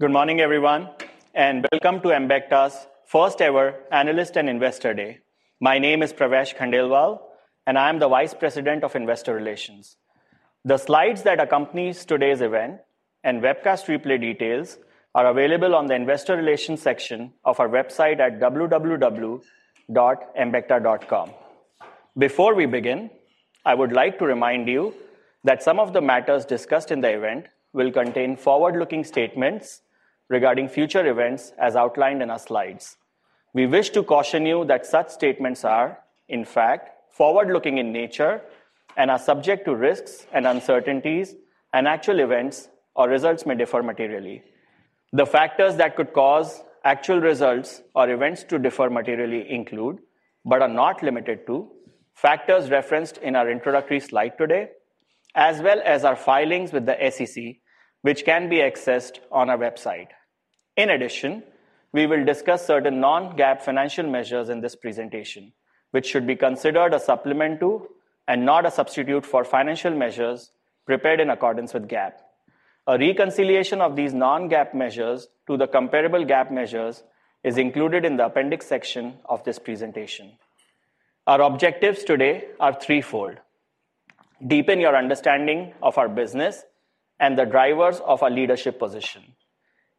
Good morning, everyone, and welcome to Embecta's first-ever Analyst and Investor Day. My name is Pravesh Khandelwal, and I am the Vice President of Investor Relations. The slides that accompany today's event and webcast replay details are available on the Investor Relations section of our website at www.embecta.com. Before we begin, I would like to remind you that some of the matters discussed in the event will contain forward-looking statements regarding future events as outlined in our slides. We wish to caution you that such statements are, in fact, forward-looking in nature and are subject to risks and uncertainties, and actual events or results may differ materially. The factors that could cause actual results or events to differ materially include, but are not limited to, factors referenced in our introductory slide today, as well as our filings with the SEC, which can be accessed on our website. In addition, we will discuss certain non-GAAP financial measures in this presentation, which should be considered a supplement to and not a substitute for financial measures prepared in accordance with GAAP. A reconciliation of these non-GAAP measures to the comparable GAAP measures is included in the appendix section of this presentation. Our objectives today are threefold: deepen your understanding of our business and the drivers of our leadership position,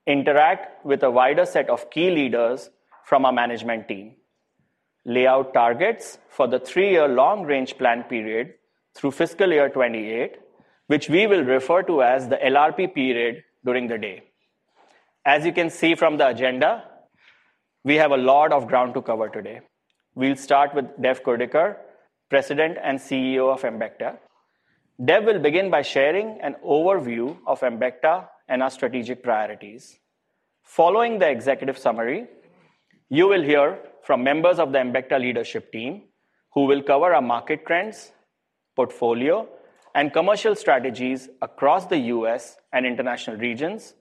interact with a wider set of key leaders from our management team, lay out targets for the three-year long-range plan period through fiscal year 2028, which we will refer to as the LRP period during the day. As you can see from the agenda, we have a lot of ground to cover today. We'll start with Dev Kurdikar, President and CEO of Embecta. Dev Kurdikar will begin by sharing an overview of Embecta and our strategic priorities. Following the executive summary, you will hear from members of the Embecta leadership team who will cover our market trends, portfolio, and commercial strategies across the U.S. and international regions,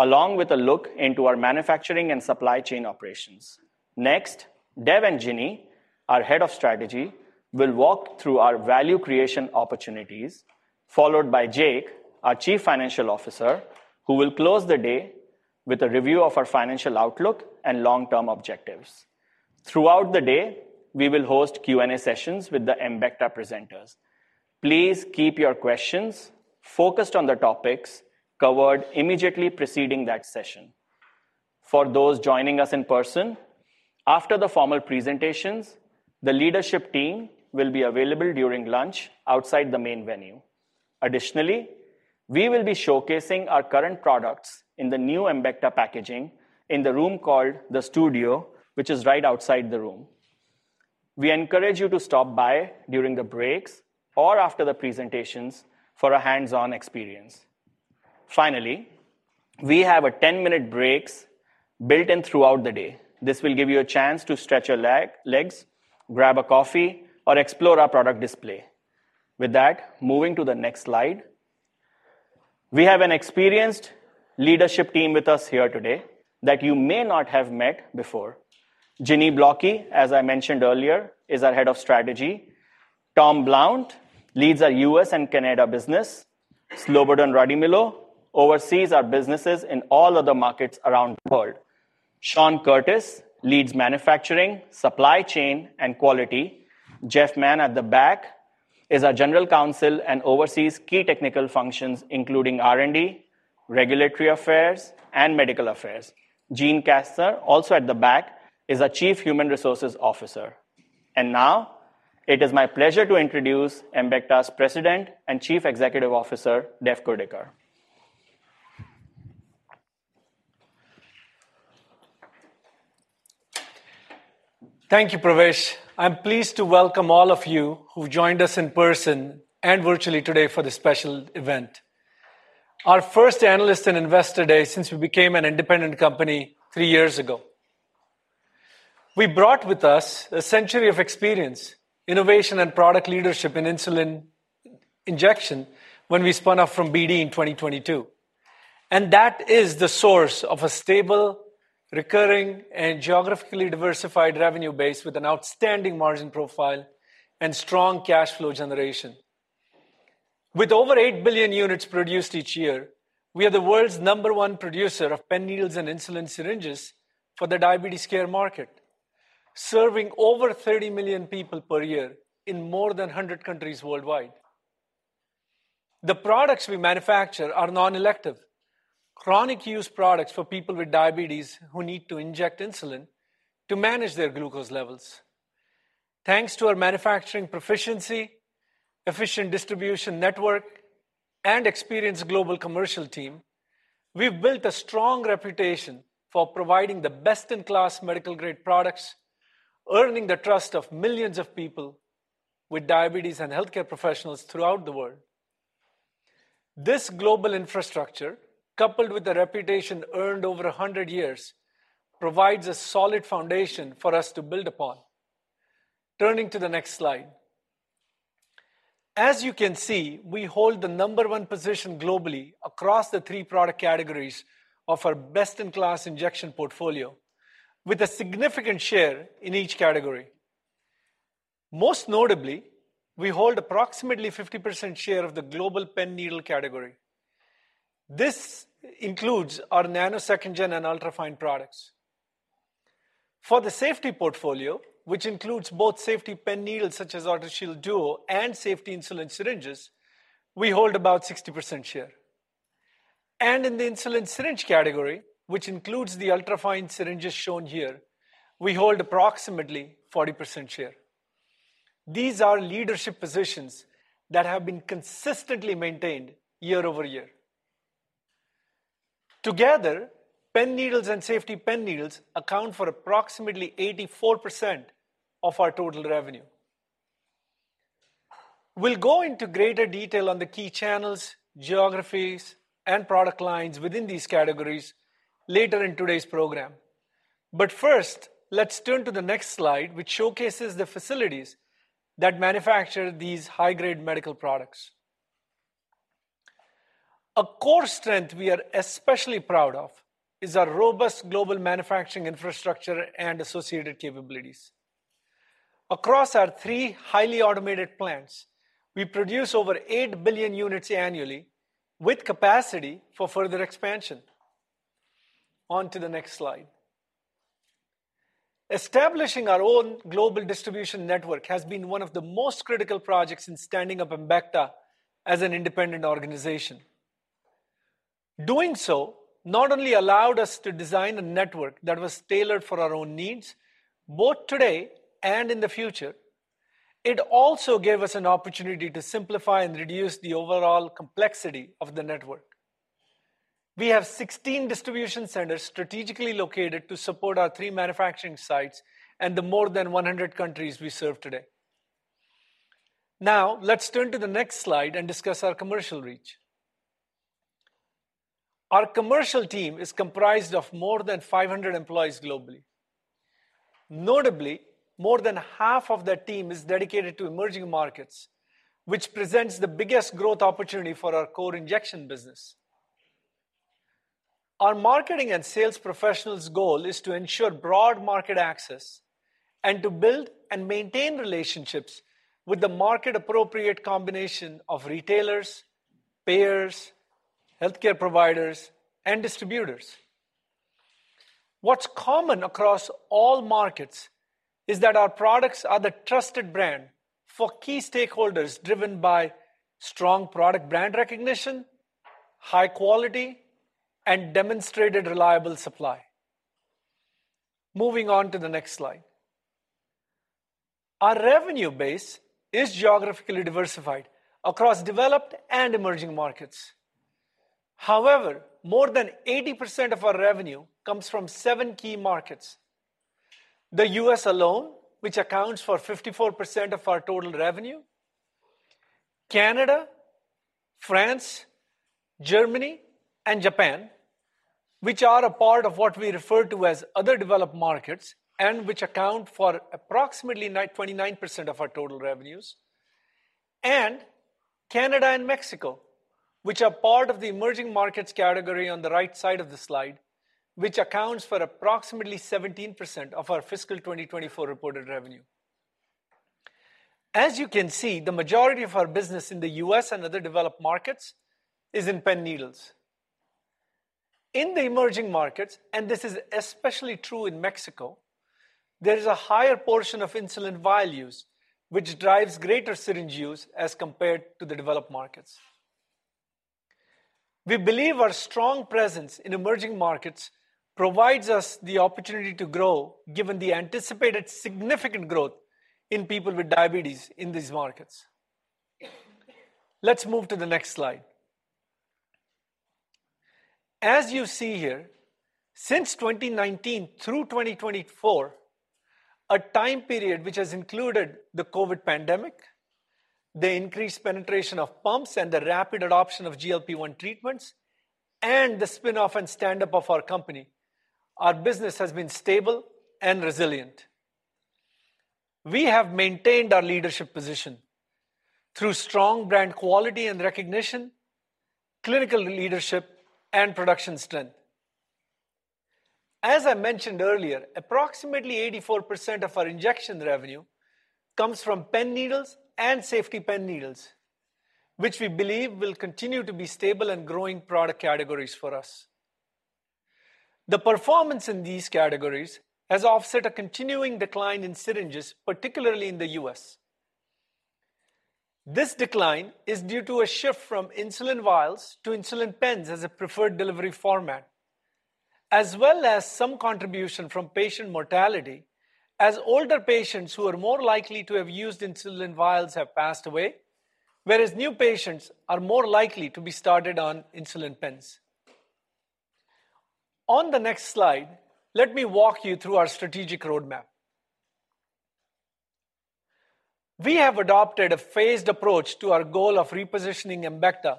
along with a look into our manufacturing and supply chain operations. Next, Dev Kurdikar and Ginny Blocki, our Head of Strategy, will walk through our value creation opportunities, followed by Jake Elguicze, our Chief Financial Officer, who will close the day with a review of our financial outlook and long-term objectives. Throughout the day, we will host Q&A sessions with the Embecta presenters. Please keep your questions focused on the topics covered immediately preceding that session. For those joining us in person, after the formal presentations, the leadership team will be available during lunch outside the main venue. Additionally, we will be showcasing our current products in the new Embecta packaging in the room called the Studio, which is right outside the room. We encourage you to stop by during the breaks or after the presentations for a hands-on experience. Finally, we have a 10-minute break built in throughout the day. This will give you a chance to stretch your legs, grab a coffee, or explore our product display. With that, moving to the next slide, we have an experienced leadership team with us here today that you may not have met before. Ginny Blocki, as I mentioned earlier, is our Head of Strategy. Tom Blount leads our U.S. and Canada business. Slobodan Radumilo oversees our businesses in all other markets around the world. Shaun Curtis leads manufacturing, supply chain, and quality. Jeff Mann at the back is our General Counsel and oversees key technical functions, including R&D, regulatory affairs, and medical affairs. Jean Casner, also at the back, is our Chief Human Resources Officer. It is my pleasure to introduce Embecta's President and Chief Executive Officer, Dev Kurdikar Kurdikar. Thank you, Pravesh Khandelwal. I'm pleased to welcome all of you who've joined us in person and virtually today for this special event, our first Analyst and Investor Day since we became an independent company three years ago. We brought with us a century of experience, innovation, and product leadership in insulin injection when we spun off from BD in 2022. That is the source of a stable, recurring, and geographically diversified revenue base with an outstanding margin profile and strong cash flow generation. With over 8 billion units produced each year, we are the world's number one producer of Pen Needles and insulin syringes for the diabetes care market, serving over 30 million people per year in more than 100 countries worldwide. The products we manufacture are non-elective, chronic use products for people with diabetes who need to inject insulin to manage their glucose levels. Thanks to our manufacturing proficiency, efficient distribution network, and experienced global commercial team, we've built a strong reputation for providing the best-in-class medical-grade products, earning the trust of millions of people with diabetes and healthcare professionals throughout the world. This global infrastructure, coupled with a reputation earned over 100 years, provides a solid foundation for us to build upon. Turning to the next slide, as you can see, we hold the number one position globally across the three product categories of our best-in-class injection portfolio, with a significant share in each category. Most notably, we hold approximately 50% share of the global pen needle category. This includes our Nano 2nd Gen and Ultra-Fine products. For the safety portfolio, which includes both Safety Pen Needles such as AutoShield Duo and safety insulin syringes, we hold about 60% share. In the insulin syringe category, which includes the Ultra-Fine syringes shown here, we hold approximately 40% share. These are leadership positions that have been consistently maintained year over year. Together, Pen Needles and Safety Pen Needles account for approximately 84% of our total revenue. We will go into greater detail on the key channels, geographies, and product lines within these categories later in today's program. First, let's turn to the next slide, which showcases the facilities that manufacture these high-grade medical products. A core strength we are especially proud of is our robust global manufacturing infrastructure and associated capabilities. Across our three highly automated plants, we produce over 8 billion units annually, with capacity for further expansion. On to the next slide. Establishing our own global distribution network has been one of the most critical projects in standing up Embecta as an independent organization. Doing so not only allowed us to design a network that was tailored for our own needs, both today and in the future, it also gave us an opportunity to simplify and reduce the overall complexity of the network. We have 16 distribution centers strategically located to support our three manufacturing sites and the more than 100 countries we serve today. Now, let's turn to the next slide and discuss our commercial reach. Our commercial team is comprised of more than 500 employees globally. Notably, more than half of that team is dedicated to emerging markets, which presents the biggest growth opportunity for our core injection business. Our marketing and sales professionals' goal is to ensure broad market access and to build and maintain relationships with the market-appropriate combination of retailers, payers, healthcare providers, and distributors. What's common across all markets is that our products are the trusted brand for key stakeholders driven by strong product brand recognition, high quality, and demonstrated reliable supply. Moving on to the next slide. Our revenue base is geographically diversified across developed and emerging markets. However, more than 80% of our revenue comes from seven key markets: the U.S. alone, which accounts for 54% of our total revenue; Canada, France, Germany, and Japan, which are a part of what we refer to as developed markets and which account for approximately 29% of our total revenues; and Canada and Mexico, which are part of the emerging markets category on the right side of the slide, which accounts for approximately 17% of our fiscal 2024 reported revenue. As you can see, the majority of our business in the U.S. and developed markets is in Pen Needles. In the emerging markets, and this is especially true in Mexico, there is a higher portion of insulin vial use, which drives greater syringe use as compared to developed markets. We believe our strong presence in emerging markets provides us the opportunity to grow, given the anticipated significant growth in people with diabetes in these markets. Let's move to the next slide. As you see here, since 2019 through 2024, a time period which has included the COVID pandemic, the increased penetration of pumps, and the rapid adoption of GLP-1 treatments, and the spinoff and standup of our company, our business has been stable and resilient. We have maintained our leadership position through strong brand quality and recognition, clinical leadership, and production strength. -As I mentioned earlier, approximately 84% of our injection revenue comes from Pen Needles and Safety Pen Needles, which we believe will continue to be stable and growing product categories for us. The performance in these categories has offset a continuing decline in syringes, particularly in the U.S. This decline is due to a shift from insulin vials to insulin pens as a preferred delivery format, as well as some contribution from patient mortality, as older patients who are more likely to have used insulin vials have passed away, whereas new patients are more likely to be started on insulin pens. On the next slide, let me walk you through our strategic roadmap. We have adopted a phased approach to our goal of repositioning Embecta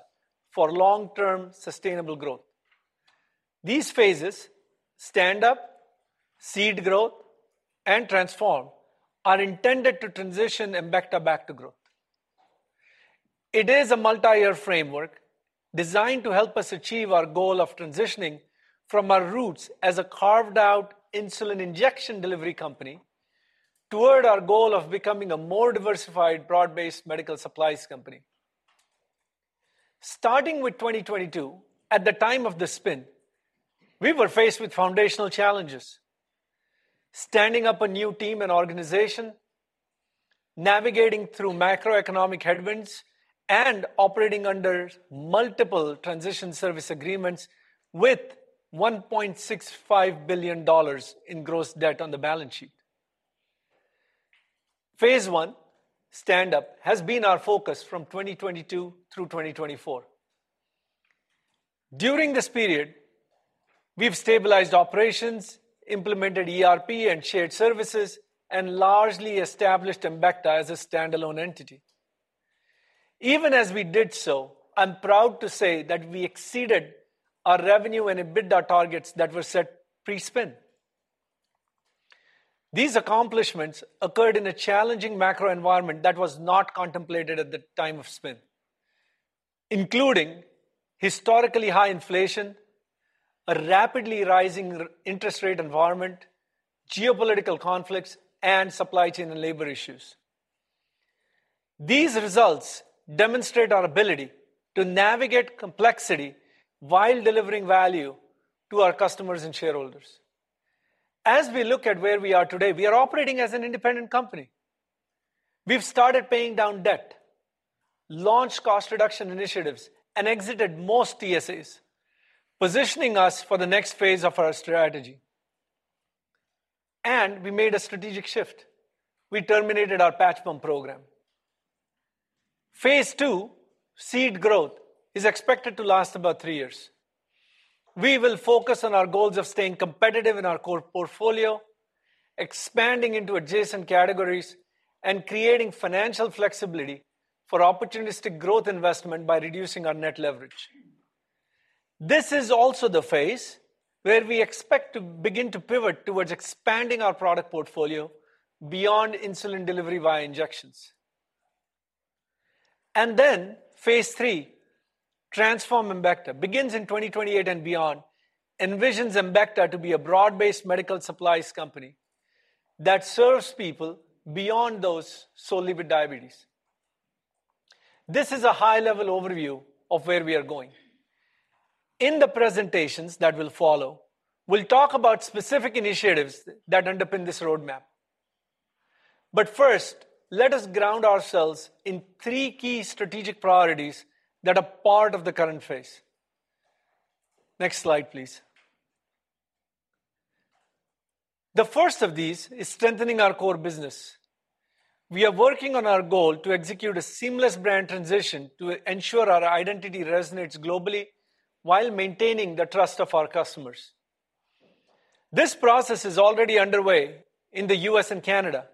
for long-term sustainable growth. These phases, standup, seed growth, and transform, are intended to transition Embecta back to growth. It is a multi-year framework designed to help us achieve our goal of transitioning from our roots as a carved-out insulin injection delivery company toward our goal of becoming a more diversified, broad-based medical supplies company. Starting with 2022, at the time of the spin, we were faced with foundational challenges: standing up a new team and organization, navigating through macroeconomic headwinds, and operating under multiple transition service agreements with $1.65 billion in gross debt on the balance sheet. Phase I, standup, has been our focus from 2022 through 2024. During this period, we've stabilized operations, implemented ERP and shared services, and largely established Embecta as a standalone eity. Even as we did so, I'm proud to say that we exceeded our revenue and EBITDA targets that were set pre-spin. These accomplishments occurred in a challenging macro environment that was not contemplated at the time of spin, including historically high inflation, a rapidly rising interest rate environment, geopolitical conflicts, and supply chain and labor issues. These results demonstrate our ability to navigate complexity while delivering value to customers and shareholders. As we look at where we are today, we are operating as an independent company. We have started paying down debt, launched cost reduction initiatives, and exited most TSAs, positioning us for the next phase of our strategy. We made a strategic shift. We terminated our patch pump program. phase II, seed growth, is expected to last about three years. We will focus on our goals of staying competitive in our core portfolio, expanding into adjacent categories, and creating financial flexibility for opportunistic growth investment by reducing our net leverage. This is also the phase where we expect to begin to pivot towards expanding our product portfolio beyond insulin delivery via injections. Phase III, transform Embecta, begins in 2028 and beyond, envisions Embecta to be a broad-based medical supplies company that serves people beyond those solely with diabetes. This is a high-level overview of where we are going. In the presentations that will follow, we'll talk about specific initiatives that underpin this roadmap. First, let us ground ourselves in three key strategic priorities that are part of the current phase. Next slide, please. The first of these is strengthening our core business. We are working on our goal to execute a seamless brand transition to ensure our identity resonates globally while maintaining the trust of our customers. This process is already underway in the U.S. and Canada,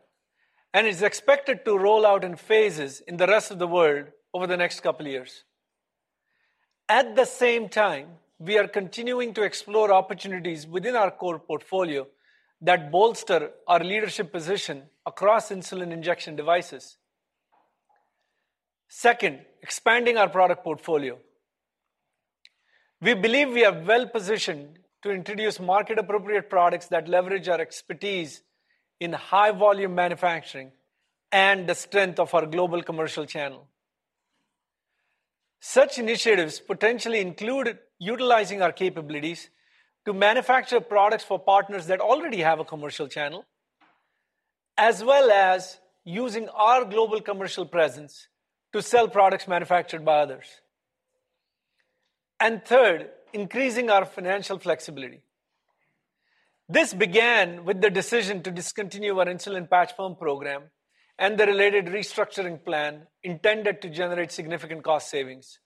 and it's expected to roll out in phases in the rest of the world over the next couple of years. At the same time, we are continuing to explore opportunities within our core portfolio that bolster our leadership position across insulin devices. Second, expanding our product portfolio. We believe we are well positioned to introduce market-appropriate products that leverage our expertise in high-volume manufacturing and the strength of our global commercial channel. Such initiatives potentially include utilizing our capabilities to manufacture products for partners that already have a commercial channel, as well as using our global commercial presence to sell products manufactured by others. Third, increasing our financial flexibility. This began with the decision to discontinue our insulin patch pump program and the related restructuring plan intended to generate significant cost savings.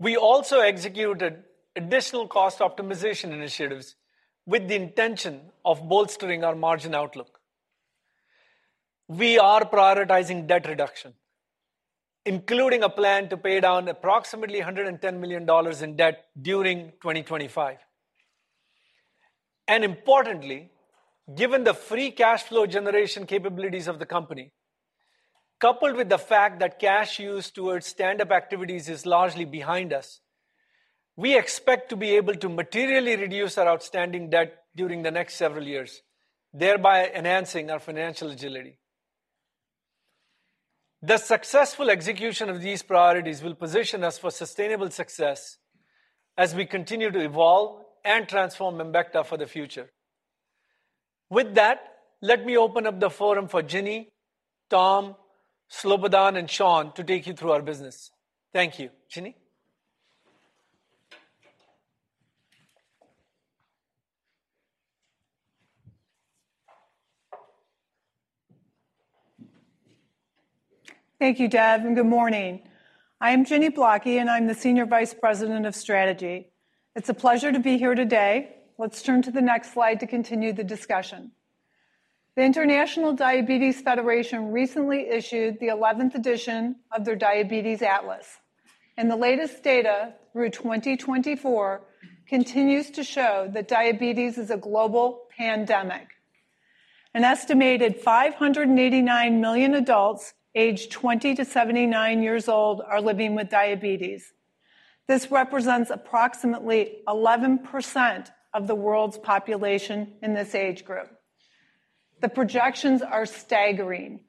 We also executed additional cost optimization initiatives with the intention of bolstering our margin outlook. We are prioritizing debt reduction, including a plan to pay down approximately $110 million in debt during 2025. Importantly, given the free cash flow generation capabilities of the company, coupled with the fact that cash used towards standup activities is largely behind us, we expect to be able to materially reduce our outstanding debt during the next several years, thereby enhancing our financial agility. The successful execution of these priorities will position us for sustainable success as we continue to evolve and transform Embecta for the future. With that, let me open up the forum for Ginny Blocki, Tom Blount, Slobodan Radumilo, and Shaun Curtis to take you through our business. Thank you, Ginny Blocki. Thank you, Dev Kurdikar. Good morning. I am Ginny Block, and I'm the Senior Vice President of Strategy. It's a pleasure to be here today. Let's turn to the next slide to continue the discussion. The International Diabetes Federation recently issued the 11th edition of their Diabetes Atlas, and the latest data through 2024 continues to show that diabetes is a global pandemic. An estimated 589 million adults aged 20 years-79 years old are living with diabetes. This represents approximately 11% of the world's population in this age group. The projections are staggering.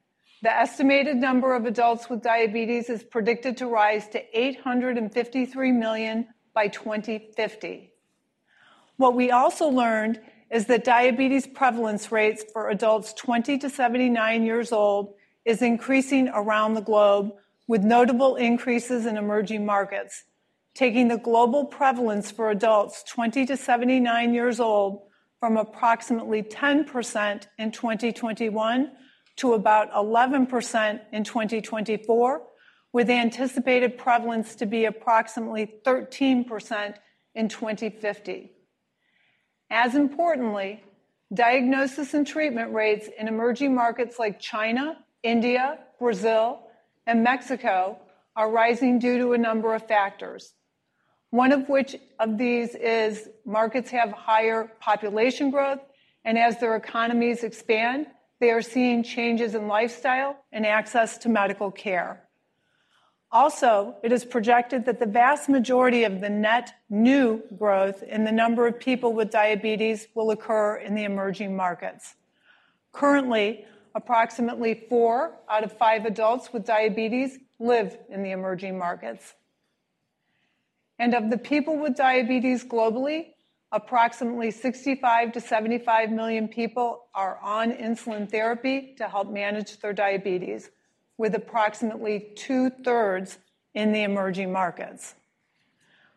The estimated number of adults with diabetes is predicted to rise to 853 million by 2050. What we also learned is that diabetes prevalence rates for adults 20 years-79 years old are increasing around the globe with notable increases in emerging markets, taking the global prevalence for adults 20 years-79 years old from approximately 10% in 2021 to about 11% in 2024, with the anticipated prevalence to be approximately 13% in 2050. As importantly, diagnosis and treatment rates in emerging markets like China, India, Brazil, and Mexico are rising due to a number of factors. One of which of these is markets have higher population growth, and as their economies expand, they are seeing changes in lifestyle and access to medical care. Also, it is projected that the vast majority of the net new growth in the number of people with diabetes will occur in the emerging markets. Currently, approximately four out of five adults with diabetes live in the emerging markets. Of the people with diabetes globally, approximately 65 million-75 million people are on insulin therapy to help manage their diabetes, with approximately 2/3 in the emerging markets.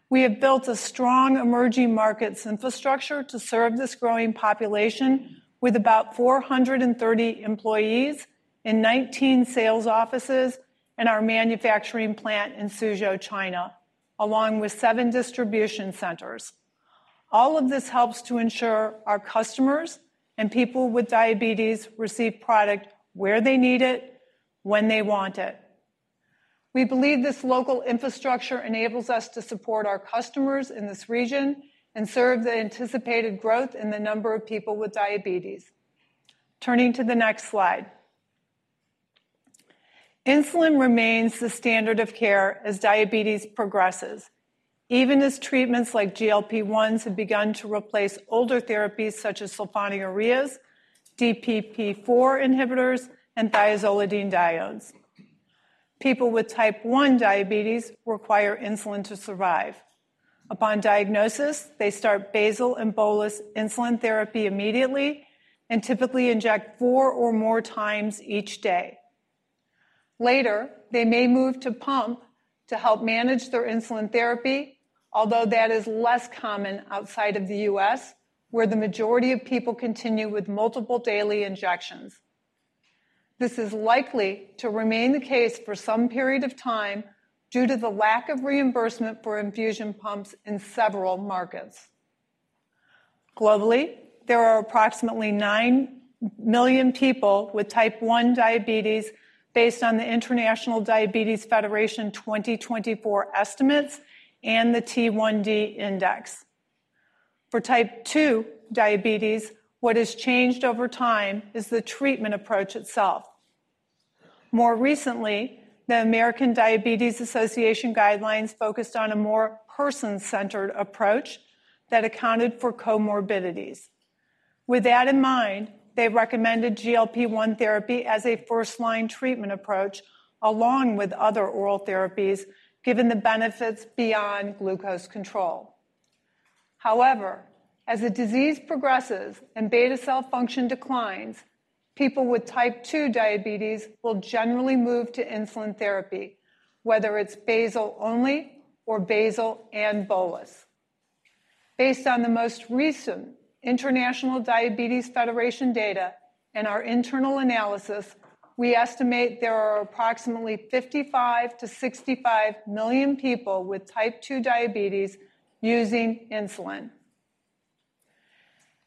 We have built a strong emerging markets infrastructure to serve this growing population with about 430 employees in 19 sales offices and our manufacturing plant in Suzhou, China, along with seven distribution centers. All of this helps to ensure customers and people with diabetes receive product where they need it, when they want it. We believe this local infrastructure enables us to support customers in this region and serve the anticipated growth in the number of people with diabetes. Turning to the next slide. Insulin remains the standard of care as diabetes progresses, even as treatments like GLP-1s have begun to replace older therapies such as sulfonylureas, DPP-4 inhibitors, and thiazolidinediones. People with type 1 diabetes require insulin to survive. Upon diagnosis, they start basal and bolus insulin therapy immediately and typically inject four or more times each day. Later, they may move to pump to help manage their insulin therapy, although that is less common outside of the U.S., where the majority of people continue with multiple daily injections. This is likely to remain the case for some period of time due to the lack of reimbursement for infusion pumps in several markets. Globally, there are approximately 9 million people with type 1 diabetes based on the International Diabetes Federation 2024 estimates and the T1D index. For type 2 diabetes, what has changed over time is the treatment approach itself. More recently, the American Diabetes Association guidelines focused on a more person-centered approach that accounted for comorbidities. With that in mind, they recommended GLP-1 therapy as a first-line treatment approach along with other oral therapies, given the benefits beyond glucose control. However, as the disease progresses and beta cell function declines, people with type 2 diabetes will generally move to insulin therapy, whether it's basal only or basal and bolus. Based on the most recent International Diabetes Federation data and our internal analysis, we estimate there are approximately 55 million-65 million people with type 2 diabetes using insulin.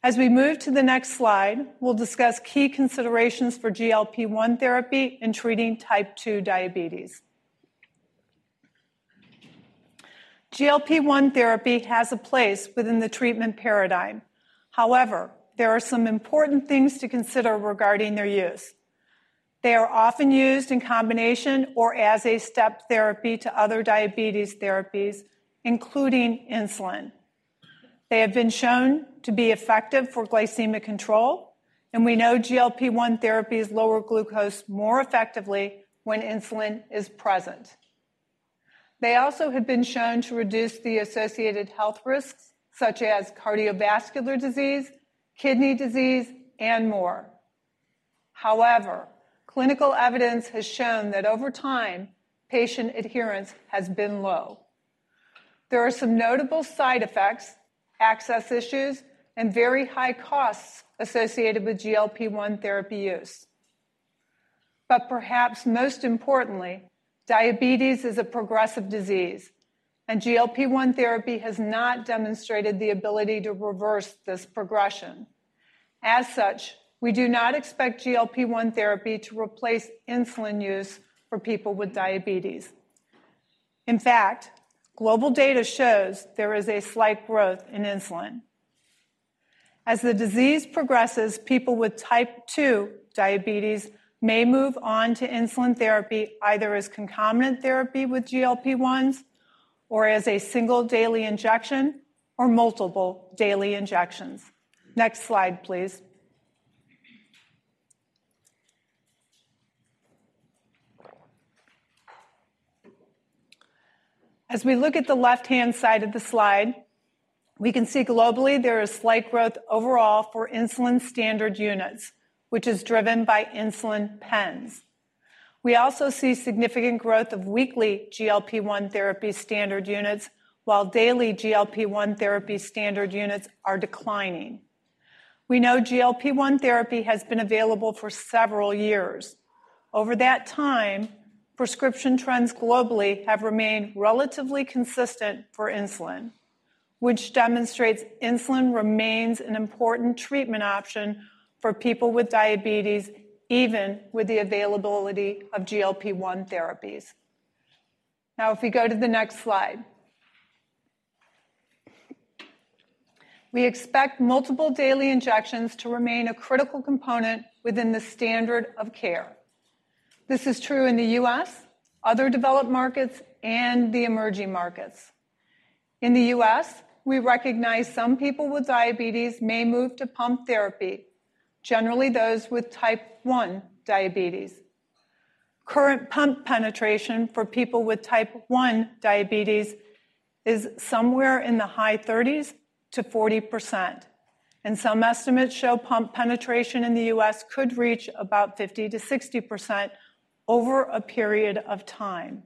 As we move to the next slide, we'll discuss key considerations for GLP-1 therapy in treating type 2 diabetes. GLP-1 therapy has a place within the treatment paradigm. However, there are some important things to consider regarding their use. They are often used in combination or as a step therapy to other diabetes therapies, including insulin. They have been shown to be effective for glycemic control, and we know GLP-1 therapies lower glucose more effectively when insulin is present. They also have been shown to reduce the associated health risks, such as cardiovascular disease, kidney disease, and more. However, clinical evidence has shown that over time, patient adherence has been low. There are some notable side effects, access issues, and very high costs associated with GLP-1 therapy use. Perhaps most importantly, diabetes is a progressive disease, and GLP-1 therapy has not demonstrated the ability to reverse this progression. As such, we do not expect GLP-1 therapy to replace insulin use for people with diabetes. In fact, global data shows there is a slight growth in insulin. As the disease progresses, people with type 2 diabetes may move on to insulin therapy either as concomitant therapy with GLP-1s or as a single daily injection or multiple daily injections. Next slide, please. As we look at the left-hand side of the slide, we can see globally there is slight growth overall for insulin standard units, which is driven by insulin pens. We also see significant growth of weekly GLP-1 therapy standard units, while daily GLP-1 therapy standard units are declining. We know GLP-1 therapy has been available for several years. Over that time, prescription trends globally have remained relatively consistent for insulin, which demonstrates insulin remains an important treatment option for people with diabetes, even with the availability of GLP-1 therapies. Now, if we go to the next slide, we expect multiple daily injections to remain a critical component within the standard of care. This is true in the U.S., developed markets, and the emerging markets. In the U.S., we recognize some people with diabetes may move to pump therapy, generally those with type 1 diabetes. Current pump penetration for people with type 1 diabetes is somewhere in the high 30%-40%, and some estimates show pump penetration in the U.S. could reach about 50%-60% over a period of time.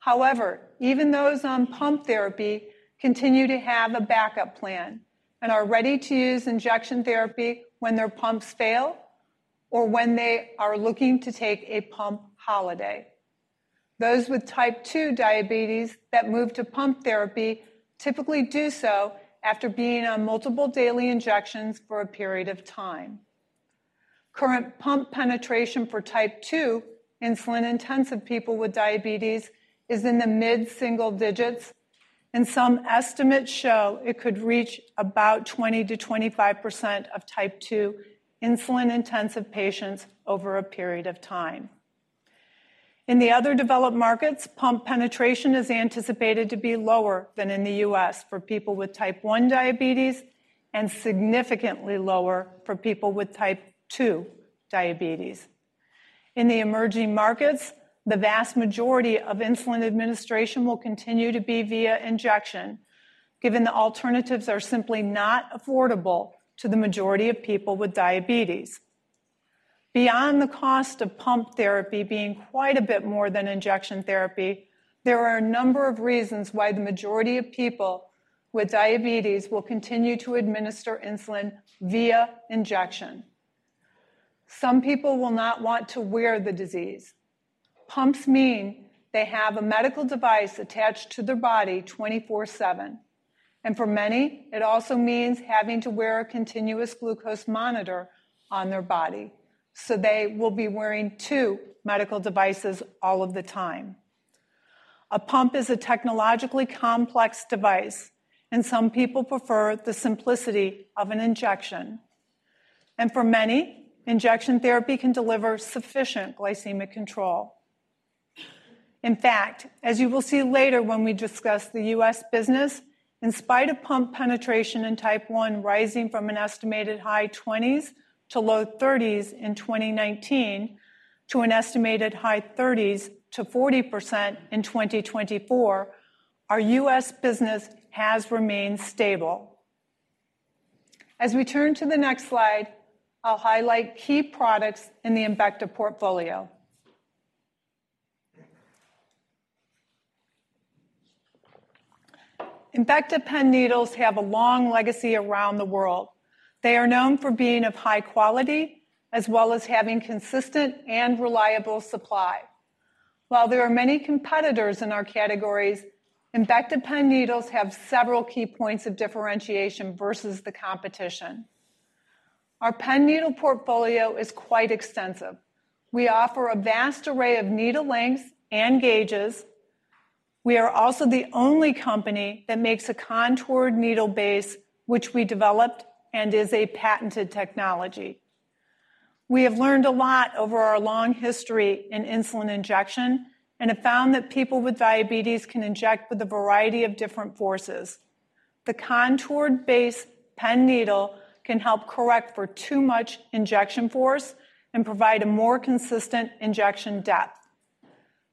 However, even those on pump therapy continue to have a backup plan and are ready to use injection therapy when their pumps fail or when they are looking to take a pump holiday. Those with type 2 diabetes that move to pump therapy typically do so after being on multiple daily injections for a period of time. Current pump penetration for type 2 insulin-intensive people with diabetes is in the mid-single digits, and some estimates show it could reach about 20%-25% of type 2 insulin-intensive patients over a period of time. In the developed markets, pump penetration is anticipated to be lower than in the U.S. for people with type 1 diabetes and significantly lower for people with type 2 diabetes. In the emerging markets, the vast majority of insulin administration will continue to be via injection, given the alternatives are simply not affordable to the majority of people with diabetes. Beyond the cost of pump therapy being quite a bit more than injection therapy, there are a number of reasons why the majority of people with diabetes will continue to administer insulin via injection. Some people will not want to wear the disease. Pumps mean they have a device attached to their body 24/7. For many, it also means having to wear a continuous glucose monitor on their body, so they will be wearing two devices all of the time. A pump is a technologically device, and some people prefer the simplicity of an injection. For many, injection therapy can deliver sufficient glycemic control. In fact, as you will see later when we discuss the U.S. business, in spite of pump penetration in type 1 rising from an estimated high 20%-30% in 2019 to an estimated high 30%-40% in 2024, our U.S. business has remained stable. As we turn to the next slide, I'll highlight key products in the Embecta portfolio. Embecta Pen Needles have a long legacy around the world. They are known for being of high quality as well as having consistent and reliable supply. While there are many competitors in our categories, Embecta Pen Needles have several key points of differentiation versus the competition. Our pen needle portfolio is quite extensive. We offer a vast array of needle lengths and gauges. We are also the only company that makes a contoured needle base, which developed and is a patented technology. We have learned a lot over our long history in insulin injection and have found that people with diabetes can inject with a variety of different forces. The contoured base pen needle can help correct for too much injection force and provide a more consistent injection depth.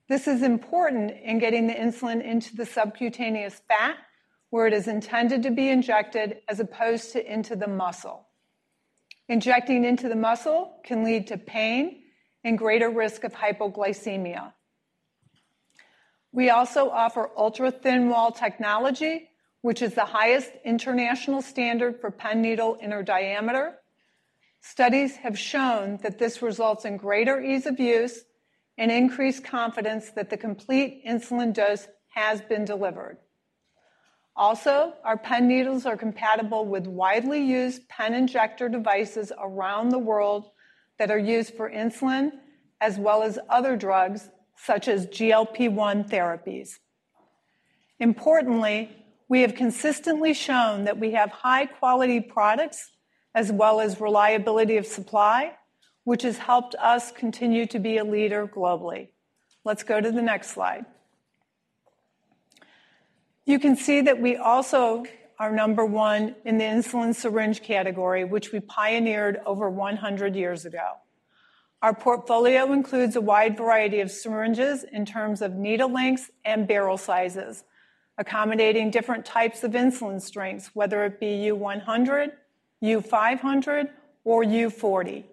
This is important in getting the insulin into the subcutaneous fat where it is intended to be injected as opposed to into the muscle. Injecting into the muscle can lead to pain and greater risk of hypoglycemia. We also offer ultra-thin wall technology, which is the highest international standard for pen needle inner diameter. Studies have shown that this results in greater ease of use and increased confidence that the complete insulin dose has been delivered. Also, our Pen Needles are compatible with widely used pen devices around the world that are used for insulin, as well as other drugs such as GLP-1 therapies. Importantly, we have consistently shown that we have high-quality products as well as reliability of supply, which has helped us continue to be a leader globally. Let's go to the next slide. You can see that we also are number one in the insulin syringe category, which we pioneered over 100 years ago. Our portfolio includes a wide variety of syringes in terms of needle lengths and barrel sizes, accommodating different types of insulin strengths, whether it be U-100, U-500, or U-40.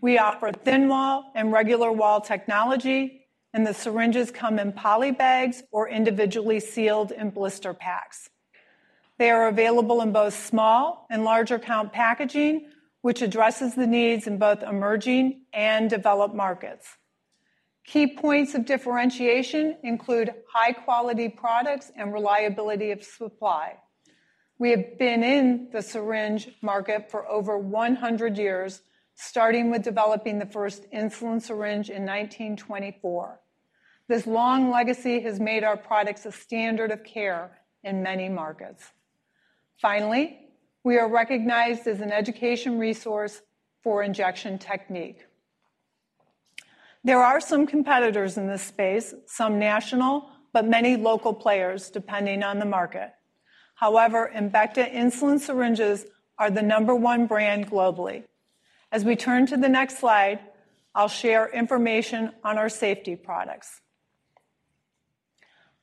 We offer thin wall and regular wall technology, and the syringes come in poly bags or individually sealed in blister packs. They are available in both small and larger count packaging, which addresses the needs in both emerging developed markets. Key points of differentiation include high-quality products and reliability of supply. We have been in the syringe market for over 100 years, startingdeveloping the first insulin syringe in 1924. This long legacy has made our products a standard of care in many markets. Finally, we are recognized as an education resource for injection technique. There are some competitors in this space, some national, but many local players depending on the market. However, Embecta insulin syringes are the number one brand globally. As we turn to the next slide, I'll share information on our safety products.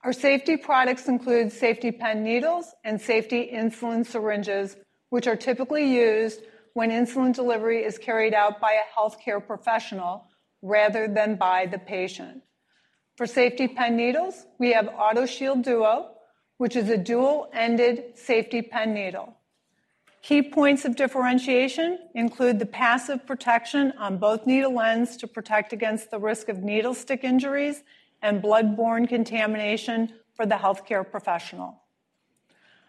Our safety products include Safety Pen Needles and safety insulin syringes, which are typically used when insulin delivery is carried out by a healthcare professional rather than by the patient. For Safety Pen Needles, we have AutoShield Duo, which is a dual-ended Safety Pen Needle. Key points of differentiation include the passive protection on both needle ends to protect against the risk of needle stick injuries and blood-borne contamination for the healthcare professional.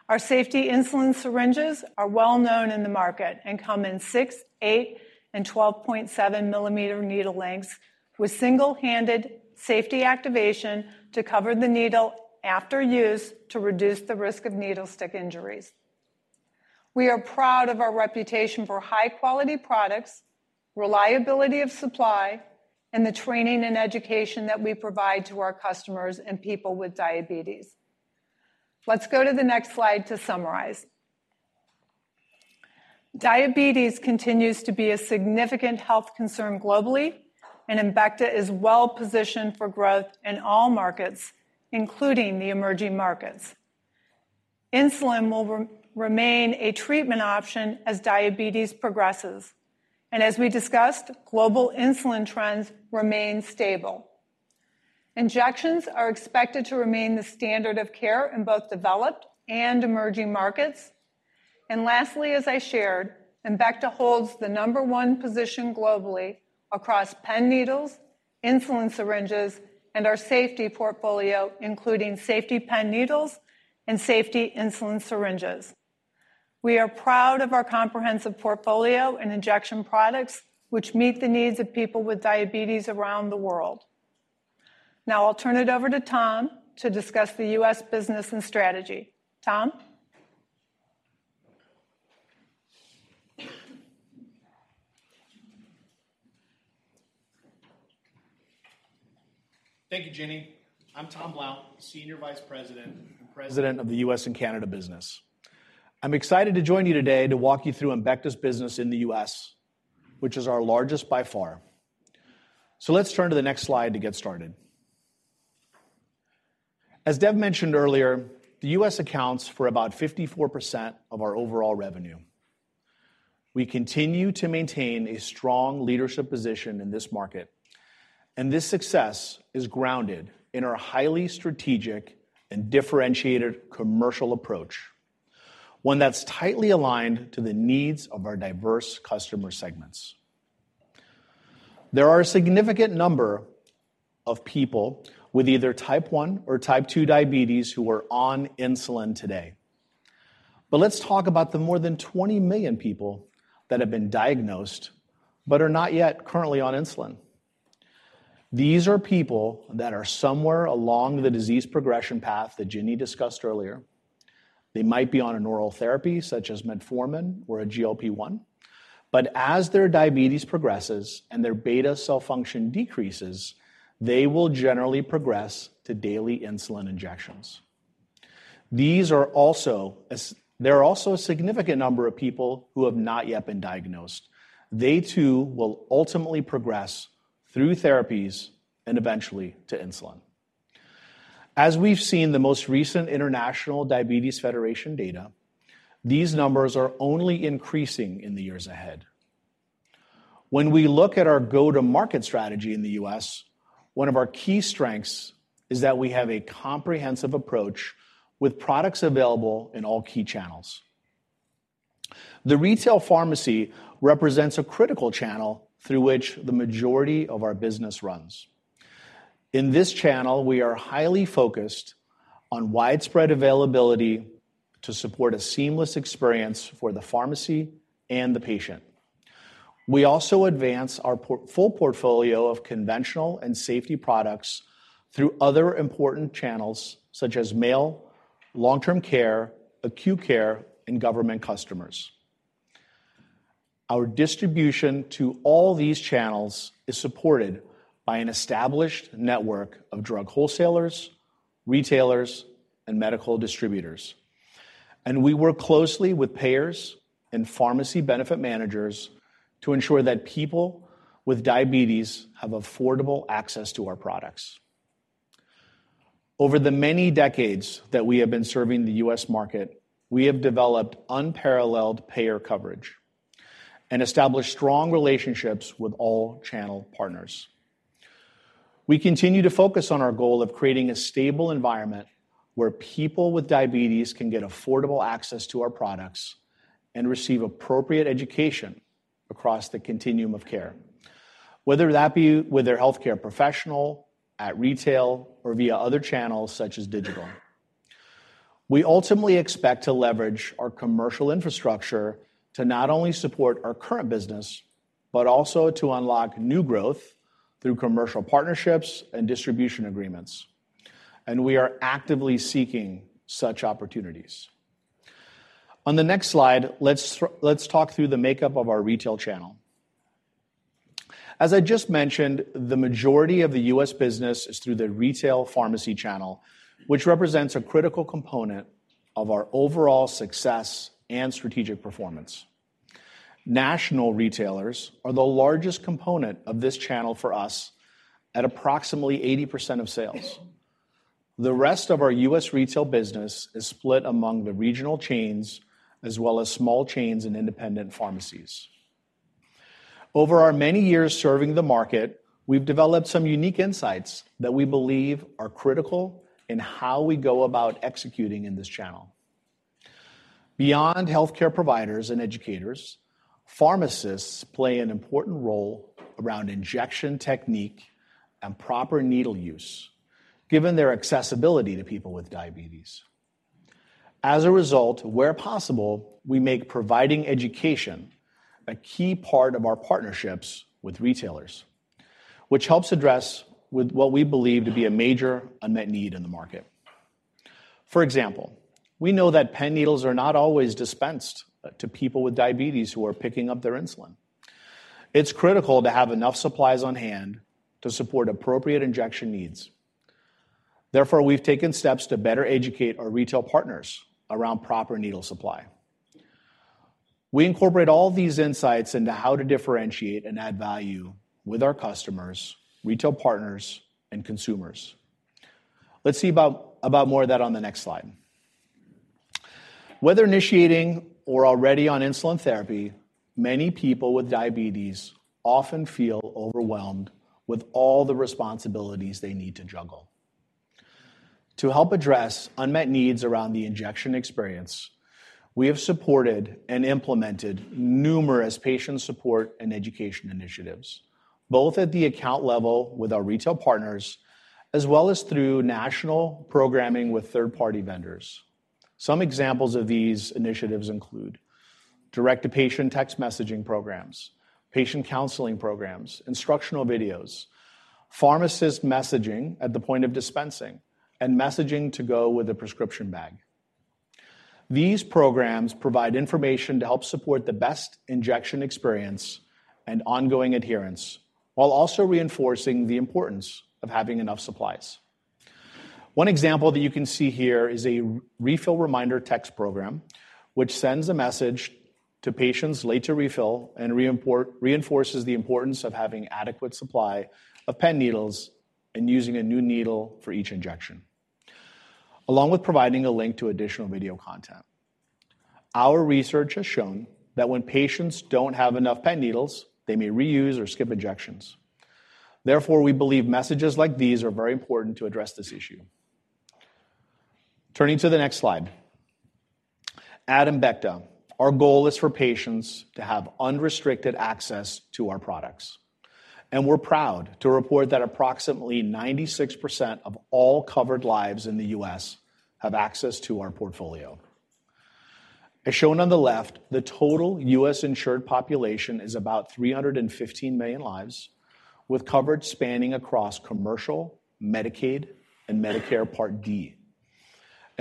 Our safety insulin syringes are well known in the market and come in 6 mm, 8 mm, and 12.7 mm needle lengths with single-handed safety activation to cover the needle after use to reduce the risk of needle stick injuries. We are proud of our reputation for high-quality products, reliability of supply, and the training and education that we provide to customers and people with diabetes. Let's go to the next slide to summarize. Diabetes continues to be a significant health concern globally, and Embecta is well positioned for growth in all markets, including the emerging markets. Insulin will remain a treatment option as diabetes progresses. As we discussed, global insulin trends remain stable. Injections are expected to remain the standard of care in developed and emerging markets. Lastly, as I shared, Embecta holds the number one position globally across Pen Needles, insulin syringes, and our safety portfolio, including Safety Pen Needles and safety insulin syringes. We are proud of our comprehensive portfolio and injection products, which meet the needs of people with diabetes around the world. Now I'll turn it over to Tom Blount to discuss the U.S. business and strategy. Tom Blount. Thank you, Ginny Blocki. I'm Tom Blount Brown, Senior Vice President and President of the U.S. and Canada business. I'm excited to join you today to walk you through Embecta's business in the U.S., which is our largest by far. Let's turn to the next slide to get started. As Dev Kurdikar mentioned earlier, the U.S. accounts for about 54% of our overall revenue. We continue to maintain a strong leadership position in this market, and this success is grounded in our highly strategic and differentiated commercial approach, one that's tightly aligned to the needs of our customers segments. There are a significant number of people with either type 1 or type 2 diabetes who are on insulin today. Let's talk about the more than 20 million people that have been diagnosed but are not yet currently on insulin. These are people that are somewhere along the disease progression path that Ginny Blocki discussed earlier. They might be on an oral therapy such as metformin or a GLP-1, but as their diabetes progresses and their beta cell function decreases, they will generally progress to daily insulin injections. There are also a significant number of people who have not yet been diagnosed. They too will ultimately progress through therapies and eventually to insulin. As we've seen the most recent International Diabetes Federation data, these numbers are only increasing in the years ahead. When we look at our go-to-market strategy in the U.S., one of our key strengths is that we have a comprehensive approach with products available in all key channels. The retail pharmacy represents a critical channel through which the majority of our business runs. In this channel, we are highly focused on widespread availability to support a seamless experience for the pharmacy and the patient. We also advance our full portfolio of conventional and safety products through other important channels such as mail, long-term care, acute care, and customers. Our distribution to all these channels is supported by an established network of drug wholesalers, retailers, and medical distributors. We work closely with payers and pharmacy benefit managers to ensure that people with diabetes have affordable access to our products. Over the many decades that we have been serving the U.S. market, we developed unparalleled payer coverage and established strong relationships with all channel partners. We continue to focus on our goal of creating a stable environment where people with diabetes can get affordable access to our products and receive appropriate education across the continuum of care, whether that be with their healthcare professional, at retail, or via other channels such as digital. We ultimately expect to leverage our commercial infrastructure to not only support our current business, but also to unlock new growth through commercial partnerships and distribution agreements. We are actively seeking such opportunities. On the next slide, let's talk through the makeup of our retail channel. As I just mentioned, the majority of the U.S. business is through the retail pharmacy channel, which represents a critical component of our overall success and strategic performance. National retailers are the largest component of this channel for us at approximately 80% of sales. The rest of our U.S. retail business is split among the regional chains as well as small chains and independent pharmacies. Over our many years serving the market, developed some unique insights that we believe are critical in how we go about executing in this channel. Beyond healthcare providers and educators, pharmacists play an important role around injection technique and proper needle use, given their accessibility to people with diabetes. As a result, where possible, we make providing education a key part of our partnerships with retailers, which helps address what we believe to be a major unmet need in the market. For example, we know that Pen Needles are not always dispensed to people with diabetes who are picking up their insulin. It's critical to have enough supplies on hand to support appropriate injection needs. Therefore, we've taken steps to better educate our retail partners around proper needle supply. We incorporate all these insights into how to differentiate and add value with customers, retail partners, and consumers. Let's see about more of that on the next slide. Whether initiating or already on insulin therapy, many people with diabetes often feel overwhelmed with all the responsibilities they need to juggle. To help address unmet needs around the injection experience, we have supported and implemented numerous patient support and education initiatives, both at the account level with our retail partners as well as through national programming with third-party vendors. Some examples of these initiatives include direct-to-patient text messaging programs, patient counseling programs, instructional videos, pharmacist messaging at the point of dispensing, and messaging to go with a prescription bag. These programs provide information to help support the best injection experience and ongoing adherence, while also reinforcing the importance of having enough supplies. One example that you can see here is a refill reminder text program, which sends a message to patients late to refill and reinforces the importance of having adequate supply of Pen Needles and using a new needle for each injection, along with providing a link to additional video content. Our research has shown that when patients do not have enough Pen Needles, they may reuse or skip injections. Therefore, we believe messages like these are very important to address this issue. Turning to the next slide. At Embecta, our goal is for patients to have unrestricted access to our products. We are proud to report that approximately 96% of all covered lives in the U.S. have access to our portfolio. As shown on the left, the total U.S. insured population is about 315 million lives, with coverage spanning across commercial, Medicaid, and Medicare Part D.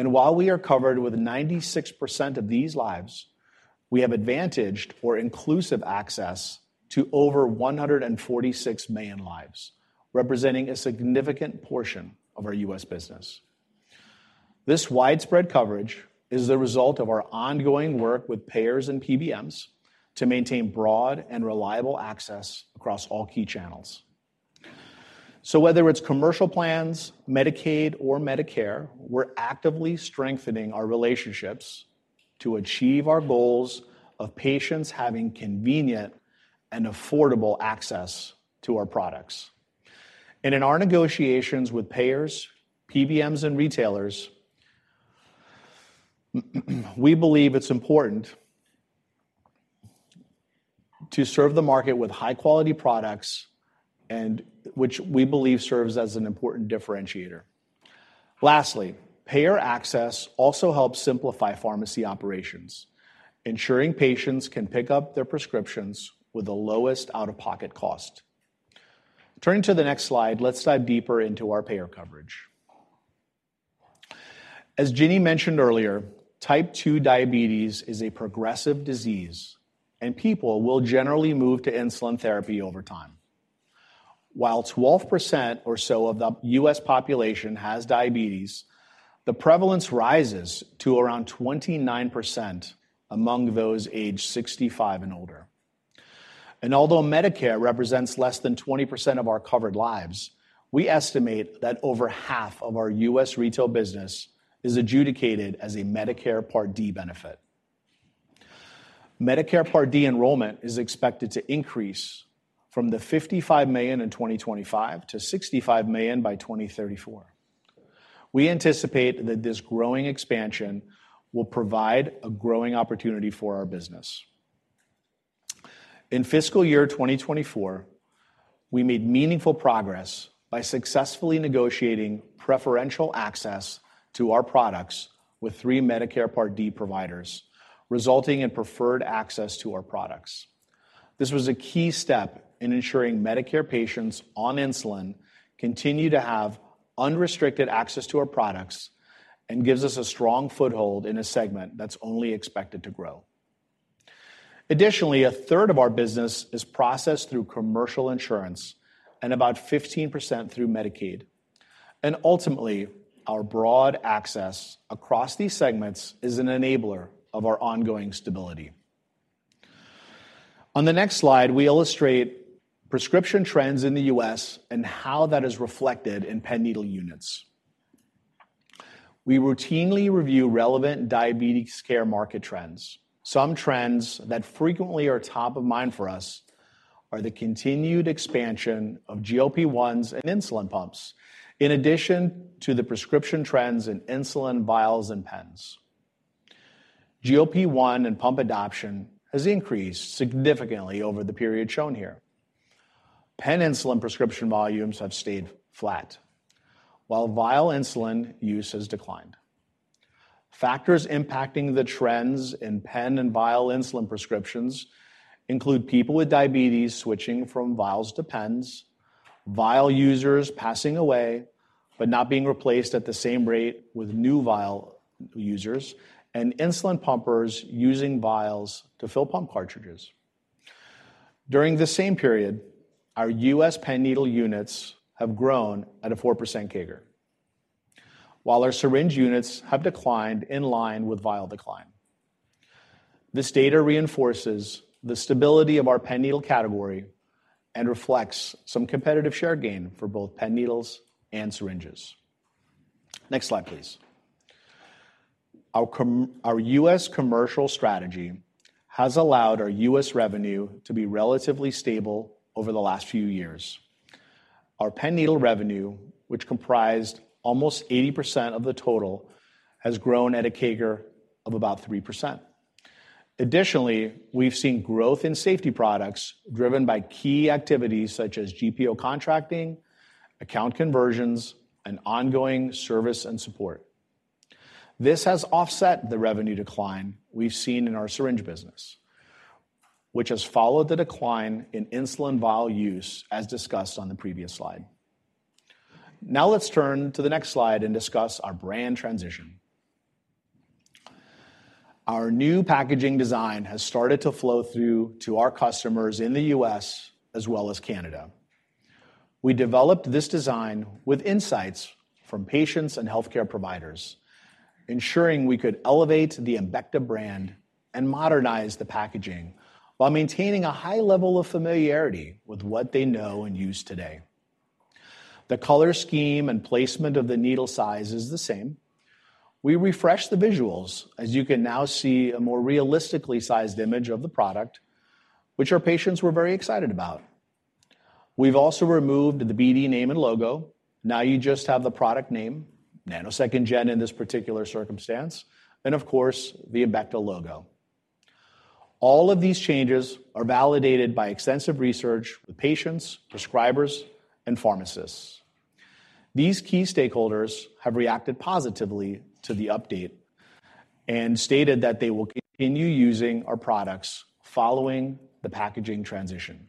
While we are covered with 96% of these lives, we have advantaged or inclusive access to over 146 million lives, representing a significant portion of our U.S. business. This widespread coverage is the result of our ongoing work with payers and PBMs to maintain broad and reliable access across all key channels. Whether it is commercial plans, Medicaid, or Medicare, we are actively strengthening our relationships to achieve our goals of patients having convenient and affordable access to our products. In our negotiations with payers, PBMs, and retailers, we believe it is important to serve the market with high-quality products, which we believe serves as an important differentiator. Lastly, payer access also helps simplify pharmacy operations, ensuring patients can pick up their prescriptions with the lowest out-of-pocket cost. Turning to the next slide, let's dive deeper into our payer coverage. As Ginny Blocki mentioned earlier, type 2 diabetes is a progressive disease, and people will generally move to insulin therapy over time. While 12% or so of the U.S. population has diabetes, the prevalence rises to around 29% among those aged 65 and older. Although Medicare represents less than 20% of our covered lives, we estimate that over half of our U.S. retail business is adjudicated as a Medicare Part D benefit. Medicare Part D enrollment is expected to increase from the 55 million in 2025 to 65 million by 2034. We anticipate that this growing expansion will provide a growing opportunity for our business. In fiscal year 2024, we made meaningful progress by successfully negotiating preferential access to our products with three Medicare Part D providers, resulting in preferred access to our products. This was a key step in ensuring Medicare patients on insulin continue to have unrestricted access to our products and gives us a strong foothold in a segment that is only expected to grow. Additionally, a third of our business is processed through commercial insurance and about 15% through Medicaid. Ultimately, our broad access across these segments is an enabler of our ongoing stability. On the next slide, we illustrate prescription trends in the U.S. and how that is reflected in pen needle units. We routinely review relevant diabetes care market trends. Some trends that frequently are top of mind for us are the continued expansion of GLP-1s and insulin pumps, in addition to the prescription trends in insulin vials and pens. GLP-1 and pump adoption has increased significantly over the period shown here. Pen insulin prescription volumes have stayed flat, while vial insulin use has declined. Factors impacting the trends in pen and vial insulin prescriptions include people with diabetes switching from vials to pens, vial users passing away but not being replaced at the same rate with new vial users, and insulin pumpers using vials to fill pump cartridges. During the same period, our U.S. pen needle units have grown at a 4% CAGR, while our syringe units have declined in line with vial decline. This data reinforces the stability of our pen needle category and reflects some competitive share gain for both Pen Needles and syringes. Next slide, please. Our U.S. commercial strategy has allowed our U.S. revenue to be relatively stable over the last few years. Our pen needle revenue, which comprised almost 80% of the total, has grown at a CAGR of about 3%. Additionally, we've seen growth in safety products driven by key activities such as GPO contracting, account conversions, and ongoing service and support. This has offset the revenue decline we've seen in our syringe business, which has followed the decline in insulin vial use as discussed on the previous slide. Now let's turn to the next slide and discuss our brand transition. Our new packaging design has started to flow through to customers in the U.S. as well as Canada. developed this design with insights from patients and healthcare providers, ensuring we could elevate the Embecta brand and modernize the packaging while maintaining a high level of familiarity with what they know and use today. The color scheme and placement of the needle size is the same. We refreshed the visuals, as you can now see a more realistically sized image of the product, which our patients were very excited about. We've also removed the BD name and logo. Now you just have the product name, Nano 2nd Gen in this particular circumstance, and of course, the Embecta logo. All of these changes are validated by extensive research with patients, prescribers, and pharmacists. These key stakeholders have reacted positively to the update and stated that they will continue using our products following the packaging transition.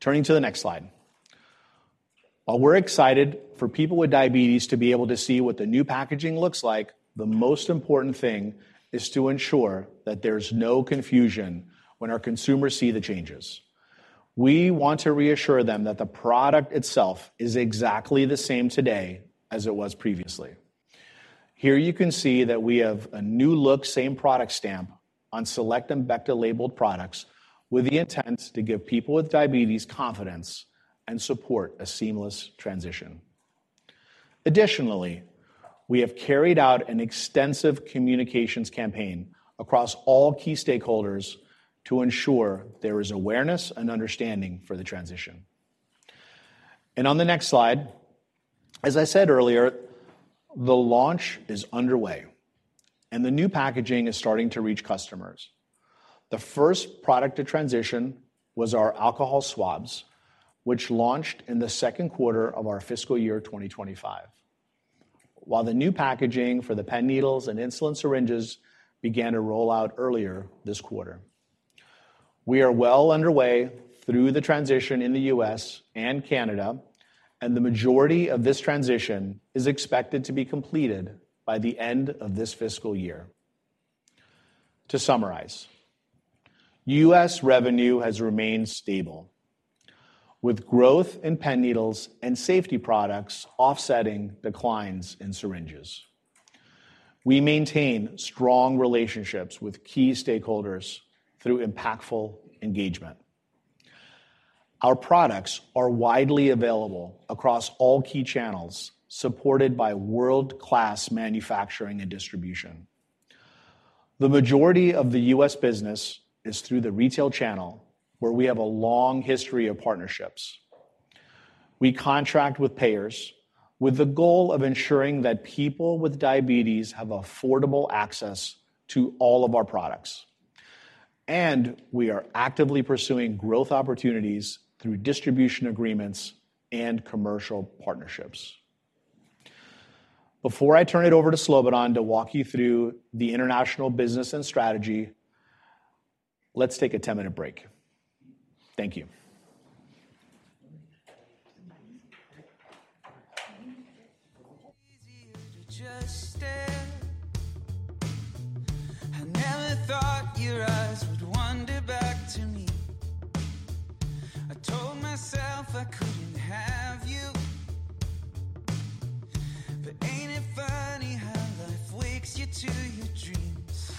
Turning to the next slide. While we're excited for people with diabetes to be able to see what the new packaging looks like, the most important thing is to ensure that there's no confusion when our consumers see the changes. We want to reassure them that the product itself is exactly the same today as it was previously. Here you can see that we have a new look, same product stamp on select Embecta-labeled products with the intent to give people with diabetes confidence and support a seamless transition. Additionally, we have carried out an extensive communications campaign across all key stakeholders to ensure there is awareness and understanding for the transition. On the next slide, as I said earlier, the launch is underway, and the new packaging is starting to reach customers. The first product to transition was our alcohol swabs, which launched in the Q2 of our fiscal year 2025, while the new packaging for the Pen Needles and insulin syringes began to roll out earlier this quarter. We are well underway through the transition in the U.S. and Canada, and the majority of this transition is expected to be completed by the end of this fiscal year. To summarize, U.S. revenue has remained stable, with growth in Pen Needles and safety products offsetting declines in syringes. We maintain strong relationships with key stakeholders through impactful engagement. Our products are widely available across all key channels, supported by world-class manufacturing and distribution. The majority of the U.S. business is through the retail channel, where we have a long history of partnerships. We contract with payers with the goal of ensuring that people with diabetes have affordable access to all of our products. We are actively pursuing growth opportunities through distribution agreements and commercial partnerships. Before I turn it over to Slobodan Radumilo to walk you through the international business and strategy, let's take a 10-minute break. Thank you. I never thought your eyes would wander back to me. I told myself I couldn't have you. Ain't it funny how life wakes you to your dreams?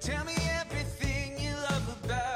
Tell me everything you love about me.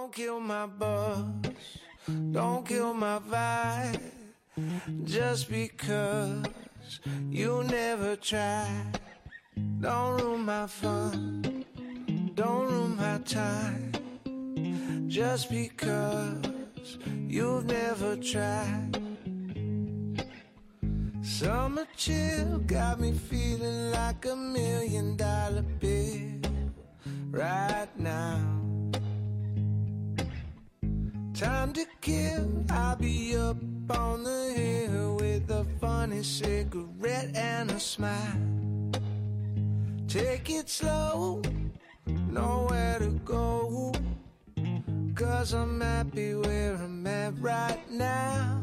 Don't kill my bugs. Don't kill my vibe. Just because you never tried. Don't ruin my fun. Don't ruin my time. Just because you've never tried. Summer chill got me feeling like a million-dollar bid right now. Time to kill. I'll be up on the hill with a funny cigarette and a smile. Take it slow. Nowhere to go. 'Cause I'm happy where I'm at right now.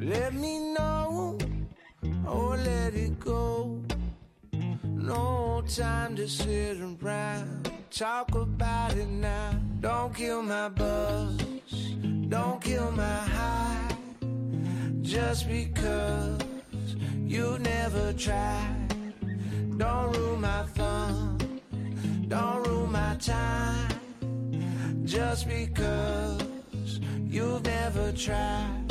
Let me know. Or let it go. No time to sit around. Talk about it now. Don't kill my bugs. Don't kill my high. Just because you've never tried. Don't ruin my fun. Don't ruin my time. Just because you've never tried.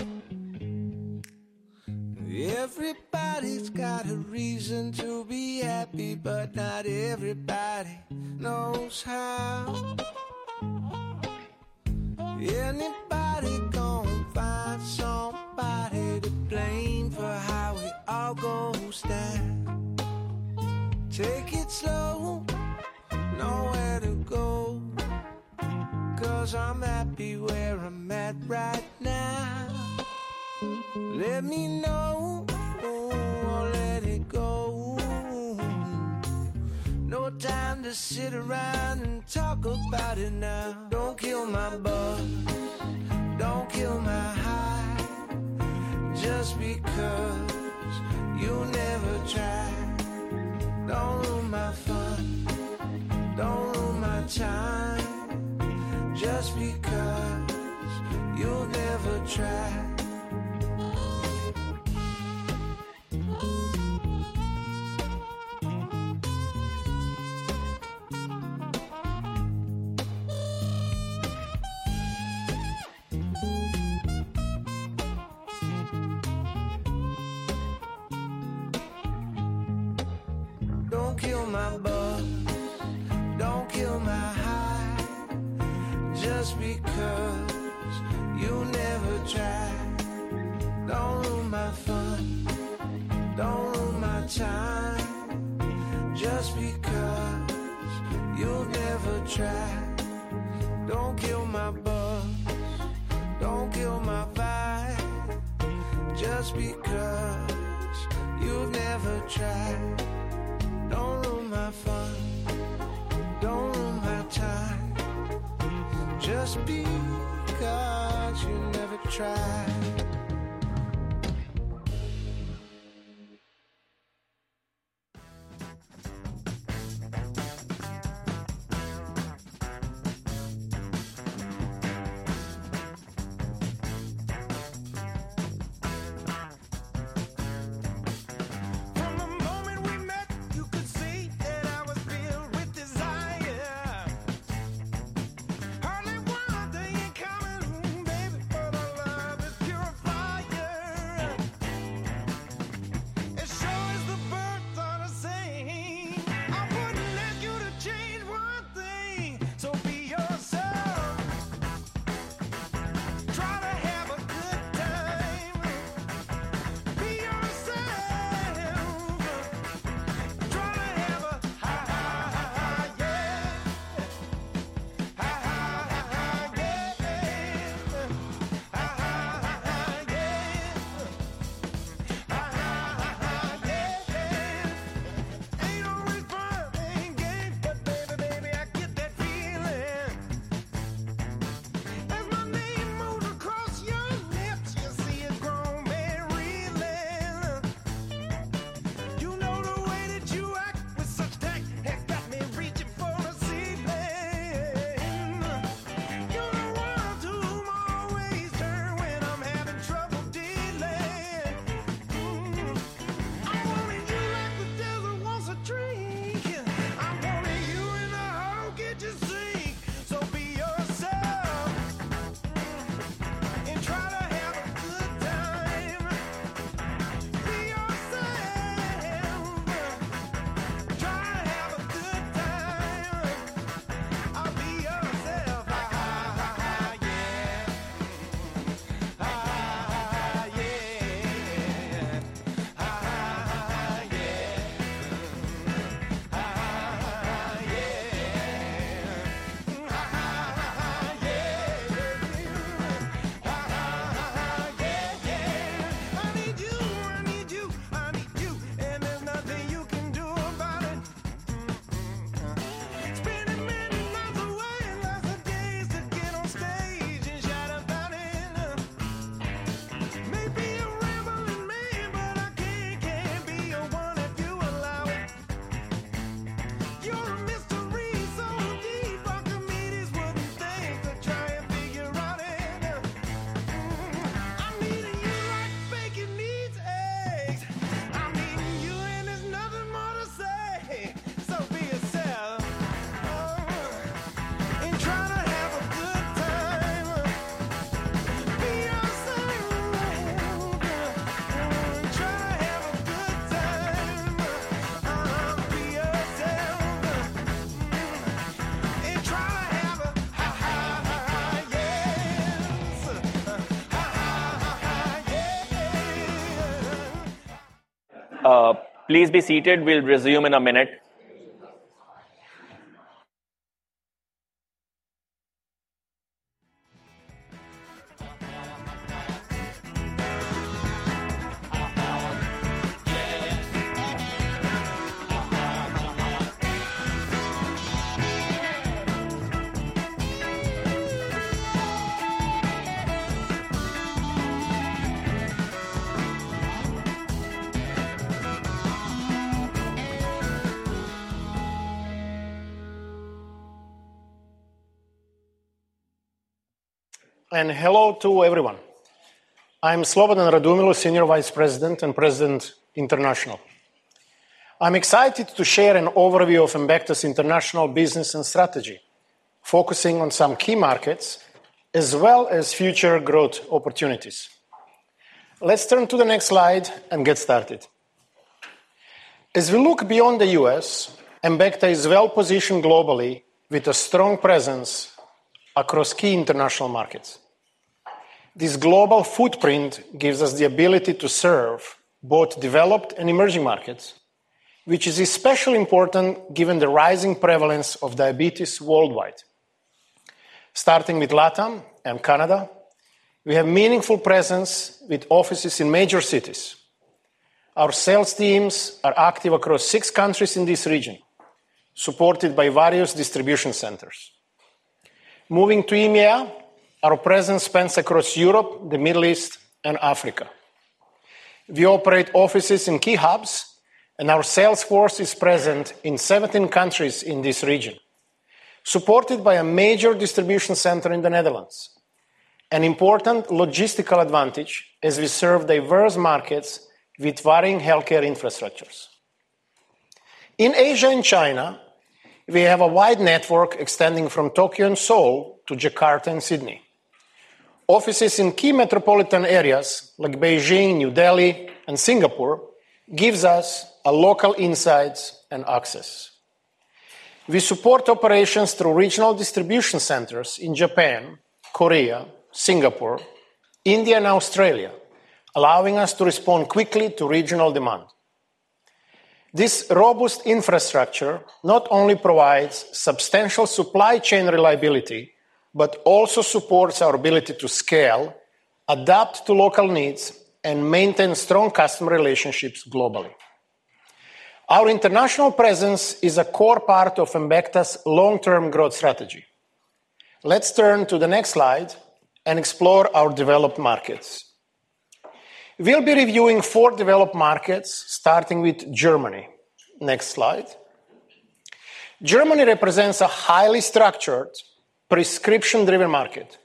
Everybody's got a reason to be happy, but not everybody knows how. Anybody gonna find somebody to blame for how it all goes down? Take it slow. Nowhere to go. 'Cause I'm happy where I'm at right now. Let me know. Or let it go. No time to sit around and talk about it now. Don't kill my bugs. Don't kill my high. Just because you never tried. Don't ruin my fun. Don't ruin my time. Just because you've never tried. Hello to everyone. I'm Slobodan Radumilo, Senior Vice President and President International. I'm excited to share an overview of Embecta's international business and strategy, focusing on some key markets as well as future growth opportunities. Let's turn to the next slide and get started. As we look beyond the U.S., Embecta is well positioned globally with a strong presence across key international markets. This global footprint gives us the ability to serve developed and emerging markets, which is especially important given the rising prevalence of diabetes worldwide. Starting with LATAM and Canada, we have a meaningful presence with offices in major cities. Our sales teams are active across six countries in this region, supported by various distribution centers. Moving to EMEA, our presence spans across Europe, the Middle East, and Africa. We operate offices in key hubs, and our sales force is present in 17 countries in this region, supported by a major distribution center in the Netherlands, an important logistical advantage as we serve diverse markets with varying healthcare infrastructures. In Asia and China, we have a wide network extending from Tokyo and Seoul to Jakarta and Sydney. Offices in key metropolitan areas like Beijing, New Delhi, and Singapore give us local insights and access. We support operations through regional distribution centers in Japan, Korea, Singapore, India, and Australia, allowing us to respond quickly to regional demand. This robust infrastructure not only provides substantial supply chain reliability, but also supports our ability to scale, adapt to local needs, and maintain customers relationships globally. Our international presence is a core part of Embecta's long-term growth strategy. Let's turn to the next slide and explore developed markets. We'll be reviewing developed markets, starting with Germany. Next slide. Germany represents a highly structured prescription-driven market,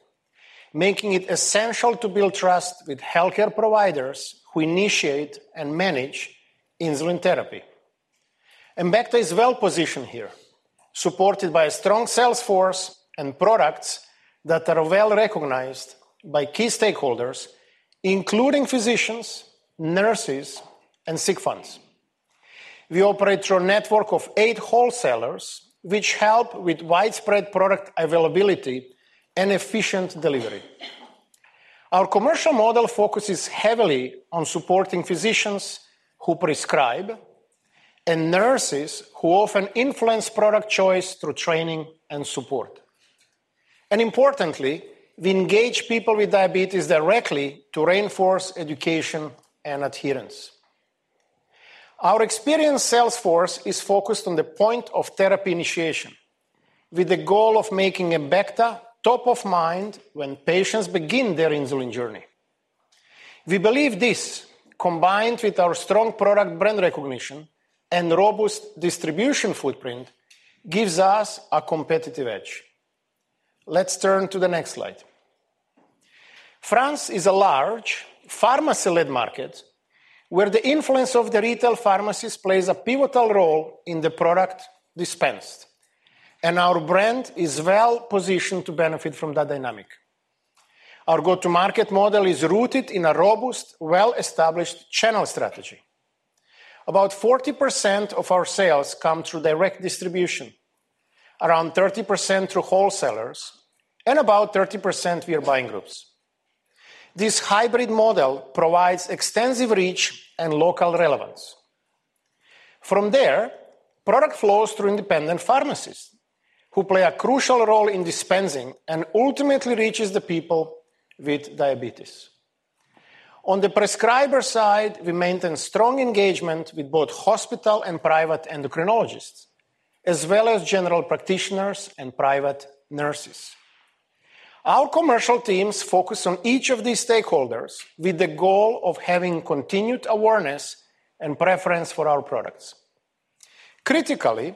making it essential to build trust with healthcare providers who initiate and manage insulin therapy. Embecta is well positioned here, supported by a strong sales force and products that are well recognized by key stakeholders, including physicians, nurses, and sick funds. We operate through a network of eight wholesalers, which help with widespread product availability and efficient delivery. Our commercial model focuses heavily on supporting physicians who prescribe and nurses who often influence product choice through training and support. Importantly, we engage people with diabetes directly to reinforce education and adherence. Our experienced sales force is focused on the point of therapy initiation, with the goal of making Embecta top of mind when patients begin their insulin journey. We believe this, combined with our strong product brand recognition and robust distribution footprint, gives us a competitive edge. Let's turn to the next slide. France is a large pharmacy-led market where the influence of the retail pharmacies plays a pivotal role in the product dispensed, and our brand is well positioned to benefit from that dynamic. Our go-to-market model is rooted in a robust, well-established channel strategy. About 40% of our sales come through direct distribution, around 30% through wholesalers, and about 30% via buying groups. This hybrid model provides extensive reach and local relevance. From there, product flows through independent pharmacies who play a crucial role in dispensing and ultimately reach the people with diabetes. On the prescriber side, we maintain strong engagement with both hospital and private endocrinologists, as well as general practitioners and private nurses. Our commercial teams focus on each of these stakeholders with the goal of having continued awareness and preference for our products. Critically,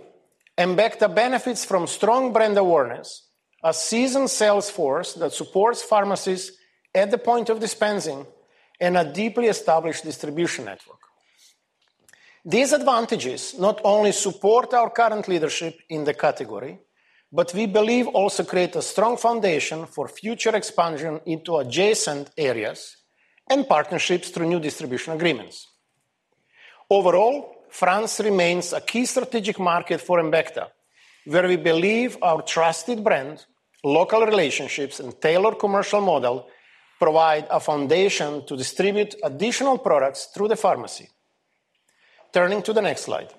Embecta benefits from strong brand awareness, a seasoned sales force that supports pharmacies at the point of dispensing, and a deeply established distribution network. These advantages not only support our current leadership in the category, but we believe also create a strong foundation for future expansion into adjacent areas and partnerships through new distribution agreements. Overall, France remains a key strategic market for Embecta, where we believe our trusted brand, local relationships, and tailored commercial model provide a foundation to distribute additional products through the pharmacy. Turning to the next slide.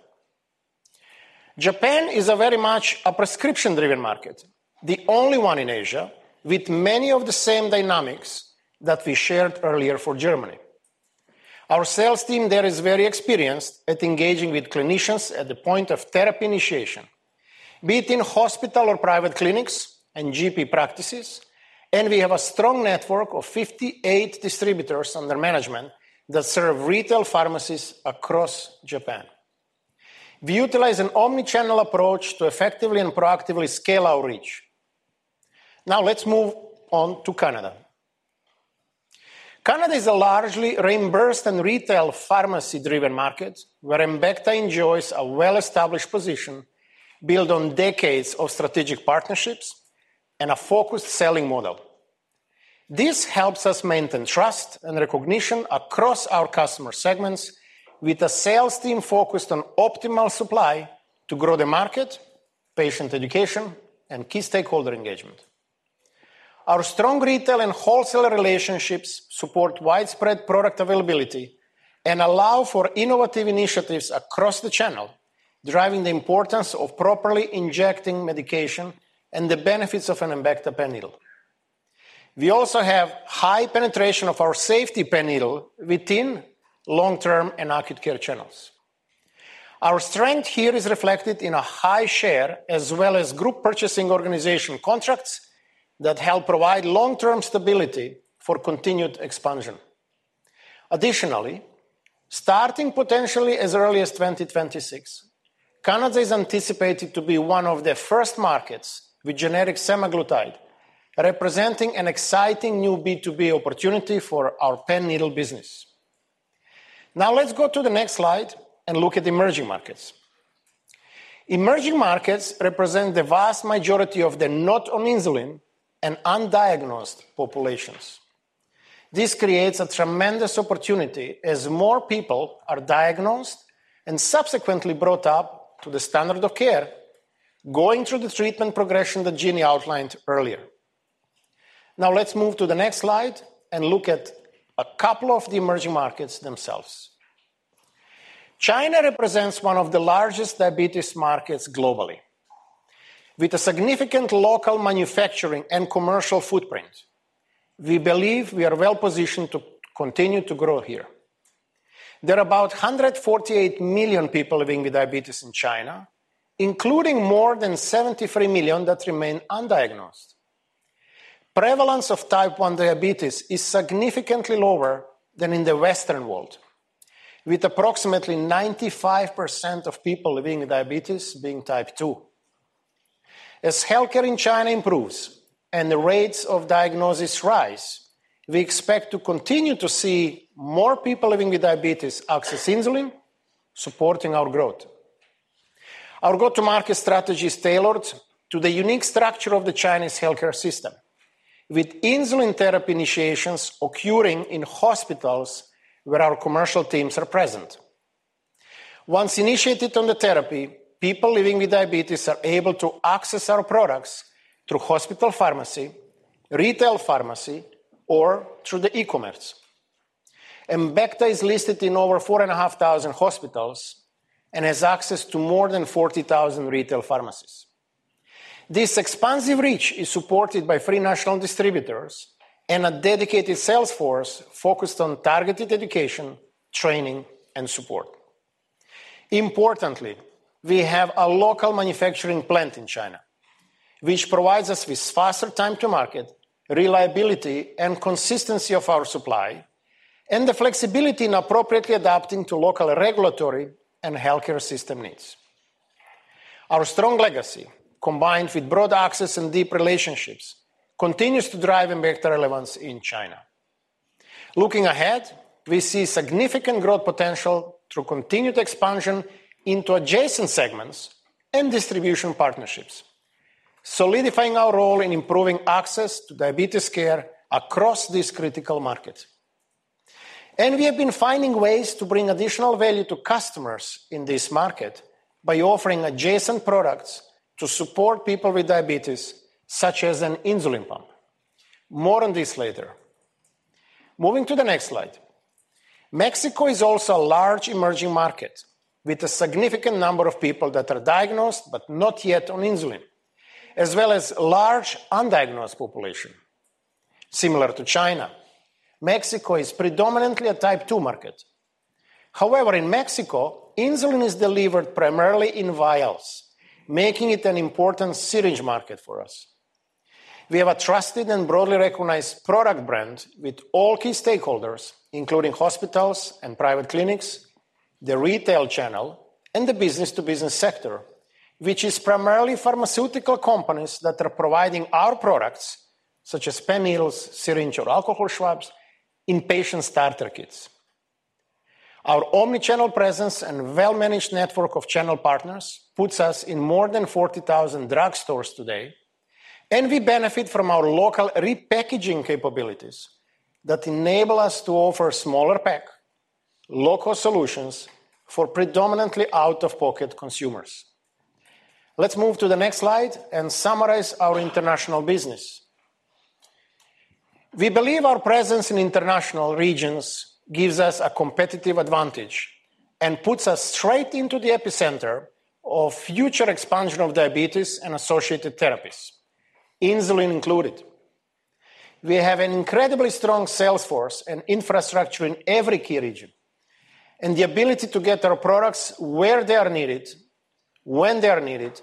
Japan is very much a prescription-driven market, the only one in Asia with many of the same dynamics that we shared earlier for Germany. Our sales team there is very experienced at engaging with clinicians at the point of therapy initiation, be it in hospital or private clinics and GP practices, and we have a strong network of 58 distributors under management that serve retail pharmacies across Japan. We utilize an omnichannel approach to effectively and proactively scale our reach. Now let's move on to Canada. Canada is a largely reimbursed and retail pharmacy-driven market where Embecta enjoys a well-established position built on decades of strategic partnerships and a focused selling model. This helps us maintain trust and recognition across customers segments with a sales team focused on optimal supply to grow the market, patient education, and key stakeholder engagement. Our strong retail and wholesale relationships support widespread product availability and allow for innovative initiatives across the channel, driving the importance of properly injecting medication and the benefits of an Embecta pen needle. We also have high penetration of Safety Pen Needle within long-term and acute care channels. Our strength here is reflected in a high share as well as group purchasing organization contracts that help provide long-term stability for continued expansion. Additionally, starting potentially as early as 2026, Canada is anticipated to be one of the first markets with generic semaglutide, representing an exciting new B2B opportunity for our pen needle business. Now let's go to the next slide and look at emerging markets. Emerging markets represent the vast majority of the not on insulin and undiagnosed populations. This creates a tremendous opportunity as more people are diagnosed and subsequently brought up to the standard of care, going through the treatment progression that Ginny Blocki outlined earlier. Now let's move to the next slide and look at a couple of the emerging markets themselves. China represents one of the largest diabetes markets globally. With a significant local manufacturing and commercial footprint, we believe we are well positioned to continue to grow here. There are about 148 million people living with diabetes in China, including more than 73 million that remain undiagnosed. Prevalence of type 1 diabetes is significantly lower than in the Western world, with approximately 95% of people living with diabetes being type 2. As healthcare in China improves and the rates of diagnosis rise, we expect to continue to see more people living with diabetes access insulin, supporting our growth. Our go-to-market strategy is tailored to the unique structure of the Chinese healthcare system, with insulin therapy initiations occurring in hospitals where our commercial teams are present. Once initiated on the therapy, people living with diabetes are able to access our products through hospital pharmacy, retail pharmacy, or through the e-commerce. Embecta is listed in over 4,500 hospitals and has access to more than 40,000 retail pharmacies. This expansive reach is supported by three national distributors and a dedicated sales force focused on targeted education, training, and support. Importantly, we have a local manufacturing plant in China, which provides us with faster time to market, reliability, and consistency of our supply, and the flexibility in appropriately adapting to local regulatory and healthcare system needs. Our strong legacy, combined with broad access and deep relationships, continues to drive Embecta relevance in China. Looking ahead, we see significant growth potential through continued expansion into adjacent segments and distribution partnerships, solidifying our role in improving access to diabetes care across these critical markets. We have been finding ways to bring additional value customers in this market by offering adjacent products to support people with diabetes, such as an insulin pump. More on this later. Moving to the next slide. Mexico is also a large emerging market with a significant number of people that are diagnosed but not yet on insulin, as well as a large undiagnosed population. Similar to China, Mexico is predominantly a type 2 market. However, in Mexico, insulin is delivered primarily in vials, making it an important syringe market for us. We have a trusted and broadly recognized product brand with all key stakeholders, including hospitals and private clinics, the retail channel, and the business-to-business sector, which is primarily pharmaceutical companies that are providing our products, such as Pen Needles, syringes, or alcohol swabs, in patient starter kits. Our omnichannel presence and well-managed network of channel partners puts us in more than 40,000 drugstores today, and we benefit from our local repackaging capabilities that enable us to offer smaller pack, low-cost solutions for predominantly out-of-pocket consumers. Let's move to the next slide and summarize our international business. We believe our presence in international regions gives us a competitive advantage and puts us straight into the epicenter of future expansion of diabetes and associated therapies, insulin included. We have an incredibly strong sales force and infrastructure in every key region and the ability to get our products where they are needed, when they are needed,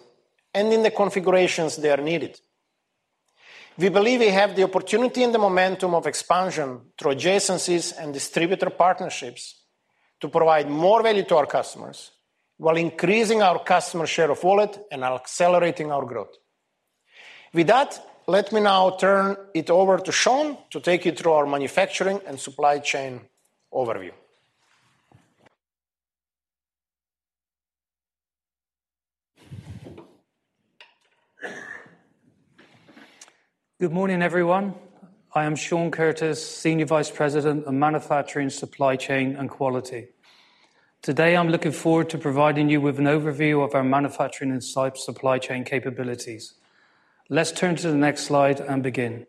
and in the configurations they are needed. We believe we have the opportunity and the momentum of expansion through adjacencies and distributor partnerships to provide more value to customers while increasing our custom share of wallet and accelerating our growth. With that, let me now turn it over to Shaun Curtis to take you through our manufacturing and supply chain overview. Good morning, everyone. I am Shaun Curtis, Senior Vice President of Manufacturing, Supply Chain, and Quality. Today, I'm looking forward to providing you with an overview of our manufacturing and supply chain capabilities. Let's turn to the next slide and begin.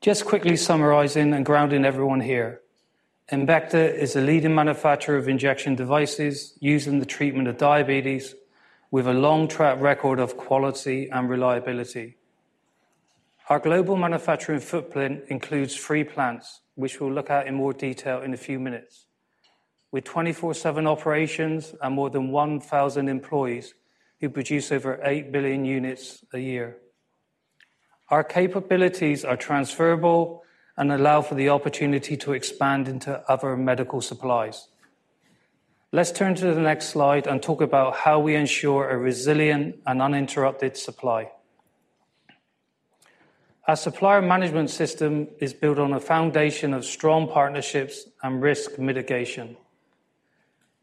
Just quickly summarizing and grounding everyone here, Embecta is a leading manufacturer of devices used in the treatment of diabetes with a long track record of quality and reliability. Our global manufacturing footprint includes three plants, which we'll look at in more detail in a few minutes, with 24/7 operations and more than 1,000 employees who produce over 8 billion units a year. Our capabilities are transferable and allow for the opportunity to expand into other medical supplies. Let's turn to the next slide and talk about how we ensure a resilient and uninterrupted supply. Our supplier management system is built on a foundation of strong partnerships and risk mitigation.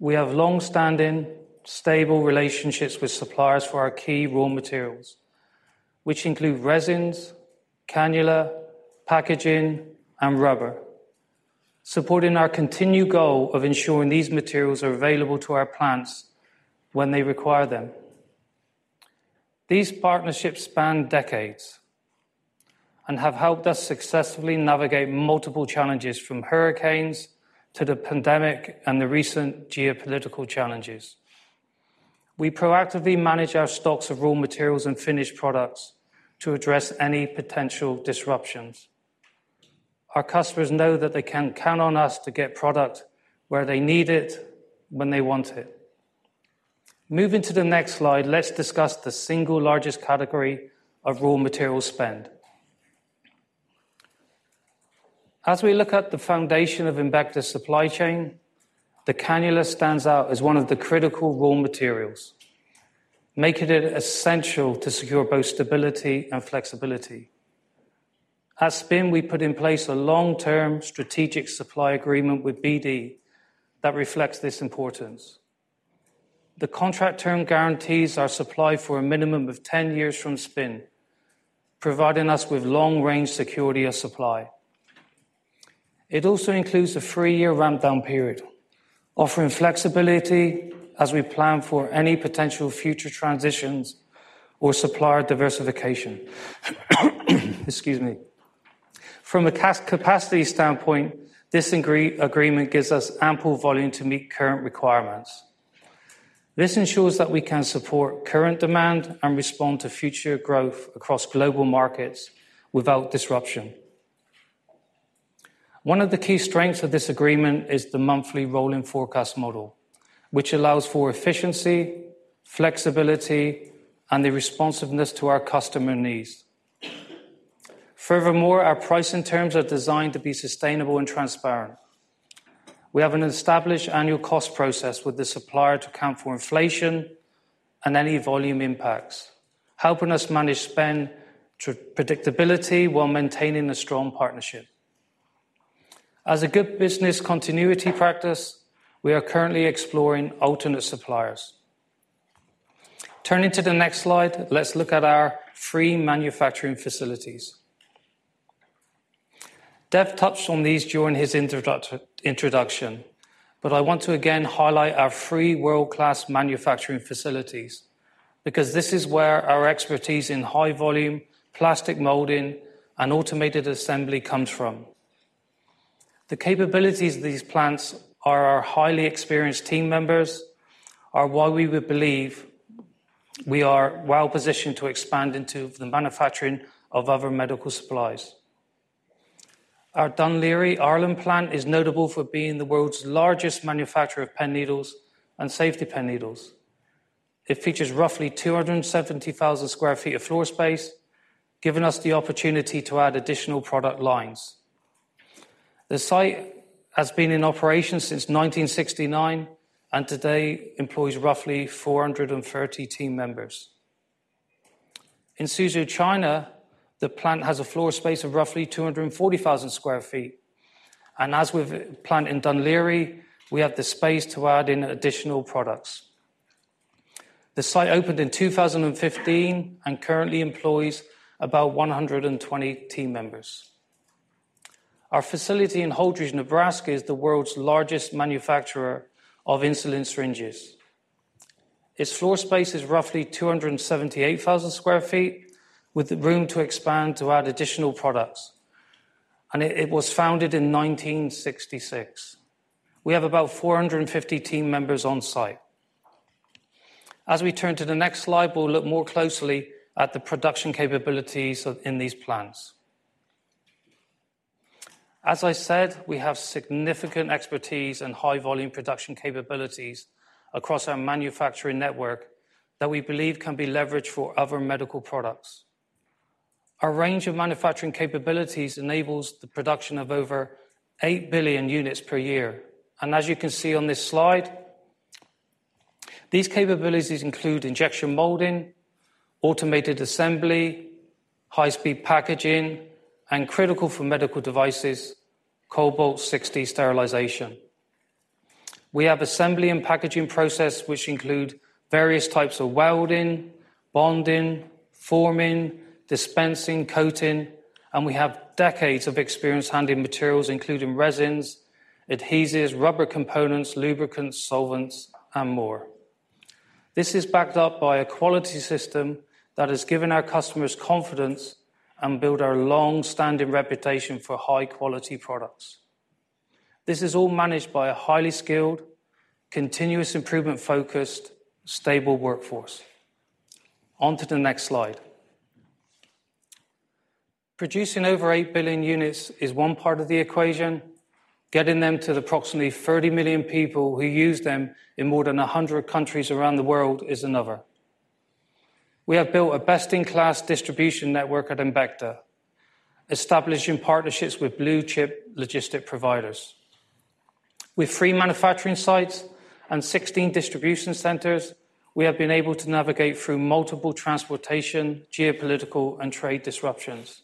We have long-standing, stable relationships with suppliers for our key raw materials, which include resins, cannula, packaging, and rubber, supporting our continued goal of ensuring these materials are available to our plants when they require them. These partnerships span decades and have helped us successfully navigate multiple challenges from hurricanes to the pandemic and the recent geopolitical challenges. We proactively manage our stocks of raw materials and finished products to address any potential disruptions. customers know that they can count on us to get product where they need it when they want it. Moving to the next slide, let's discuss the single largest category of raw material spend. As we look at the foundation of Embecta's supply chain, the cannula stands out as one of the critical raw materials, making it essential to secure both stability and flexibility. At Spin, we put in place a long-term strategic supply agreement with BD that reflects this importance. The contract term guarantees our supply for a minimum of 10 years from Spin, providing us with long-range security of supply. It also includes a three-year ramp-down period, offering flexibility as we plan for any potential future transitions or supplier diversification. Excuse me. From a capacity stand-point, this agreement gives us ample volume to meet current requirements. This ensures that we can support current demand and respond to future growth across global markets without disruption. One of the key strengths of this agreement is the monthly rolling forecast model, which allows for efficiency, flexibility, and the responsiveness to our custom needs. Furthermore, our pricing terms are designed to be sustainable and transparent. We have an established annual cost process with the supplier to account for inflation and any volume impacts, helping us manage spend to predictability while maintaining a strong partnership. As a good business continuity practice, we are currently exploring alternate suppliers. Turning to the next slide, let's look at our three manufacturing facilities. Dev Kurdikar touched on these during his introduction, but I want to again highlight our three world-class manufacturing facilities because this is where our expertise in high volume, plastic molding, automated assembly comes from. The capabilities of these plants and our highly experienced team members are why we believe we are well positioned to expand into the manufacturing of other medical supplies. Our Dunleary, Ireland plant is notable for being the world's largest manufacturer of Pen Needles Safety Pen Needles. it features roughly 270,000 sq ft of floor space, giving us the opportunity to add additional product lines. The site has been in operation since 1969 and today employs roughly 430 team members. In Suzhou, China, the plant has a floor space of roughly 240,000 sq ft. As with the plant in Dunleary, we have the space to add in additional products. The site opened in 2015 and currently employs about 120 team members. Our facility in Holdridge, Nebraska, is the world's largest manufacturer of insulin syringes. Its floor space is roughly 278,000 sq ft, with room to expand to add additional products. It was founded in 1966. We have about 450 team members on site. As we turn to the next slide, we'll look more closely at the production capabilities in these plants. As I said, we have significant expertise and high-volume production capabilities across our manufacturing network that we believe can be leveraged for other medical products. Our range of manufacturing capabilities enables the production of over 8 billion units per year. As you can see on this slide, these capabilities include injection automated assembly, high-speed packaging, and, critical for devices, Cobalt 60 sterilization. We have assembly and packaging processes, which include various types of welding, bonding, forming, dispensing, and coating. We have decades of experience handling materials, including resins, adhesives, rubber components, lubricants, solvents, and more. This is backed up by a quality system that has given customers confidence and built our long-standing reputation for high-quality products. This is all managed by a highly skilled, continuous improvement-focused, stable workforce. On to the next slide. Producing over 8 billion units is one part of the equation. Getting them to approximately 30 million people who use them in more than 100 countries around the world is another. We have built a best-in-class distribution network at Embecta, establishing partnerships with blue-chip logistic providers. With three manufacturing sites and 16 distribution centers, we have been able to navigate through multiple transportation, geopolitical, and trade disruptions.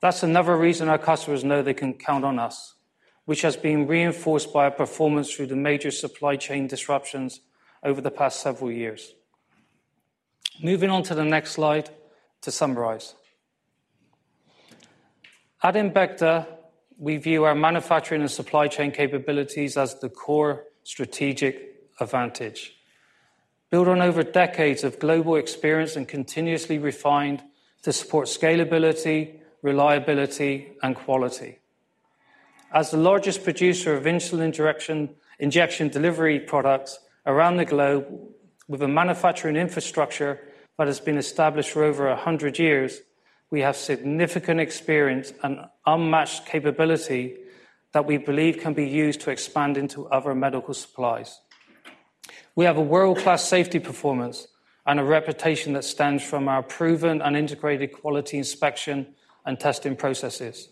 That's another reason customers know they can count on us, which has been reinforced by our performance through the major supply chain disruptions over the past several years. Moving on to the next slide to summarize. At Embecta, we view our manufacturing and supply chain capabilities as the core strategic advantage, built on over decades of global experience and continuously refined to support scalability, reliability, and quality. As the largest producer of insulin injection delivery products around the globe, with a manufacturing infrastructure that has been established for over 100 years, we have significant experience and unmatched capability that we believe can be used to expand into other medical supplies. We have a world-class safety performance and a reputation that stands from our proven and integrated quality inspection and testing processes.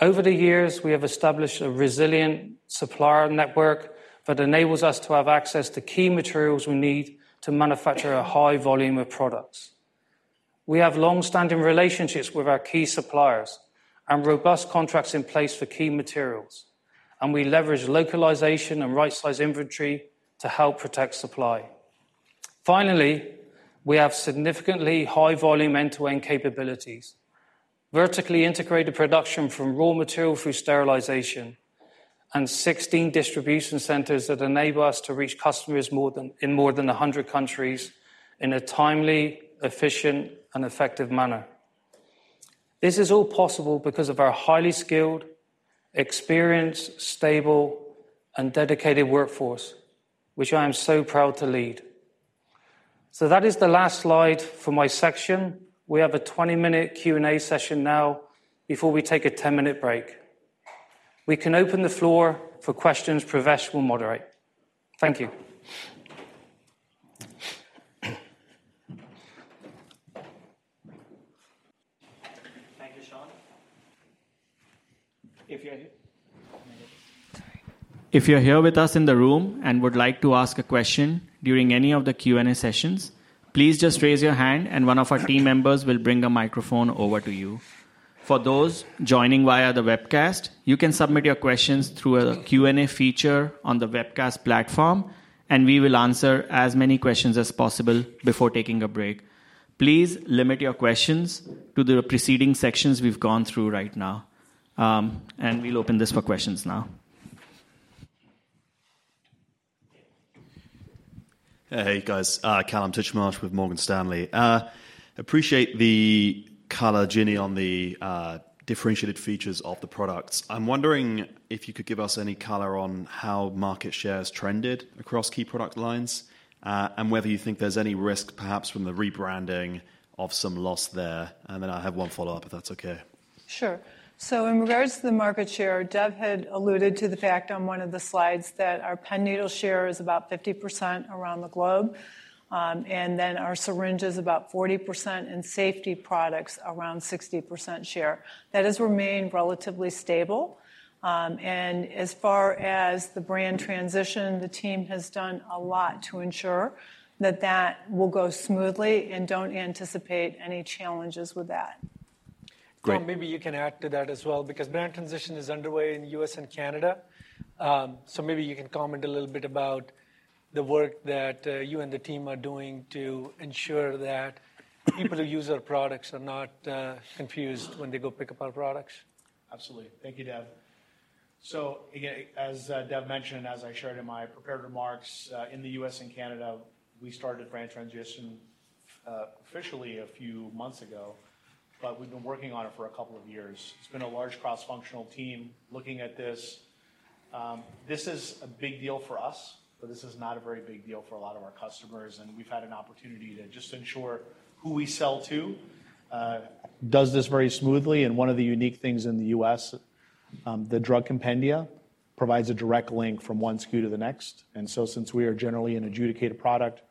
Over the years, we have established a resilient supplier network that enables us to have access to key materials we need to manufacture a high volume of products. We have long-standing relationships with our key suppliers and robust contracts in place for key materials. We leverage localization and right-sized inventory to help protect supply. Finally, we have significantly high-volume end-to-end capabilities, vertically integrated production from raw material through sterilization, and 16 distribution centers that enable us to customers in more than 100 countries in a timely, efficient, and effective manner. This is all possible because of our highly skilled, experienced, stable, and dedicated workforce, which I am so proud to lead. That is the last slide for my section. We have a 20-minute Q&A session now before we take a 10-minute break. We can open the floor for questions. Pravesh Khandelwal will moderate. Thank you. Thank you, Shaun Curtis. If you're here with us in the room and would like to ask a question during any of the Q&A sessions, please just raise your hand, and one of our team members will bring a microphone over to you. For those joining via the webcast, you can submit your questions through a Q&A feature on the webcast platform, and we will answer as many questions as possible before taking a break. Please limit your questions to the preceding sections we've gone through right now. We'll open this for questions now. Hey, guys. Kallum Titchmarsh with Morgan Stanley. Appreciate the color, Jinny, on the differentiated features of the products. I'm wondering if you could give us any color on how market shares trended across key product lines and whether you think there's any risk, perhaps, from the rebranding of some loss there. And then I have one follow-up, if that's okay. Sure. So in regards to the market share, Dev Kurdikar had alluded to the fact on one of the slides that our pen needle share is about 50% around the globe, and then our syringe is about 40%, and safety products around 60% share. That has remained relatively stable. As far as the brand transition, the team has done a lot to ensure that that will go smoothly and don't anticipate any challenges with that. Great. Maybe you can add to that as well because brand transition is underway in the U.S. and Canada. Maybe you can comment a little bit about the work that you and the team are doing to ensure that people who use our products are not confused when they go pick up our products. Absolutely. Thank you, Dev Kurdikar. Again, as Dev Kurdikar mentioned, as I shared in my prepared remarks, in the U.S. and Canada, we started brand transition officially a few months ago, but we've been working on it for a couple of years. It's been a large cross-functional team looking at this. This is a big deal for us, but this is not a very big deal for a lot of customers. We've had an opportunity to just ensure who we sell to does this very smoothly. One of the unique things in the U.S., the drug compendia provides a direct link from one SKU to the next. Since we are generally an adjudicated product,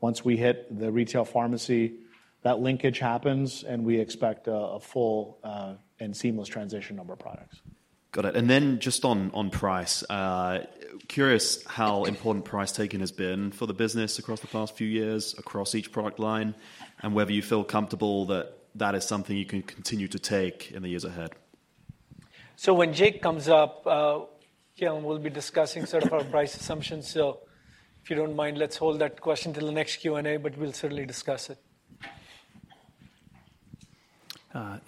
once we hit the retail pharmacy, that linkage happens, and we expect a full and seamless transition of our products. Got it. Just on price, curious how important price taking has been for the business across the past few years, across each product line, and whether you feel comfortable that that is something you can continue to take in the years ahead. When Jake Elguicze comes up, we'll be discussing sort of our price assumptions. If you do not mind, let's hold that question till the next Q&A, but we'll certainly discuss it.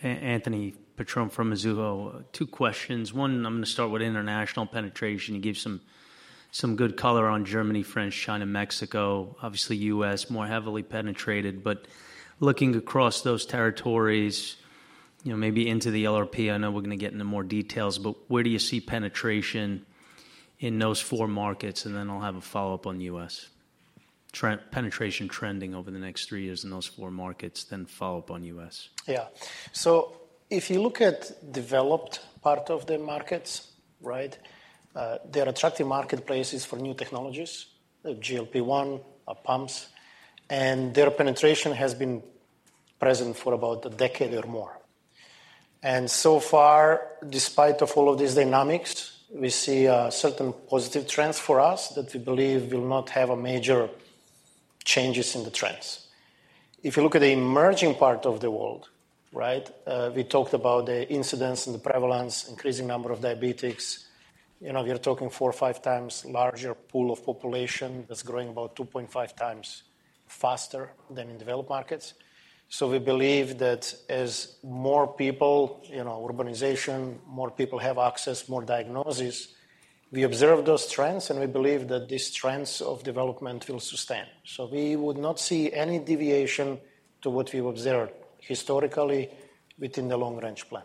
Anthony Petron from Azulo. Two questions. One, I'm going to start with international penetration. You gave some good color on Germany, France, China, Mexico, obviously U.S. more heavily penetrated. Looking across those territories, maybe into the LRP, I know we're going to get into more details, but where do you see penetration in those four markets? I have a follow-up on U.S. penetration trending over the next three years in those four markets, then follow-up on U.S.. Yeah. If you look at developed part of the markets, right, they're attractive marketplaces for new technologies, GLP-1, pumps, and their penetration has been present for about a decade or more. So far, despite all of these dynamics, we see certain positive trends for us that we believe will not have major changes in the trends. If you look at the emerging part of the world, right, we talked about the incidence and the prevalence, increasing number of diabetics. You're talking four or five times larger pool of population that's growing about 2.5x faster than developed markets. We believe that as more people, urbanization, more people have access, more diagnosis, we observe those trends, and we believe that these trends development will sustain. We would not see deviation to what we've observed historically within the long-range plan.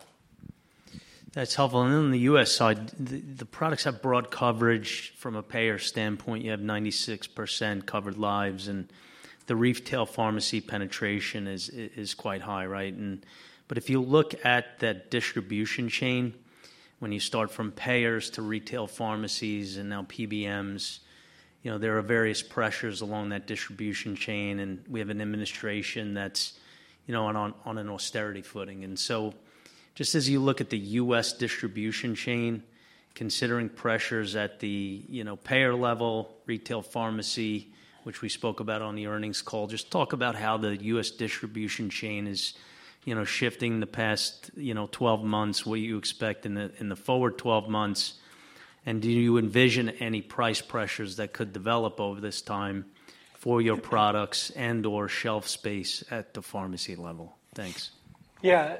That's helpful. On the U.S. side, the products have broad coverage. From a payer stand-point, you have 96% covered lives, and the retail pharmacy penetration is quite high, right? If you look at that distribution chain, when you start from payers to retail pharmacies and now PBMs, there are various pressures along that distribution chain, and we have an administration that's on an austerity footing. Just as you look at the U.S. distribution chain, considering pressures at the payer level, retail pharmacy, which we spoke about on the earnings call, just talk about how the U.S. distribution chain is shifting the past 12 months, what you expect in the forward 12 months, and do you envision any price pressures that develop over this time for your products and/or shelf space at the pharmacy level? Thanks. Yeah.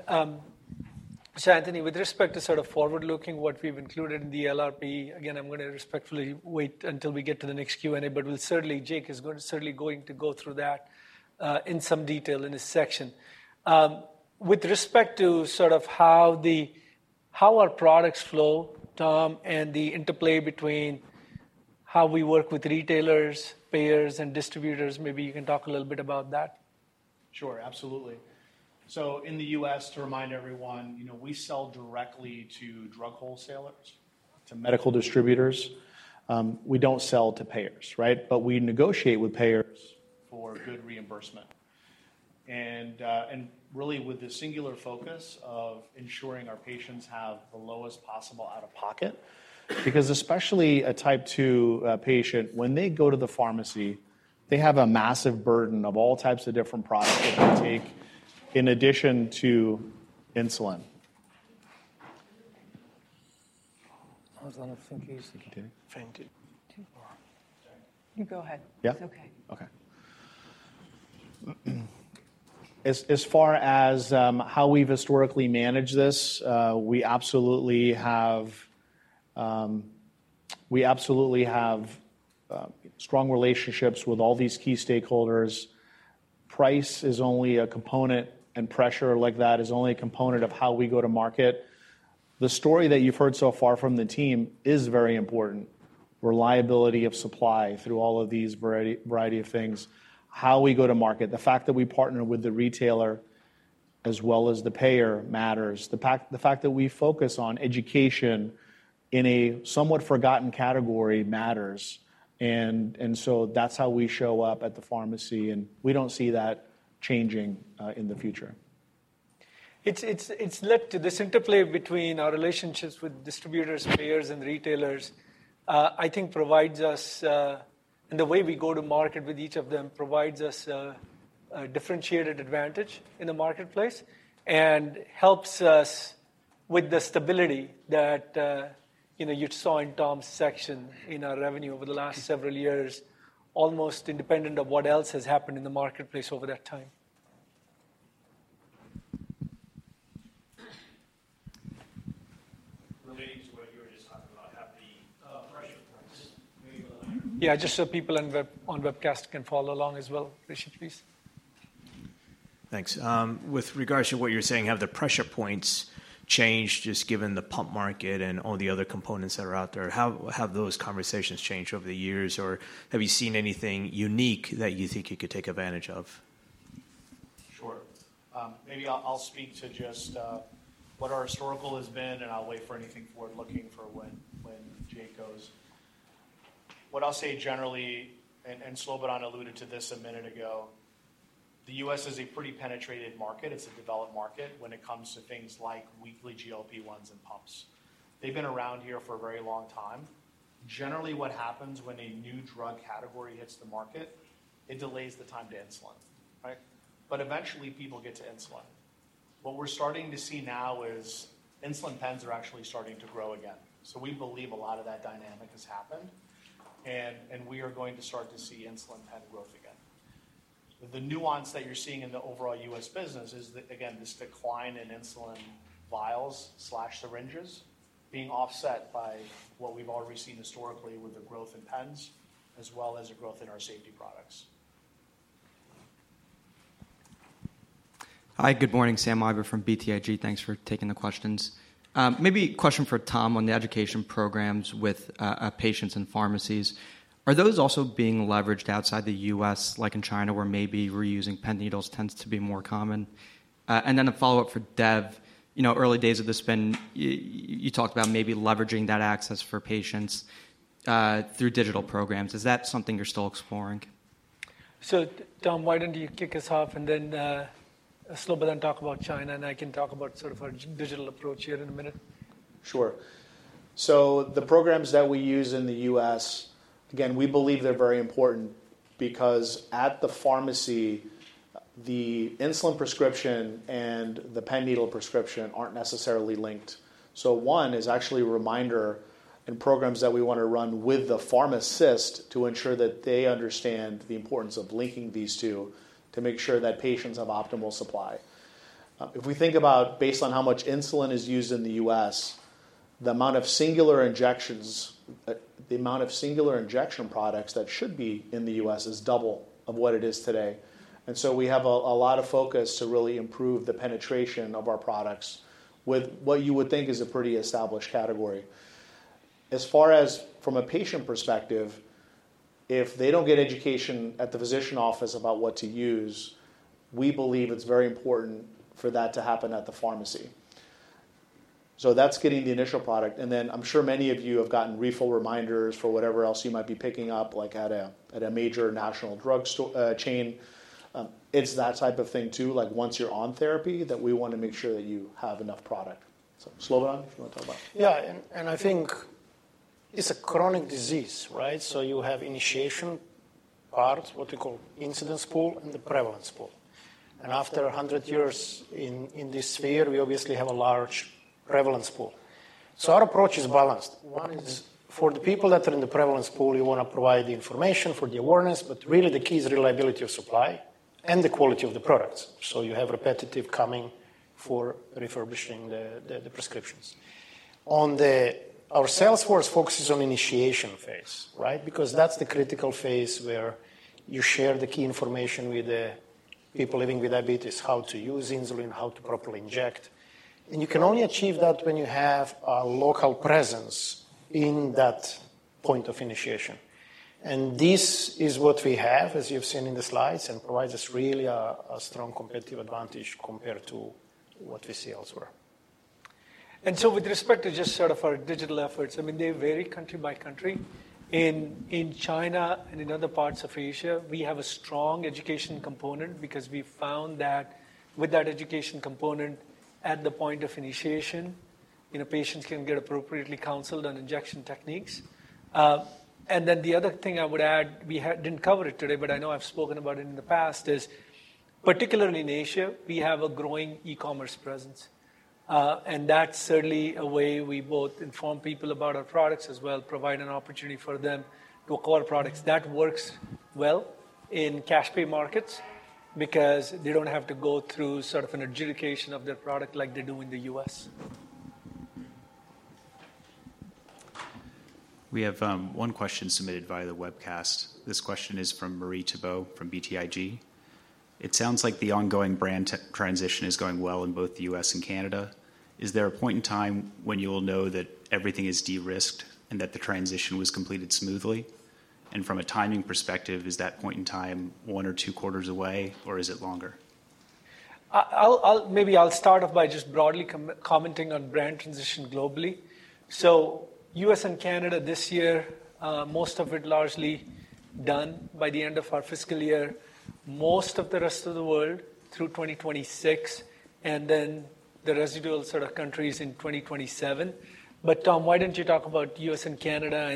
Anthony, with respect to sort of forward-looking, what we've included in the LRP, again, I'm going to respectfully wait until we get to the next Q&A, but we'll certainly, Jake Elguicze is certainly going to go through that in some detail in this section. With respect to sort of how our products flow, Tom Blount, and the interplay between how we work with retailers, payers, and distributors, maybe you can talk a little bit about that. Sure, absolutely. In the U.S., to remind everyone, we sell directly to drug wholesalers, to medical distributors. We do not sell to payers, right? We negotiate with payers for good reimbursement. Really, with the singular focus of ensuring our patients have the lowest possible out-of-pocket, because especially a type 2 patient, when they go to the pharmacy, they have a massive burden of all types of different products that they take in addition to insulin. As far as how we've historically managed this, we absolutely have strong relationships with all these key stakeholders. Price is only a component, and pressure like that is only a component of how we go to market. The story that you've heard so far from the team is very important. Reliability of supply through all of these variety of things, how we go to market, the fact that we partner with the retailer as well as the payer matters. The fact that we focus on education in a somewhat forgotten category matters. That is how we show up at the pharmacy, and we do not see that changing in the future. It has led to this interplay between our relationships with distributors, payers, and retailers. I think it provides us, and the way we go to market with each of them provides us, a differentiated advantage in the marketplace and helps us with the stability that you saw in Tom Blount's section in our revenue over the last several years, almost independent of what else has happened in the marketplace over that time. Relating to what you were just talking about, have the pressure points moved on the line? Yeah, just so people on webcast can follow along as well. Pleasure. Thanks. With regards to what you're saying, have the pressure points changed just given the pump market and all the other components that are out there? Have those conversations changed over the years, or have you seen anything unique that you think you could take advantage of? Sure. Maybe I'll speak to just what our historical has been, and I'll wait for anything forward-looking for when Jake Elguicze goes. What I'll say generally, and Slobodan Radumilo alluded to this a minute ago, the U.S. is a pretty penetrated market. It's developed market when it comes to things like weekly GLP-1s and pumps. They've been around here for a very long time. Generally, what happens when a new drug category hits the market, it delays the time to insulin, right? Eventually, people get to insulin. What we're starting to see now is insulin pens are actually starting to grow again. We believe a lot of that dynamic has happened, and we are going to start to see insulin pen growth again. The nuance that you're seeing in the overall U.S. business is that, again, this decline in insulin vials/syringes being offset by what we've already seen historically with the growth in pens, as well as a growth in our safety products. Hi, good morning. Sam Eiber from BTIG. Thanks for taking the questions. Maybe a question for Tom Blount on the education programs with patients and pharmacies. Are those also being leveraged outside the U.S., like in China, where maybe reusing Pen Needles tends to be more common? And then a follow-up for Dev Kurdikar. Early days of this spin, you talked about maybe leveraging that access for patients through digital programs. Is that something you're still exploring? Tom Blount, why don't you kick us off and then Slobodan Radumilo talk about China, and I can talk about sort of our digital approach here in a minute. Sure. The programs that we use in the U.S., again, we believe they're very important because at the pharmacy, the insulin prescription and the pen needle prescription aren't necessarily linked. One is actually a reminder and programs that we want to run with the pharmacist to ensure that they understand the importance of linking these two to make sure that patients have optimal supply. If we think about based on how much insulin is used in the U.S., the amount of singular injections, the amount of singular injection products that should be in the U.S. is double of what it is today. We have a lot of focus to really improve the penetration of our products with what you would think is a pretty established category. As far as from a patient perspective, if they do not get education at the physician office about what to use, we believe it is very important for that to happen at the pharmacy. That is getting the initial product. I am sure many of you have gotten refill reminders for whatever else you might be picking up at a major national drug chain. It is that type of thing too, like once you are on therapy, that we want to make sure that you have enough product. Slobodan Radumilo, if you want to talk about it. Yeah. I think it is a chronic disease, right? You have initiation part, what we call incidence pool, and the prevalence pool. After 100 years in this sphere, we obviously have a large prevalence pool. Our approach is balanced. One is for the people that are in the prevalence pool, you want to provide the information for the awareness, but really the key is reliability of supply and the quality of the products. You have repetitive coming for refurbishing the prescriptions. Our sales force focuses on initiation phase, right? Because that's the critical phase where you share the key information with people living with diabetes, how to use insulin, how to properly inject. You can only achieve that when you have a local presence in that point of initiation. This is what we have, as you've seen in the slides, and provides us really a strong competitive advantage compared to what we see elsewhere. With respect to just sort of our digital efforts, I mean, they vary country by country. In China and in other parts of Asia, we have a strong education component because we found that with that education component at the point of initiation, patients can get appropriately counseled on injection techniques. The other thing I would add, we did not cover it today, but I know I have spoken about it in the past, is particularly in Asia, we have a growing e-commerce presence. That is certainly a way we both inform people about our products as well, provide an opportunity for them to acquire products. That works well in cash pay markets because they do not have to go through sort of an adjudication of their product like they do in the U.S. We have one question submitted via the webcast. This question is from Marie Thibaut from BTIG. It sounds like the ongoing brand transition is going well in both the U.S. and Canada. Is there a point in time when you will know that everything is de-risked and that the transition was completed smoothly? From a timing perspective, is that point in time one or two quarters away, or is it longer? Maybe I'll start off by just broadly commenting on brand transition globally. U.S. and Canada this year, most of it largely done by the end of our fiscal year, most of the rest of the world through 2026, and then the residual sort of countries in 2027. Tom Blount, why don't you talk about U.S. and Canada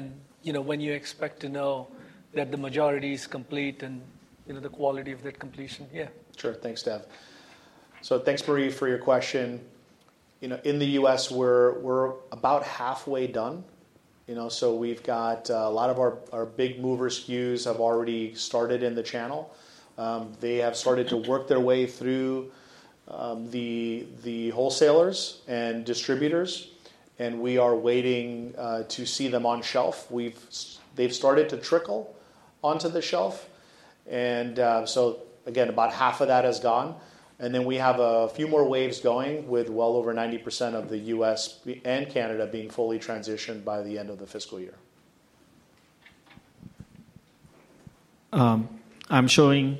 and when you expect to know that the majority is complete and the quality of that completion? Yeah. Sure. Thanks, Dev Kurdikar. Thanks, Marie, for your question. In the U.S., we're about halfway done. We've got a lot of our big mover SKUs that have already started in the channel. They have started to work their way through the wholesalers and distributors, and we are waiting to see them on shelf. They've started to trickle onto the shelf. Again, about half of that has gone. We have a few more waves going, with well over 90% of the U.S. and Canada being fully transitioned by the end of the fiscal year. I'm showing.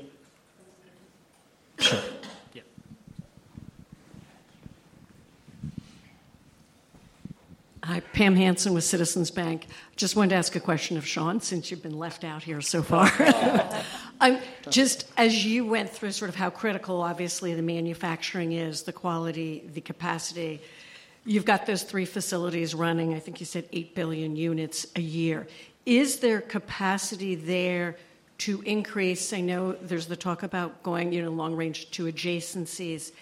Sure. Yeah. Hi, Pam Hansen with Citizens Bank. Just wanted to ask a question of Shaun Curtis since you've been left out here so far. Just as you went through sort of how critical, obviously, the manufacturing is, the quality, the capacity, you've got those three facilities running, I think you said 8 billion units a year. Is there capacity there to increase? I know there's the talk about going long range to adjacencies.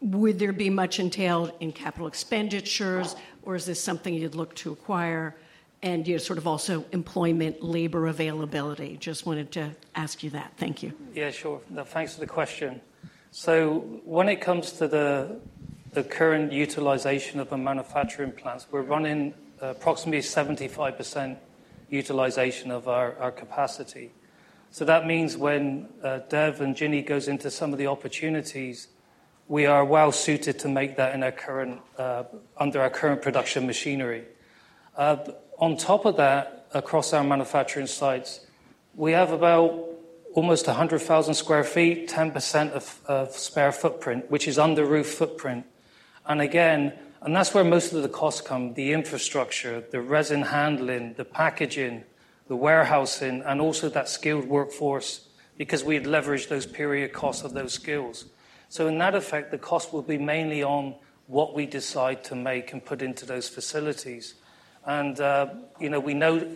Would there be much entailed in capital expenditures, or is this something you'd look to acquire? And sort of also employment, labor availability. Just wanted to ask you that. Thank you. Yeah, sure. Thanks for the question. When it comes to the current utilization of our manufacturing plants, we're running approximately 75% utilization of our capacity. That means when Dev Kurdikar and Ginny Blocki goes into some of the opportunities, we are well suited to make that under our current production machinery. On top of that, across our manufacturing sites, we have about almost 100,000 sq ft, 10% of spare footprint, which is under roof footprint. Again, that's where most of the costs come, the infrastructure, the resin handling, the packaging, the warehousing, and also that skilled workforce because we'd leverage those period costs of those skills. In that effect, the cost will be mainly on what we decide to make and put into those facilities. We know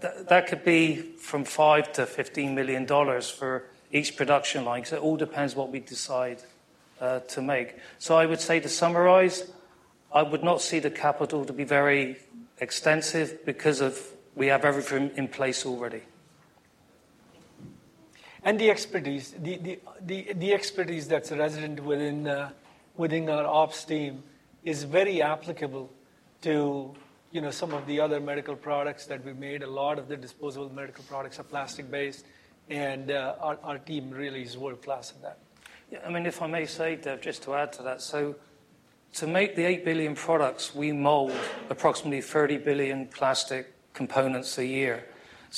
that could be from $5 million-$15 million for each production line. It all depends what we decide to make. To summarize, I would not see the capital to be very extensive because we have everything in place already. The expertise that's resident within our ops team is very applicable to some of the other medical products that we made. A lot of the disposable medical products are plastic-based, and our team really is world-class at that. I mean, if I may say, Dev Kurdikar, just to add to that, to make the 8 billion products, we mold approximately 30 billion plastic components a year.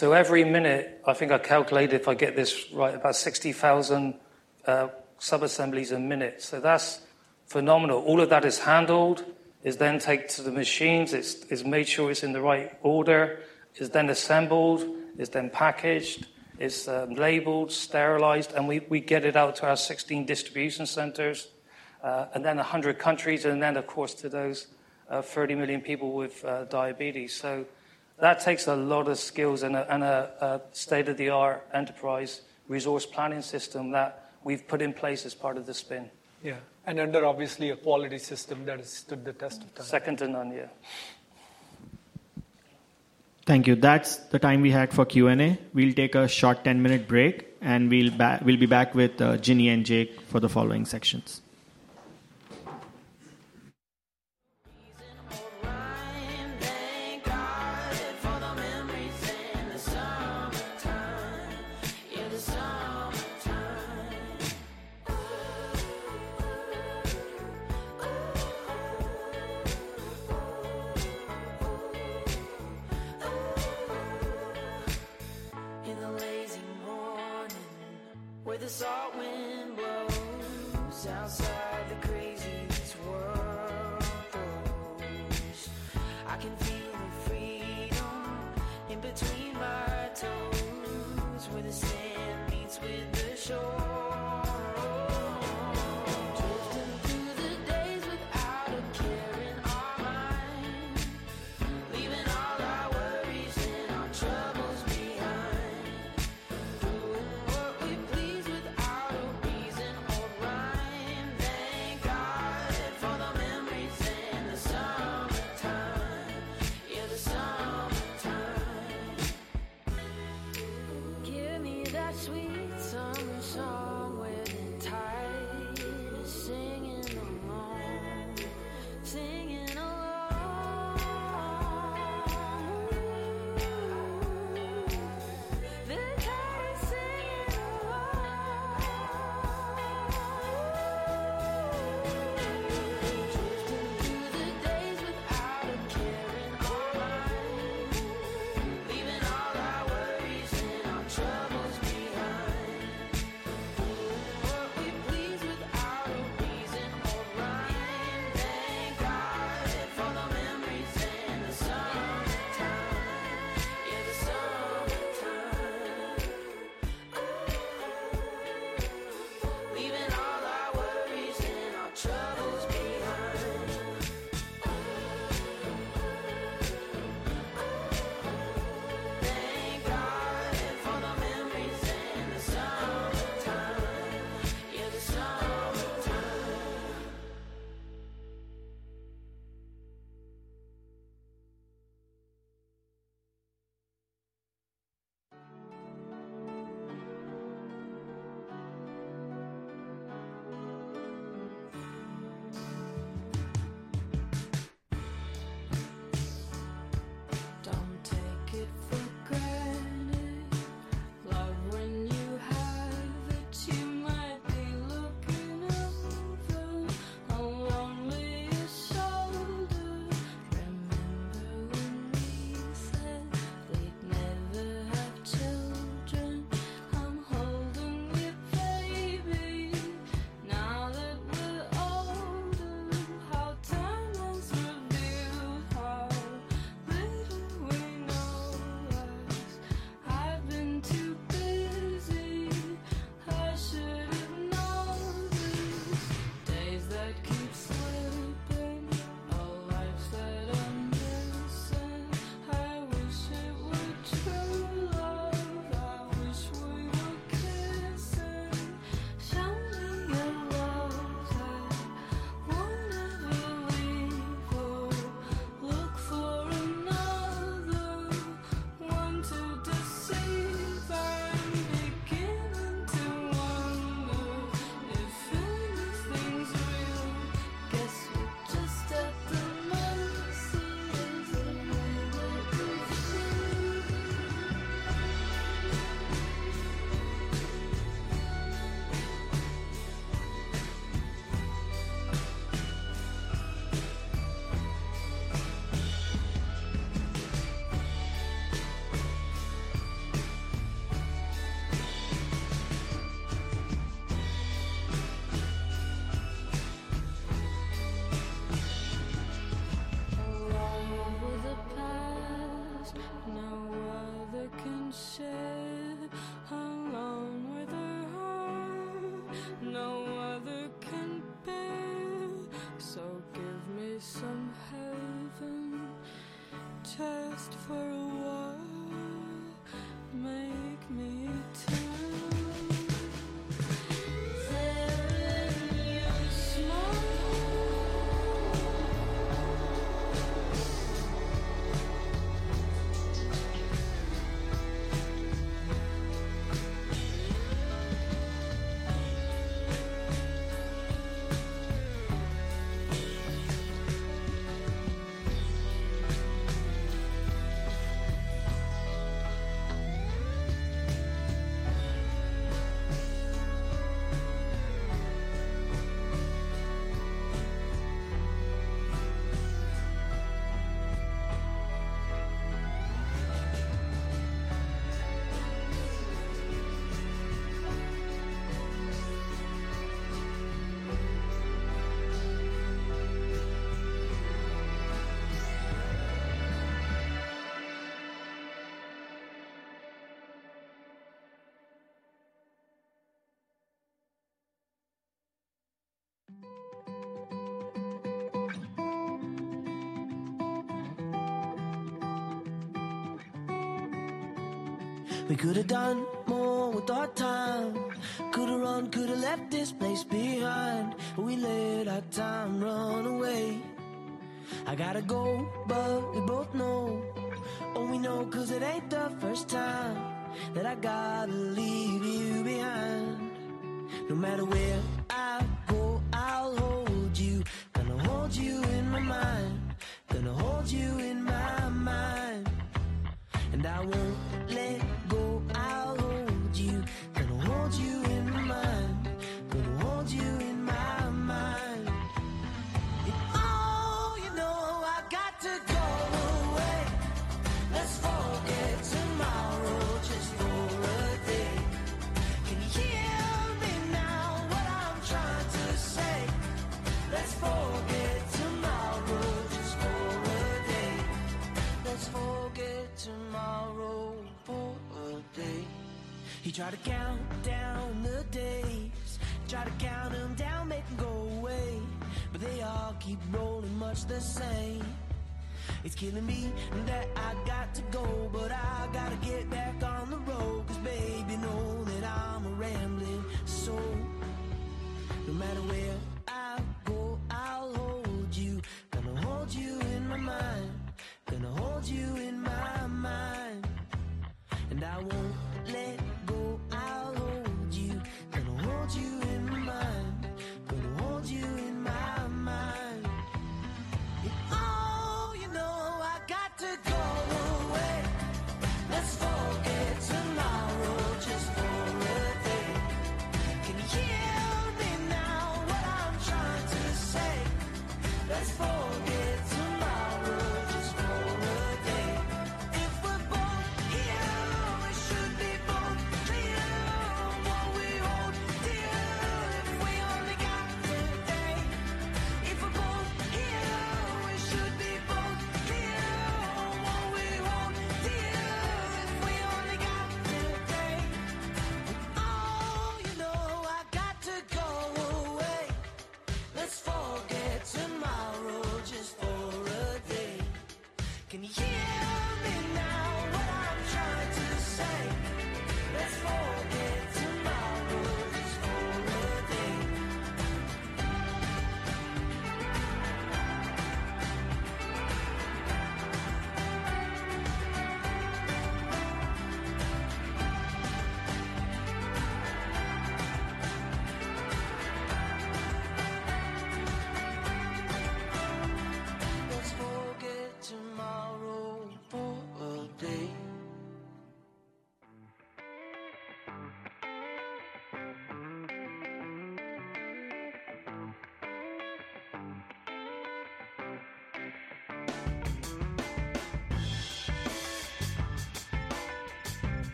Every minute, I think I calculated, if I get this right, about 60,000 sub-assemblies a minute. That is phenomenal. All of that is handled, is then taken to the machines, is made sure it is in the right order, is then assembled, is then packaged, is labeled, sterilized, and we get it out to our 16 distribution centers and then 100 countries, and then, of course, to those 30 million people with diabetes. That takes a lot of skills and a state-of-the-art enterprise resource planning system that we have put in place as part of the spin. Yeah. Under obviously a quality system that has stood the test of time. Second to none, yeah. Thank you. That's the time we had for Q&A. We'll take a short 10-minute break, and we'll be back with Ginny Blocki and Jake Elguicze for the following sections.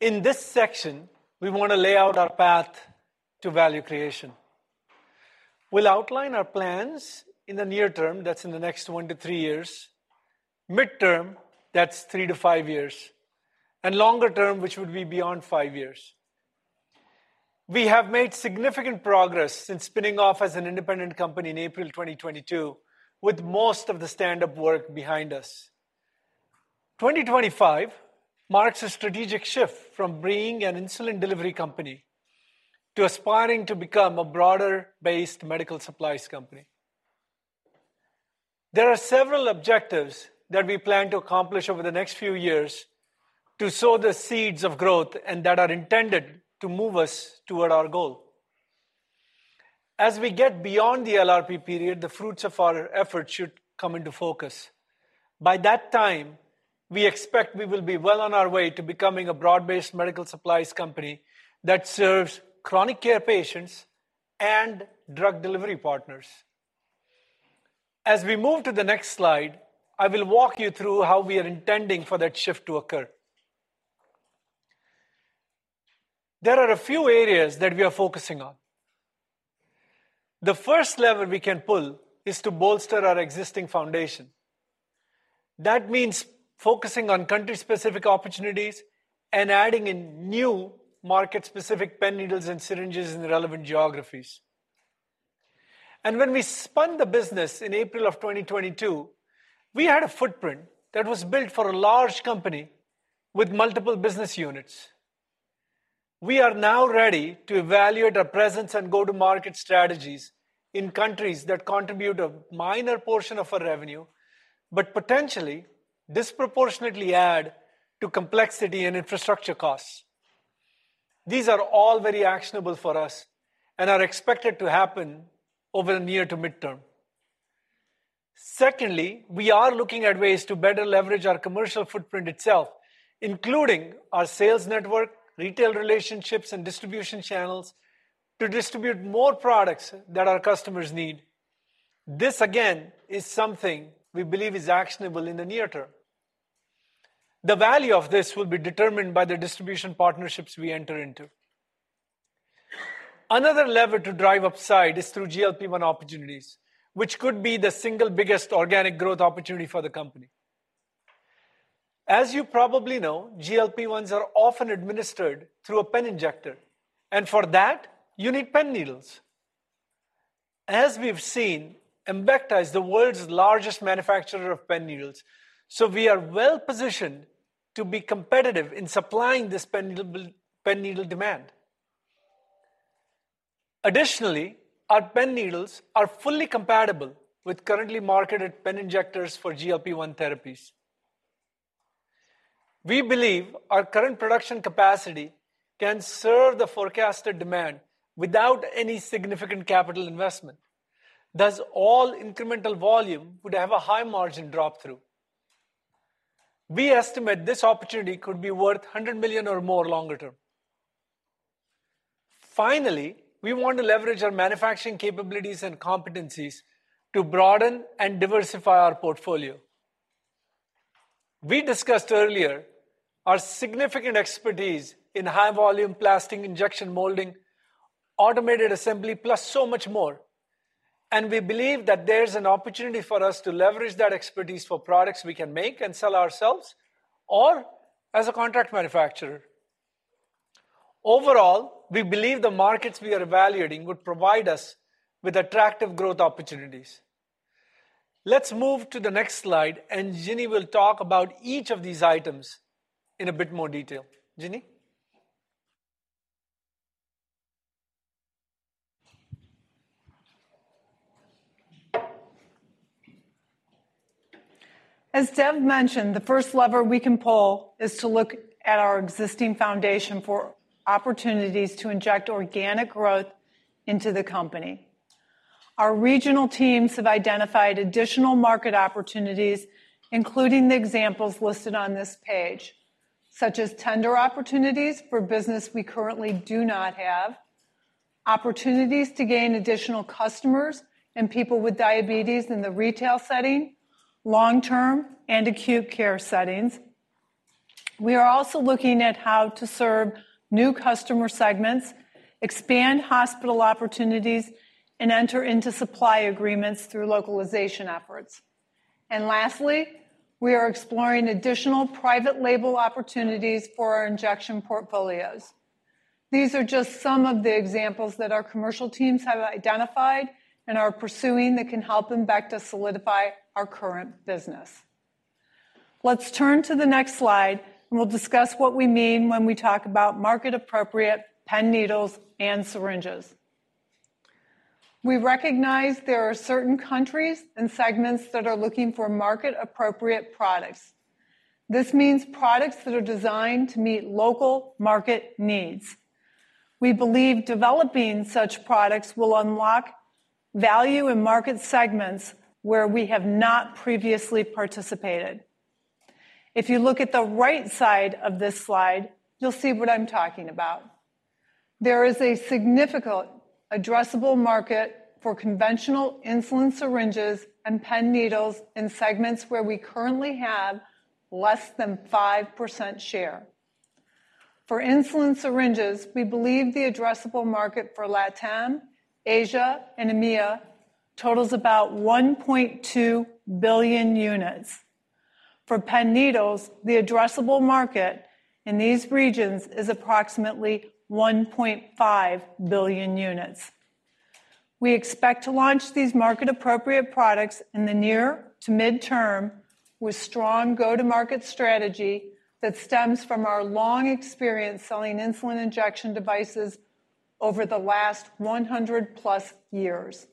In this section, we want to lay out our path to value creation. We'll outline our plans in the near-term, that's in the next one to three years. Mid-term, that's three to five years. Longer-term, which would be beyond five years. We have made significant progress since spinning off as an independent company in April 2022, with most of the stand-up work behind us. 2025 marks a strategic shift from being an insulin delivery company to aspiring to become a broader-based medical supplies company. There are several objectives that we plan to accomplish over the next few years to sow the seeds of growth and that are intended to move us toward our goal. As we get beyond the LRP period, the fruits of our efforts should come into focus. By that time, we expect we will be well on our way to becoming a broad-based medical supplies company that serves chronic care patients and drug delivery partners. As we move to the next slide, I will walk you through how we are intending for that shift to occur. There are a few areas that we are focusing on. The first lever we can pull is to bolster our existing foundation. That means focusing on country-specific opportunities and adding in new market-specific Pen Needles and syringes in relevant geographies. When we spun the business in April of 2022, we had a footprint that was built for a large company with multiple business units. We are now ready to evaluate our presence and go-to-market strategies in countries that contribute a minor portion of our revenue, but potentially disproportionately add to complexity and infrastructure costs. These are all very actionable for us and are expected to happen over the near to mid-term. Secondly, we are looking at ways to better leverage our commercial footprint itself, including our sales network, retail relationships, and distribution channels to distribute more products that customers need. This, again, is something we believe is actionable in the near-term. The value of this will be determined by the distribution partnerships we enter into. Another lever to drive upside is through GLP-1 opportunities, which could be the single biggest organic growth opportunity for the company. As you probably know, GLP-1s are often administered through a pen injector. For that, you need Pen Needles. As we've seen, Embecta is the world's largest manufacturer of Pen Needles. We are well positioned to be competitive in supplying this pen needle demand. Additionally, our Pen Needles are fully compatible with currently marketed pen injectors for GLP-1 therapies. We believe our current production capacity can serve the forecasted demand without any significant capital investment. Thus, all incremental volume would have a high margin drop-through. We estimate this opportunity could be worth $100 million or more longer-term. Finally, we want to leverage our manufacturing capabilities and competencies to broaden and diversify our portfolio. We discussed earlier our significant expertise in high-volume plastic injection automated assembly, plus so much more. We believe that there is an opportunity for us to leverage that expertise for products we can make and sell ourselves or as a contract manufacturer. Overall, we believe the markets we are evaluating would provide us with attractive growth opportunities. Let's move to the next slide, and Ginny Blocki will talk about each of these items in a bit more detail. Ginny Blocki. As Dev Kurdikar mentioned, the first lever we can pull is to look at our existing foundation for opportunities to inject organic growth into the company. Our regional teams have identified additional market opportunities, including the examples listed on this page, such as tender opportunities for business we currently do not have, opportunities to gain customers and people with diabetes in the retail setting, long-term and acute care settings. We are also looking at how to serve new customers segments, expand hospital opportunities, and enter into supply agreements through localization efforts. Lastly, we are exploring additional private label opportunities for our injection portfolios. These are just some of the examples that our commercial teams have identified and are pursuing that can help Embecta solidify our current business. Let's turn to the next slide, and we'll discuss what we mean when we talk about market-appropriate Pen Needles and syringes. We recognize there are certain countries and segments that are looking for market-appropriate products. This means products that are designed to meet local market needs. We believe developing such products will unlock value in market segments where we have not previously participated. If you look at the right side of this slide, you'll see what I'm talking about. There is a significant addressable market for conventional insulin syringes and Pen Needles in segments where we currently have less than 5% share. For insulin syringes, we believe the addressable market for LATAM, Asia, and EMEA totals about 1.2 billion units. For Pen Needles, the addressable market in these regions is approximately 1.5 billion units. We expect to launch these market-appropriate products in the near to mid-term with a strong go-to-market strategy that stems from our long experience selling insulin devices over the last 100-plus years.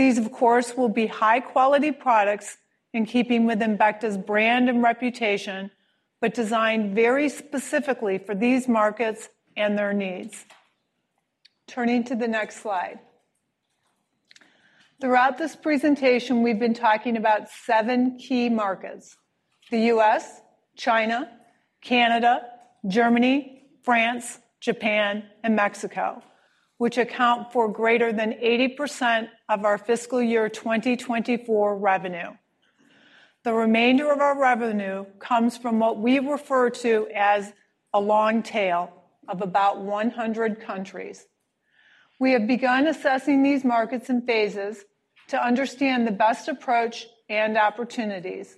These, of course, will be high-quality products in keeping with Embecta's brand and reputation, but designed very specifically for these markets and their needs. Turning to the next slide. Throughout this presentation, we've been talking about seven key markets: the U.S., China, Canada, Germany, France, Japan, and Mexico, which account for greater than 80% of our fiscal year 2024 revenue. The remainder of our revenue comes from what we refer to as a long tail of about 100 countries. We have begun assessing these markets in phases to understand the best approach and opportunities.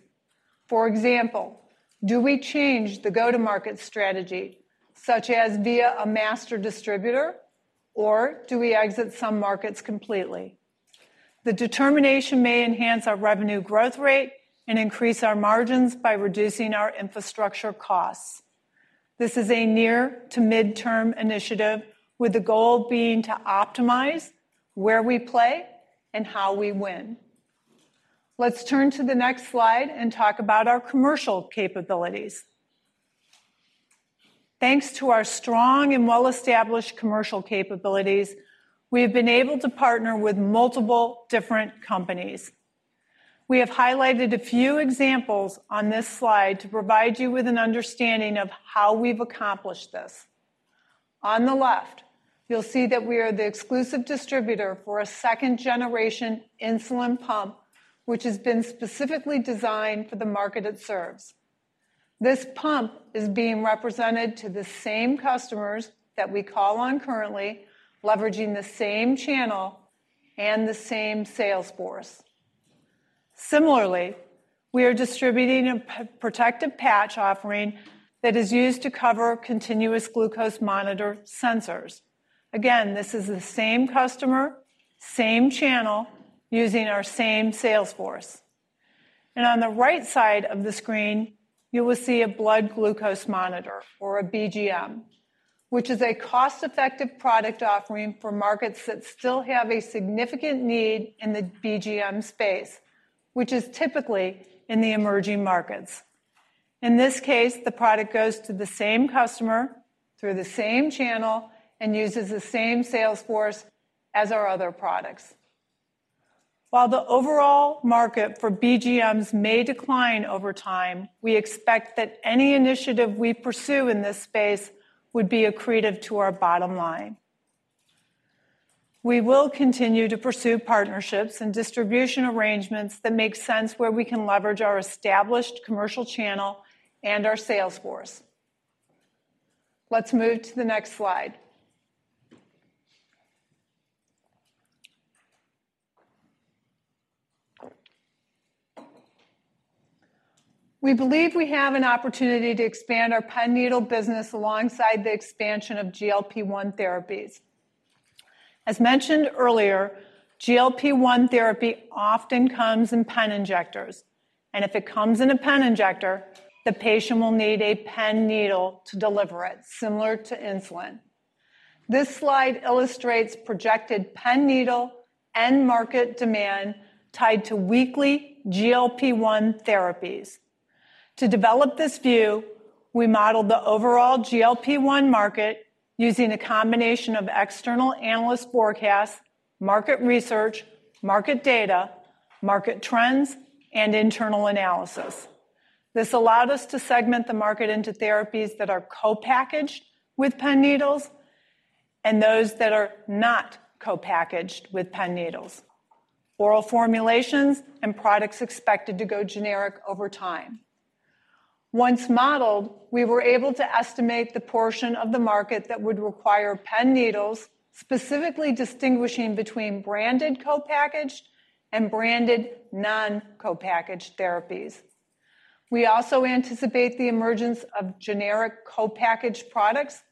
For example, do we change the go-to-market strategy, such as via a master distributor, or do we exit some markets completely? The determination may enhance our revenue growth rate and increase our margins by reducing our infrastructure costs. This is a near-to-mid-term initiative, with the goal being to optimize where we play and how we win. Let's turn to the next slide and talk about our commercial capabilities. Thanks to our strong and well-established commercial capabilities, we have been able to partner with multiple different companies. We have highlighted a few examples on this slide to provide you with an understanding of how we've accomplished this. On the left, you'll see that we are the exclusive distributor for a second-generation insulin pump, which has been specifically designed for the market it serves. This pump is being represented to the customers that we call on currently, leveraging the same channel and the same sales force. Similarly, we are distributing a protective patch offering that is used to cover continuous glucose monitor sensors. Again, this is the customers, same channel, using our same sales force. On the right-side of the screen, you will see a blood glucose monitor, or a BGM, which is a cost-effective product offering for markets that still have a significant need in the BGM space, which is typically in the emerging markets. In this case, the product goes to the customers through the same channel and uses the same sales force as our other products. While the overall market for BGMs may decline over time, we expect that any initiative we pursue in this space would be accretive to our bottom line. We will continue to pursue partnerships and distribution arrangements that make sense where we can leverage our established commercial channel and our sales force. Let's move to the next slide. We believe we have an opportunity to expand our pen needle business alongside the expansion of GLP-1 therapies. As mentioned earlier, GLP-1 therapy often comes in pen injectors. If it comes in a pen injector, the patient will need a pen needle to deliver it, similar to insulin. This slide illustrates projected pen needle and market demand tied to weekly GLP-1 therapies. develop this view, we modeled the overall GLP-1 market using a combination of external analyst forecasts, market research, market data, market trends, and internal analysis. This allowed us to segment the market into therapies that are co-packaged with Pen Needles and those that are not co-packaged with Pen Needles, oral formulations, and products expected to go generic over time. Once modeled, we were able to estimate the portion of the market that would require Pen Needles, specifically distinguishing between branded co-packaged and branded non-co-packaged therapies. We also anticipate the emergence of generic co-packaged products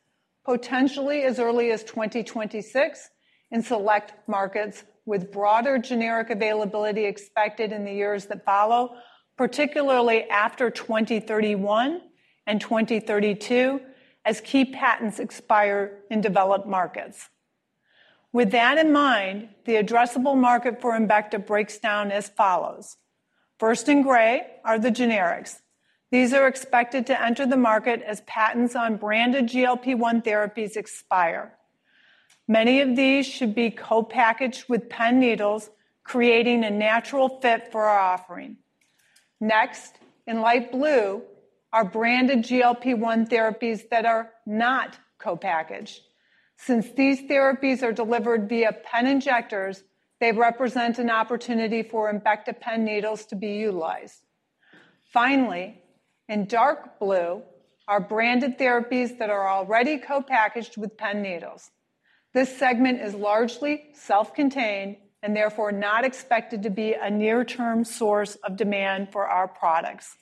potentially as early as 2026 in select markets, with broader generic availability expected in the years that follow, particularly after 2031 and 2032, as key patents expire developed markets. With that in mind, the addressable market for Embecta breaks down as follows. First in gray are the generics. These are expected to enter the market as patents on branded GLP-1 therapies expire. Many of these should be co-packaged with Pen Needles, creating a natural fit for our offering. Next, in light blue are branded GLP-1 therapies that are not co-packaged. Since these therapies are delivered via pen injectors, they represent an opportunity for Embecta Pen Needles to be utilized. Finally, in dark blue are branded therapies that are already co-packaged with Pen Needles. This segment is largely self-contained and therefore not expected to be a near-term source of demand for our products.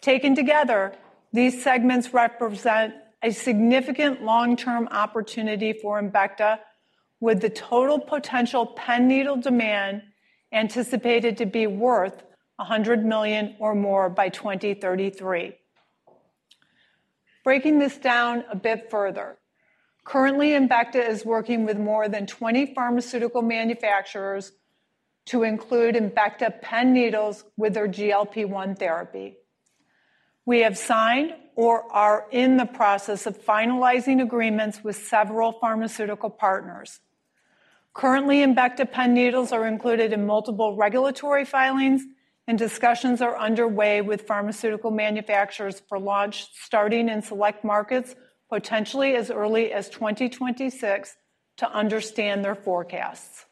Taken together, these segments represent a significant long-term opportunity for Embecta, with the total potential pen needle demand anticipated to be worth $100 million or more by 2033. Breaking this down a bit further, currently, Embecta is working with more than 20 pharmaceutical manufacturers to include Embecta Pen Needles with their GLP-1 therapy. We have signed or are in the process of finalizing agreements with several pharmaceutical partners. Currently, Embecta Pen Needles are included in multiple regulatory filings, and discussions are underway with pharmaceutical manufacturers for launch starting in select markets potentially as early as 2026 to understand their forecasts.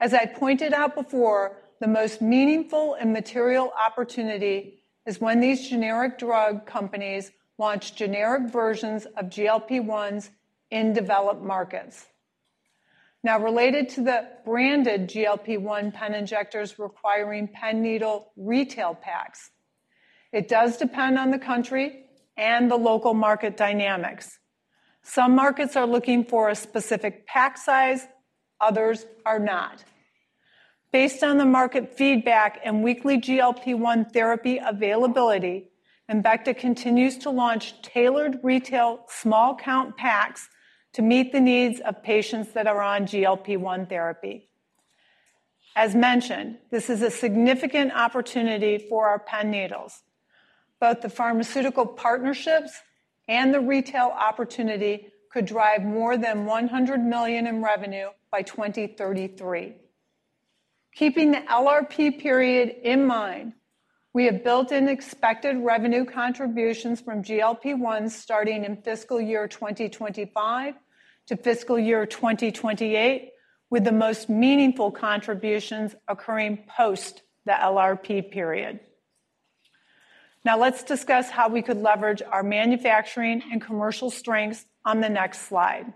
As I pointed out before, the most meaningful and material opportunity is when these generic drug companies launch generic versions of GLP-1s developed markets. Now, related to the branded GLP-1 pen injectors requiring pen needle retail packs, it does depend on the country and the local market dynamics. Some markets are looking for a specific pack size; others are not. Based on the market feedback and weekly GLP-1 therapy availability, Embecta continues to launch tailored retail small-count packs to meet the needs of patients that are on GLP-1 therapy. As mentioned, this is a significant opportunity for our Pen Needles. Both the pharmaceutical partnerships and the retail opportunity could drive more than $100 million in revenue by 2033. Keeping the LRP period in mind, we have built-in expected revenue contributions from GLP-1s starting in fiscal year 2025 to fiscal year 2028, with the most meaningful contributions occurring post the LRP period. Now, let's discuss how we could leverage our manufacturing and commercial strengths on the next slide.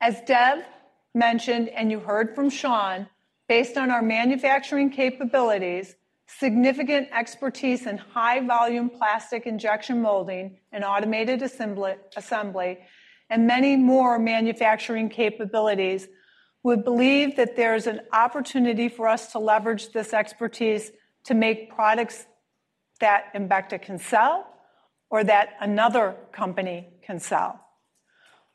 As Dev Kurdikar mentioned and you heard from Shaun Curtis, based on our manufacturing capabilities, significant expertise in high-volume plastic injection molding automated assembly, and many more manufacturing capabilities, we believe that there is an opportunity for us to leverage this expertise to make products that Embecta can sell or that another company can sell.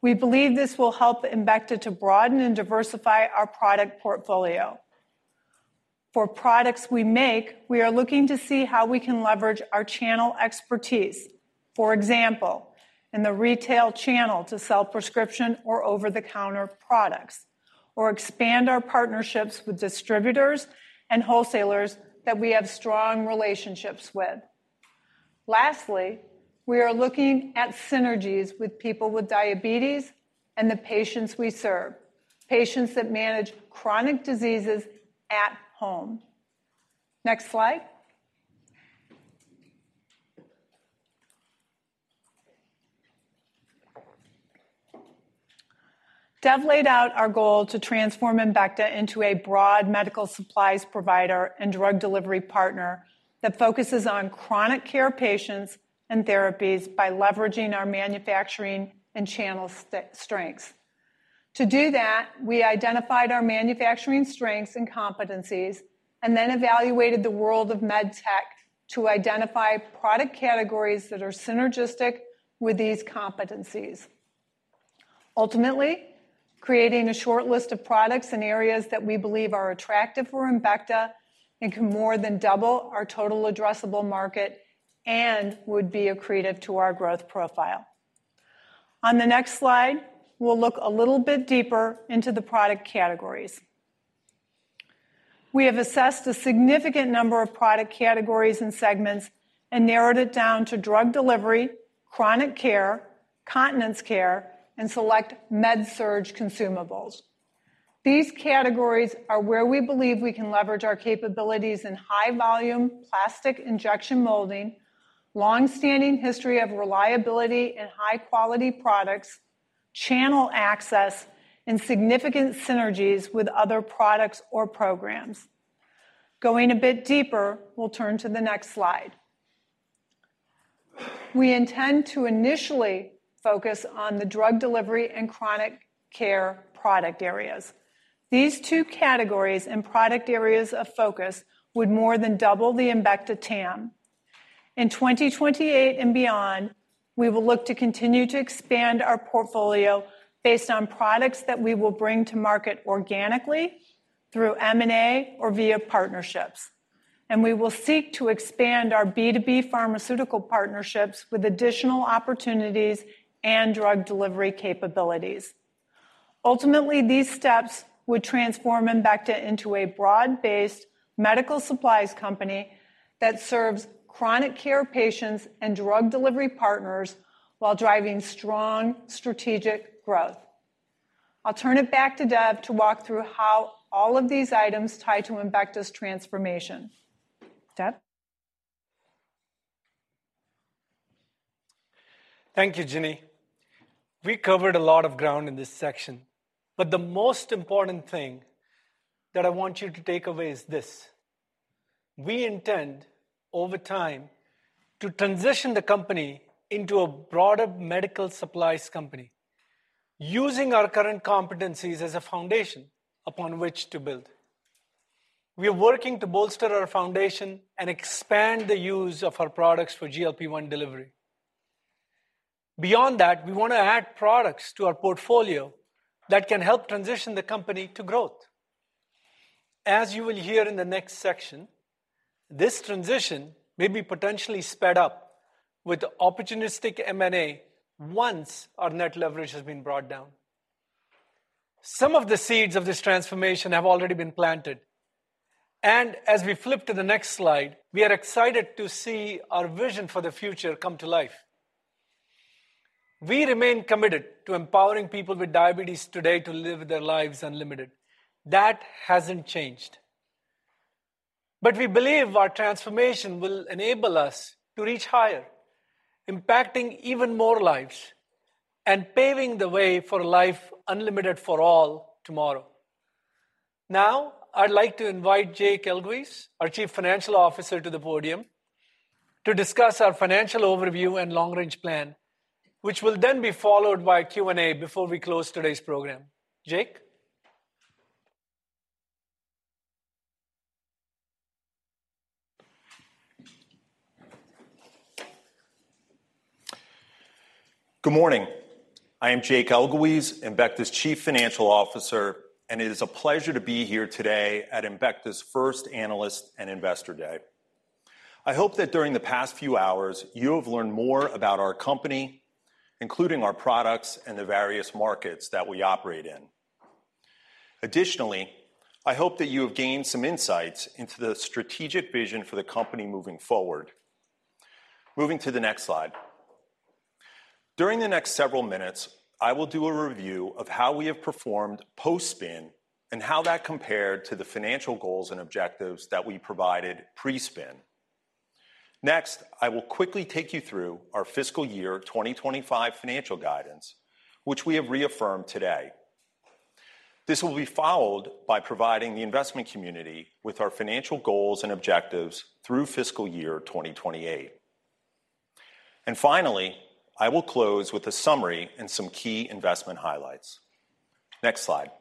We believe this will help Embecta to broaden and diversify our product portfolio. For products we make, we are looking to see how we can leverage our channel expertise, for example, in the retail channel to sell prescription or over-the-counter products, or expand our partnerships with distributors and wholesalers that we have strong relationships with. Lastly, we are looking at synergies with people with diabetes and the patients we serve, patients that manage chronic diseases at home. Next slide. Dev Kurdikar laid out our goal to transform Embecta into a broad medical supplies provider and drug delivery partner that focuses on chronic care patients and therapies by leveraging our manufacturing and channel strengths. To do that, we identified our manufacturing strengths and competencies and then evaluated the world of med tech to identify product categories that are synergistic with these competencies. Ultimately, creating a short list of products and areas that we believe are attractive for Embecta and can more than double our total addressable market and would be accretive to our growth profile. On the next slide, we'll look a little bit deeper into the product categories. We have assessed a significant number of product categories and segments and narrowed it down to drug delivery, chronic care, continence care, and select med surge consumables. These categories are where we believe we can leverage our capabilities in high-volume plastic injection molding, long-standing history of reliability and high-quality products, channel access, and significant synergies with other products or programs. Going a bit deeper, we'll turn to the next slide. We intend to initially focus on the drug delivery and chronic care product areas. These two categories and product areas of focus would more than double the Embecta TAM. In 2028 and beyond, we will look to continue to expand our portfolio based on products that we will bring to market organically through M&A or via partnerships. We will seek to expand our B2B pharmaceutical partnerships with additional opportunities and drug delivery capabilities. Ultimately, these steps would transform Embecta into a broad-based medical supplies company that serves chronic care patients and drug delivery partners while driving strong strategic growth. I'll turn it back to Dev Kurdikar to walk through how all of these items tie to Embecta's transformation. Dev Kurdikar? Thank you, Ginny Blocki. We covered a lot of ground in this section, but the most important thing that I want you to take away is this. We intend, over time, to transition the company into a broader medical supplies company, using our current competencies as a foundation upon which to build. We are working to bolster our foundation and expand the use of our products for GLP-1 delivery. Beyond that, we want to add products to our portfolio that can help transition the company to growth. As you will hear in the next section, this transition may be potentially sped up with opportunistic M&A once our net leverage has been brought down. Some of the seeds of this transformation have already been planted. As we flip to the next slide, we are excited to see our vision for the future come to life. We remain committed to empowering people with diabetes today to live their lives unlimited. That has not changed. We believe our transformation will enable us to reach higher, impacting even more lives and paving the way for a life unlimited for tomorrow. Now, I'd like to invite Jake Elguicze, our Chief Financial Officer, to the podium to discuss our financial overview and long-range plan, which will then be followed by a Q&A before we close today's program. Jake Elguicze? Good morning. I am Jake Elguicze, Embecta's Chief Financial Officer, and it is a pleasure to be here today at Embecta's first Analyst and Investor Day. I hope that during the past few hours, you have learned more about our company, including our products and the various markets that we operate in. Additionally, I hope that you have gained some insights into the strategic vision for the company moving forward. Moving to the next slide. During the next several minutes, I will do a review of how we have performed post-spin and how that compared to the financial goals and objectives that we provided pre-spin. Next, I will quickly take you through our fiscal year 2025 financial guidance, which we have reaffirmed today. This will be followed by providing the investment community with our financial goals and objectives through fiscal year 2028. Finally, I will close with a summary and some key investment highlights. Next slide.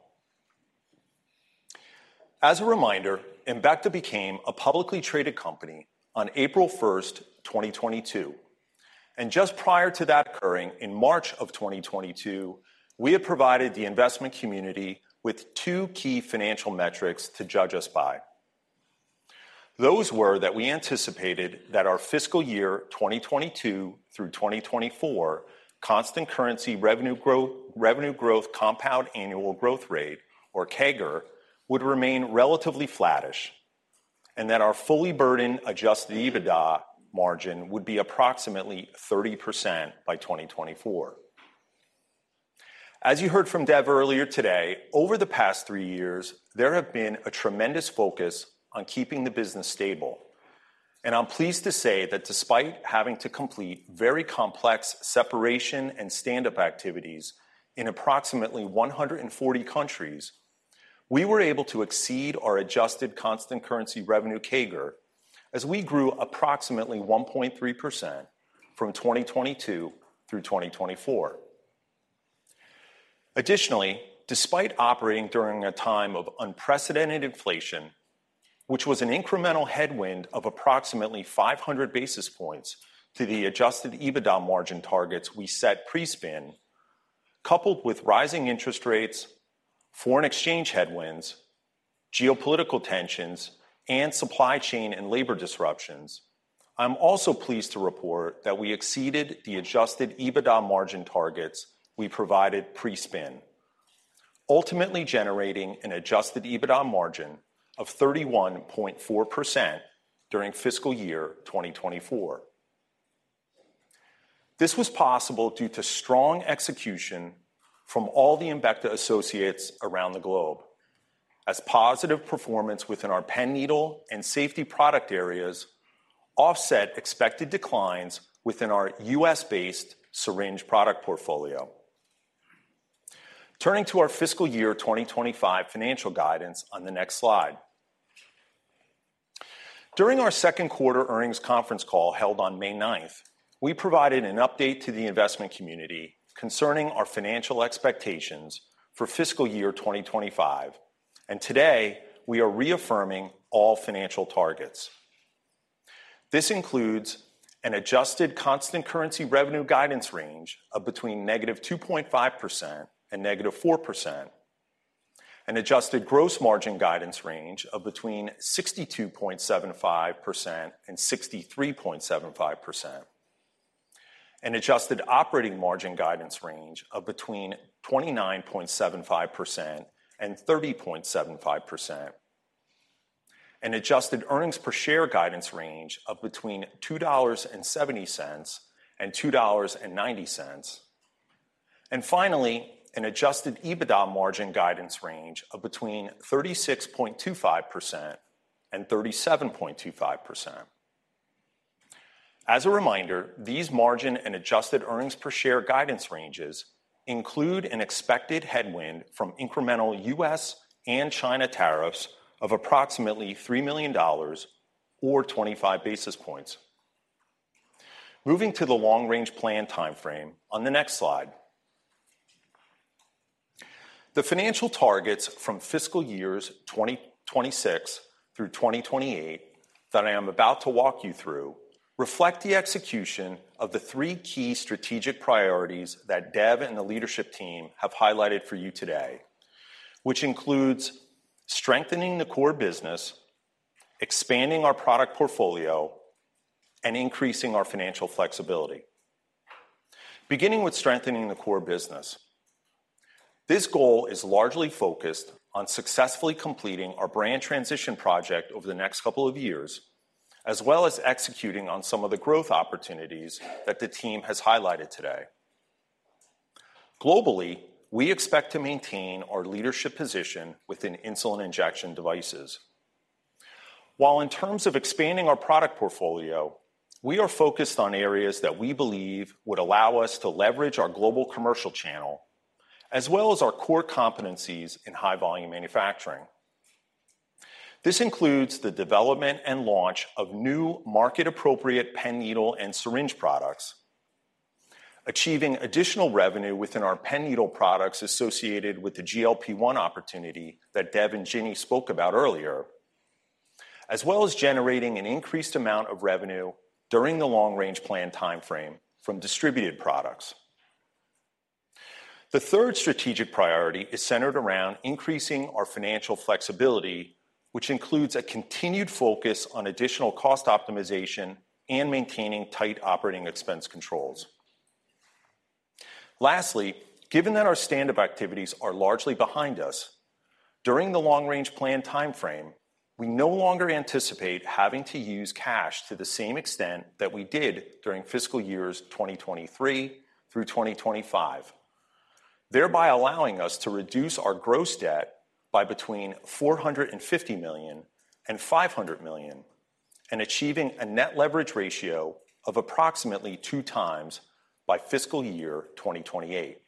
As a reminder, Embecta became a publicly traded company on April 1st, 2022. Just prior to that occurring in March of 2022, we had provided the investment community with two key financial metrics to judge us by. Those were that we anticipated that our fiscal year 2022 through 2024 constant currency revenue growth compound annual growth rate, or CAGR, would remain relatively flattish, and that our fully burdened Adjusted EBITDA margin would be approximately 30% by 2024. As you heard from Dev Kurdikar earlier today, over the past three years, there has been a tremendous focus on keeping the business stable. I'm pleased to say that despite having to complete very complex separation and stand-up activities in approximately 140 countries, we were able to exceed our adjusted constant currency revenue CAGR as we grew approximately 1.3% from 2022 through 2024. Additionally, despite operating during a time of unprecedented inflation, which was an incremental headwind of approximately 500 basis points to the Adjusted EBITDA margin targets we set pre-spin, coupled with rising interest rates, foreign exchange headwinds, geopolitical tensions, and supply chain and labor disruptions, I'm also pleased to report that we exceeded the Adjusted EBITDA margin targets we provided pre-spin, ultimately generating an Adjusted EBITDA margin of 31.4% during fiscal year 2024. This was possible due to strong execution from all the Embecta associates around the globe, as positive performance within our pen needle and safety product areas offset expected declines within our U.S.-based syringe product portfolio. Turning to our fiscal year 2025 financial guidance on the next slide. During our Q2 earnings conference call held on May 9th, we provided an update to the investment community concerning our financial expectations for fiscal year 2025. Today, we are reaffirming all financial targets. This includes an adjusted constant currency revenue guidance range of between -2.5% and -4%, an adjusted gross margin guidance range of between 62.75%-63.75%, an adjusted operating margin guidance range of between 29.75%-30.75%, an adjusted earnings per share guidance range of between $2.70-$2.90, and finally, an Adjusted EBITDA margin guidance range of between 36.25%-37.25%. As a reminder, these margin and adjusted earnings per share guidance ranges include an expected headwind from incremental U.S. and China tariffs of approximately $3 million or 25 basis points. Moving to the long-range plan timeframe on the next slide. The financial targets from fiscal years 2026 through 2028 that I am about to walk you through reflect the execution of the three key strategic priorities that Dev Kurdikar and the leadership team have highlighted for you today, which includes strengthening the core business, expanding our product portfolio, and increasing our financial flexibility. Beginning with strengthening the core business, this goal is largely focused on successfully completing our brand transition project over the next couple of years, as well as executing on some of the growth opportunities that the team has highlighted today. Globally, we expect to maintain our leadership position within insulin devices. While in terms of expanding our product portfolio, we are focused on areas that we believe would allow us to leverage our global commercial channel, as well as our core competencies in high-volume manufacturing. This includes development and launch of new market-appropriate pen needle and syringe products, achieving additional revenue within our pen needle products associated with the GLP-1 opportunity that Dev Kurdikar and Ginny Blocki spoke about earlier, as well as generating an increased amount of revenue during the long-range plan timeframe from distributed products. The third strategic priority is centered around increasing our financial flexibility, which includes a continued focus on additional cost optimization and maintaining tight operating expense controls. Lastly, given that our stand-up activities are largely behind us, during the long-range plan timeframe, we no longer anticipate having to use cash to the same extent that we did during fiscal years 2023 through 2025, thereby allowing us to reduce our gross debt by between $450 million and $500 million, and achieving a net leverage ratio of approximately two times by fiscal year 2028.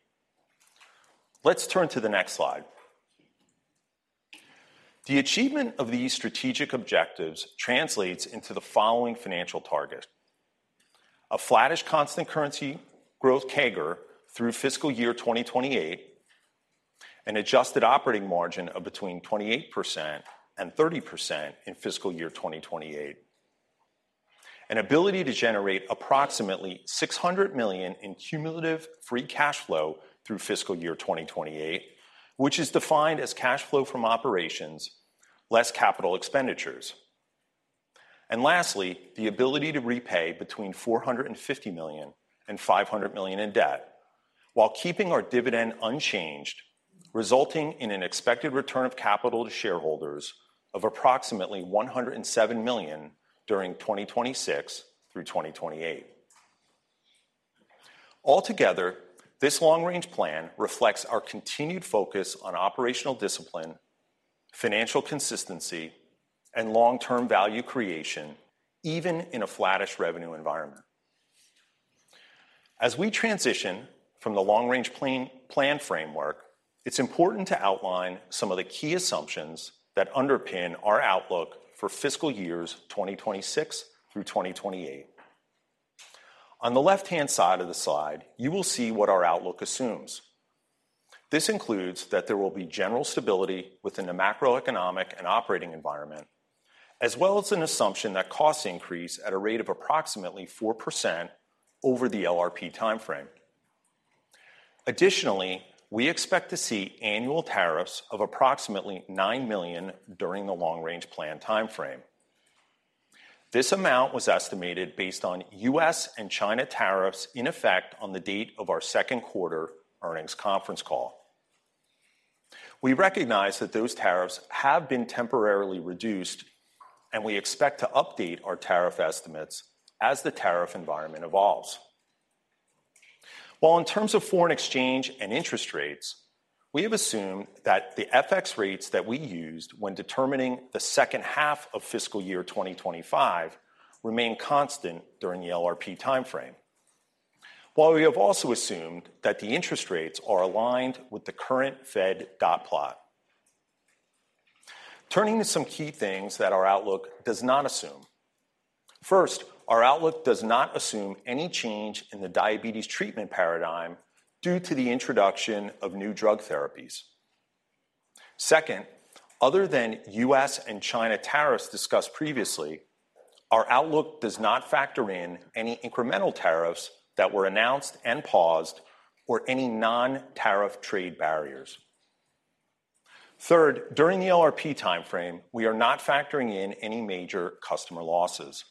Let's turn to the next slide. The achievement of these strategic objectives translates into the following financial targets: a flattish constant currency growth CAGR through fiscal year 2028, an adjusted operating margin of between 28% and 30% in fiscal year 2028, an ability to generate approximately $600 million in cumulative free cash flow through fiscal year 2028, which is defined as cash flow from operations, less capital expenditures. Lastly, the ability to repay between $450 million and $500 million in debt while keeping our dividend unchanged, resulting in an expected return of capital to shareholders of approximately $107 million during 2026 through 2028. Altogether, this long-range plan reflects our continued focus on operational discipline, financial consistency, and long-term value creation, even in a flattish revenue environment. As we transition from the long-range plan framework, it's important to outline some of the key assumptions that underpin our outlook for fiscal years 2026 through 2028. On the left-hand side of the slide, you will see what our outlook assumes. This includes that there will be general stability within the macroeconomic and operating environment, as well as an assumption that costs increase at a rate of approximately 4% over the LRP timeframe. Additionally, we expect to see annual tariffs of approximately $9 million during the long-range plan timeframe. This amount was estimated based on U.S. and China tariffs in effect on the date of our Q2 earnings conference call. We recognize that those tariffs have been temporarily reduced, and we expect to update our tariff estimates as the tariff environment evolves. While in terms of foreign exchange and interest rates, we have assumed that the FX rates that we used when determining the second half of fiscal year 2025 remain constant during the LRP timeframe, while we have also assumed that the interest rates are aligned with the current Fed dot plot. Turning to some key things that our outlook does not assume. First, our outlook does not assume any change in the diabetes treatment paradigm due to the introduction of new drug therapies. Second, other than U.S. and China tariffs discussed previously, our outlook does not factor in any incremental tariffs that were announced and paused, or any non-tariff trade barriers. Third, during the LRP timeframe, we are not factoring in any customers losses.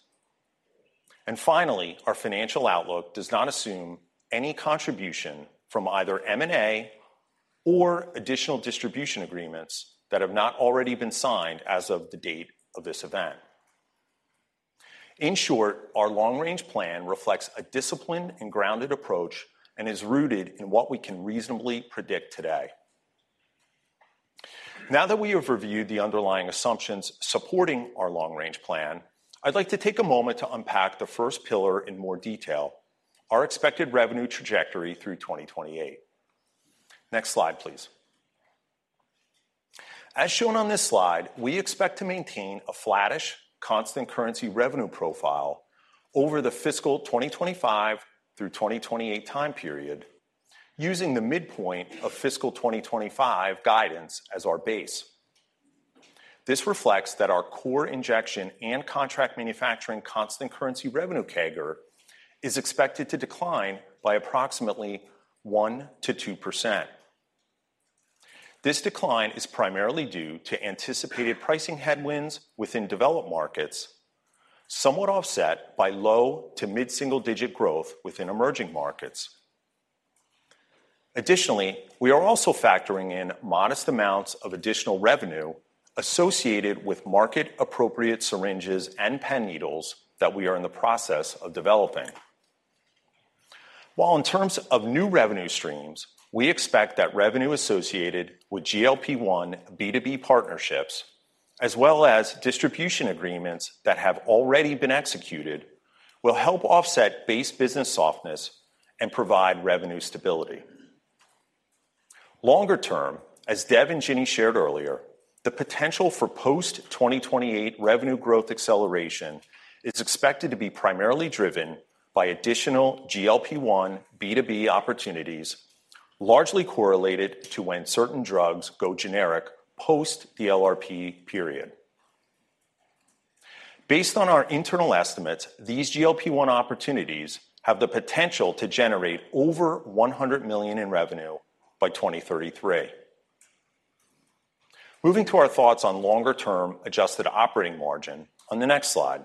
Finally, our financial outlook does not assume any contribution from either M&A or additional distribution agreements that have not already been signed as of the date of this event. In short, our long-range plan reflects a disciplined and grounded approach and is rooted in what we can reasonably predict today. Now that we have reviewed the underlying assumptions supporting our long-range plan, I'd like to take a moment to unpack the first pillar in more detail: our expected revenue trajectory through 2028. Next slide, please. As shown on this slide, we expect to maintain a flattish constant currency revenue profile over the fiscal 2025-2028 time period, using the midpoint of fiscal 2025 guidance as our base. This reflects that our core injection and contract manufacturing constant currency revenue CAGR is expected to decline by approximately 1%-2%. This decline is primarily due to anticipated pricing headwinds developed markets, somewhat offset by low to mid-single-digit growth within emerging markets. Additionally, we are also factoring in modest amounts of additional revenue associated with market-appropriate syringes and Pen Needles that we are in the process developing. While in terms of new revenue streams, we expect that revenue associated with GLP-1 B2B partnerships, as well as distribution agreements that have already been executed, will help offset base business softness and provide revenue stability. Longer-term, as Dev Kurdikar and Ginny Blocki shared earlier, the potential for post-2028 revenue growth acceleration is expected to be primarily driven by additional GLP-1 B2B opportunities, largely correlated to when certain drugs go generic post the LRP period. Based on our internal estimates, these GLP-1 opportunities have the potential to generate over $100 million in revenue by 2033. Moving to our thoughts on longer-term adjusted operating margin on the next slide.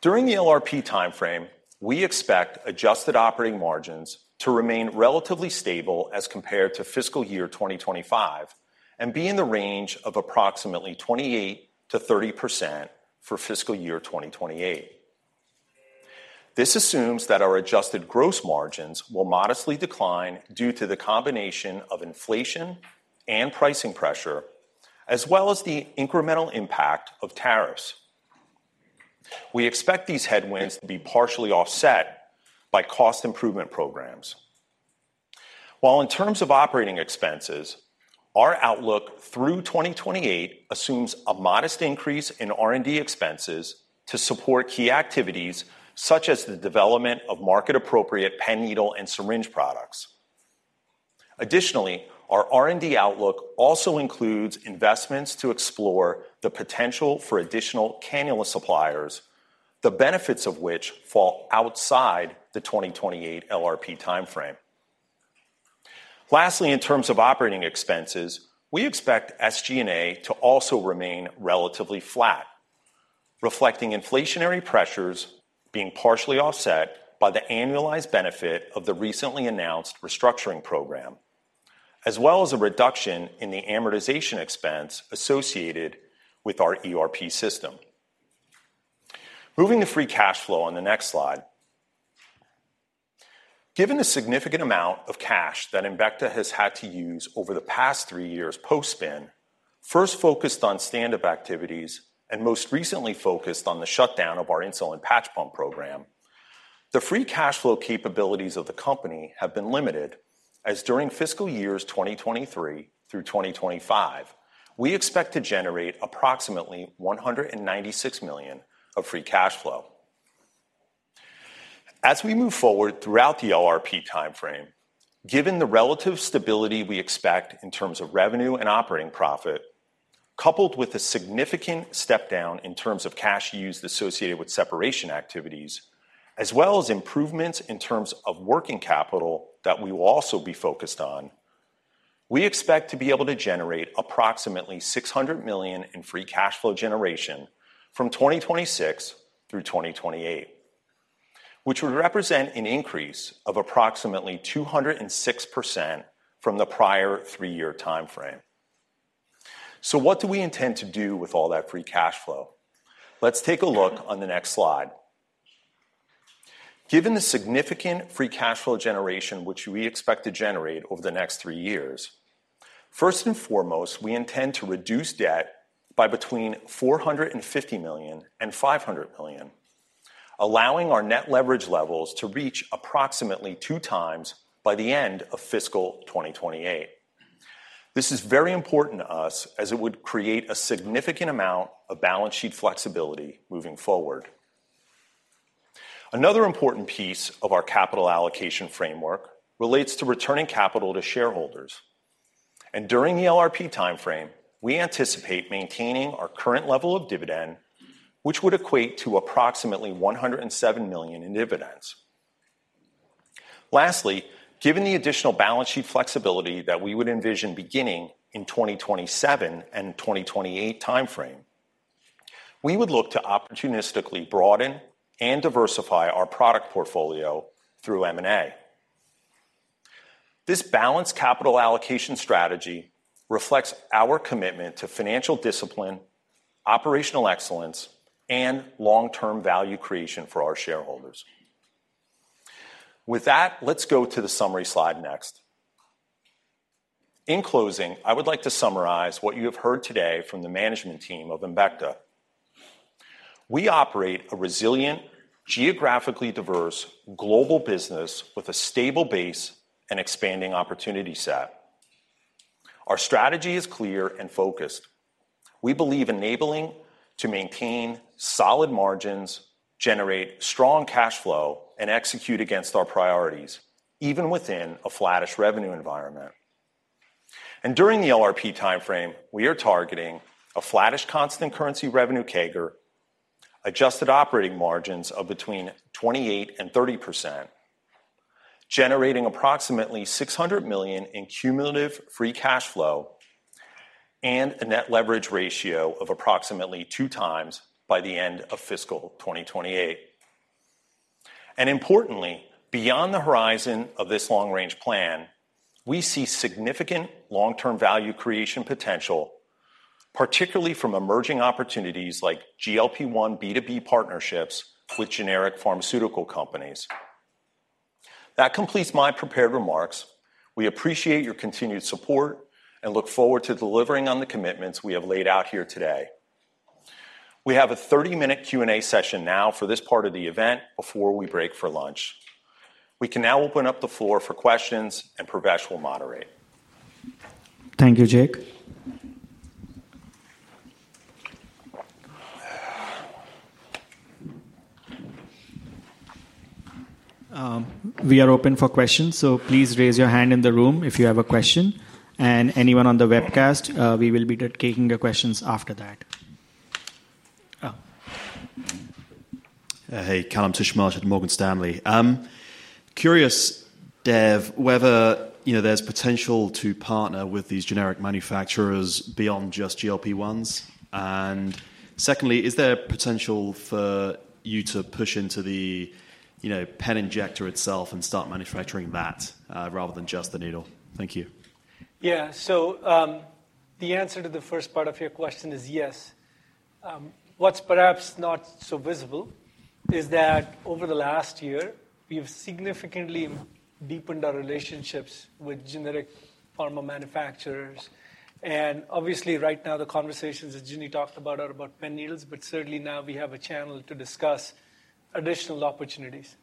During the LRP timeframe, we expect adjusted operating margins to remain relatively stable as compared to fiscal year 2025 and be in the range of approximately 28%-30% for fiscal year 2028. This assumes that our adjusted gross margins will modestly decline due to the combination of inflation and pricing pressure, as well as the incremental impact of tariffs. We expect these headwinds to be partially offset by cost improvement programs. While in terms of operating expenses, our outlook through 2028 assumes a modest increase in R&D expenses to support key activities such as development of market-appropriate pen needle and syringe products. Additionally, our R&D outlook also includes investments to explore the potential for additional cannula suppliers, the benefits of which fall outside the 2028 LRP timeframe. Lastly, in terms of operating expenses, we expect SG&A to also remain relatively flat, reflecting inflationary pressures being partially offset by the annualized benefit of the recently announced restructuring program, as well as a reduction in the amortization expense associated with our ERP system. Moving to free cash flow on the next slide. Given the significant amount of cash that Embecta has had to use over the past three years post-spin, first focused on stand-up activities, and most recently focused on the shut-down of our insulin patch pump program, the free cash flow capabilities of the company have been limited, as during fiscal years 2023 through 2025, we expect to generate approximately $196 million of free cash-flow. As we move forward throughout the LRP timeframe, given the relative stability we expect in terms of revenue and operating profit, coupled with a significant step down in terms of cash used associated with separation activities, as well as improvements in terms of working capital that we will also be focused on, we expect to be able to generate approximately $600 million in free cash flow generation from 2026 through 2028, which would represent an increase of approximately 206% from the prior three-year timeframe. What do we intend to do with all that free cash flow? Let's take a look on the next slide. Given the significant free cash flow generation which we expect to generate over the next three years, first and foremost, we intend to reduce debt by between $450 million and $500 million, allowing our net leverage levels to reach approximately two times by the end of fiscal 2028. This is very important to us, as it would create a significant amount of balance sheet flexibility moving forward. Another important piece of our capital allocation framework relates to returning capital to shareholders. During the LRP timeframe, we anticipate maintaining our current level of dividend, which would equate to approximately $107 million in dividends. Lastly, given the additional balance sheet flexibility that we would envision beginning in the 2027 and 2028 timeframe, we would look to opportunistically broaden and diversify our product portfolio through M&A. This balanced capital allocation strategy reflects our commitment to financial discipline, operational excellence, and long-term value creation for our shareholders. With that, let's go to the summary slide next. In closing, I would like to summarize what you have heard today from the management team of Embecta. We operate a resilient, geographically diverse, global business with a stable base and expanding opportunity set. Our strategy is clear and focused. We believe enabling to maintain solid margins, generate strong cash flow, and execute against our priorities, even within a flattish revenue environment. During the LRP timeframe, we are targeting a flattish constant currency revenue CAGR, adjusted operating margins of between 28%-30%, generating approximately $600 million in cumulative free cash flow and a net leverage ratio of approximately two times by the end of fiscal 2028. Importantly, beyond the horizon of this long-range plan, we see significant long-term value creation potential, particularly from emerging opportunities like GLP-1 B2B partnerships with generic pharmaceutical companies. That completes my prepared remarks. We appreciate your continued support and look forward to delivering on the commitments we have laid out here today. We have a 30-minute Q&A session now for this part of the event before we break for lunch. We can now open up the floor for questions, and Pravesh Khandelwal will moderate. Thank you, Jake Elguicze. We are open for questions, so please raise your hand in the room if you have a question. Anyone on the webcast, we will be taking your questions after that. Hey, Kallum Titchmarsh at Morgan Stanley. Curious, Dev Kurdikar, whether there's potential to partner with these generic manufacturers beyond just GLP-1s. Secondly, is there potential for you to push into the pen injector itself and start manufacturing that rather than just the needle? Thank you. Yeah, the answer to the first part of your question is yes. What's perhaps not so visible is that over the last year, we have significantly deepened our relationships with generic pharma manufacturers. Obviously, right now, the conversations that Ginny Blocki talked about are about Pen Needles, but certainly now we have a channel to discuss additional opportunities.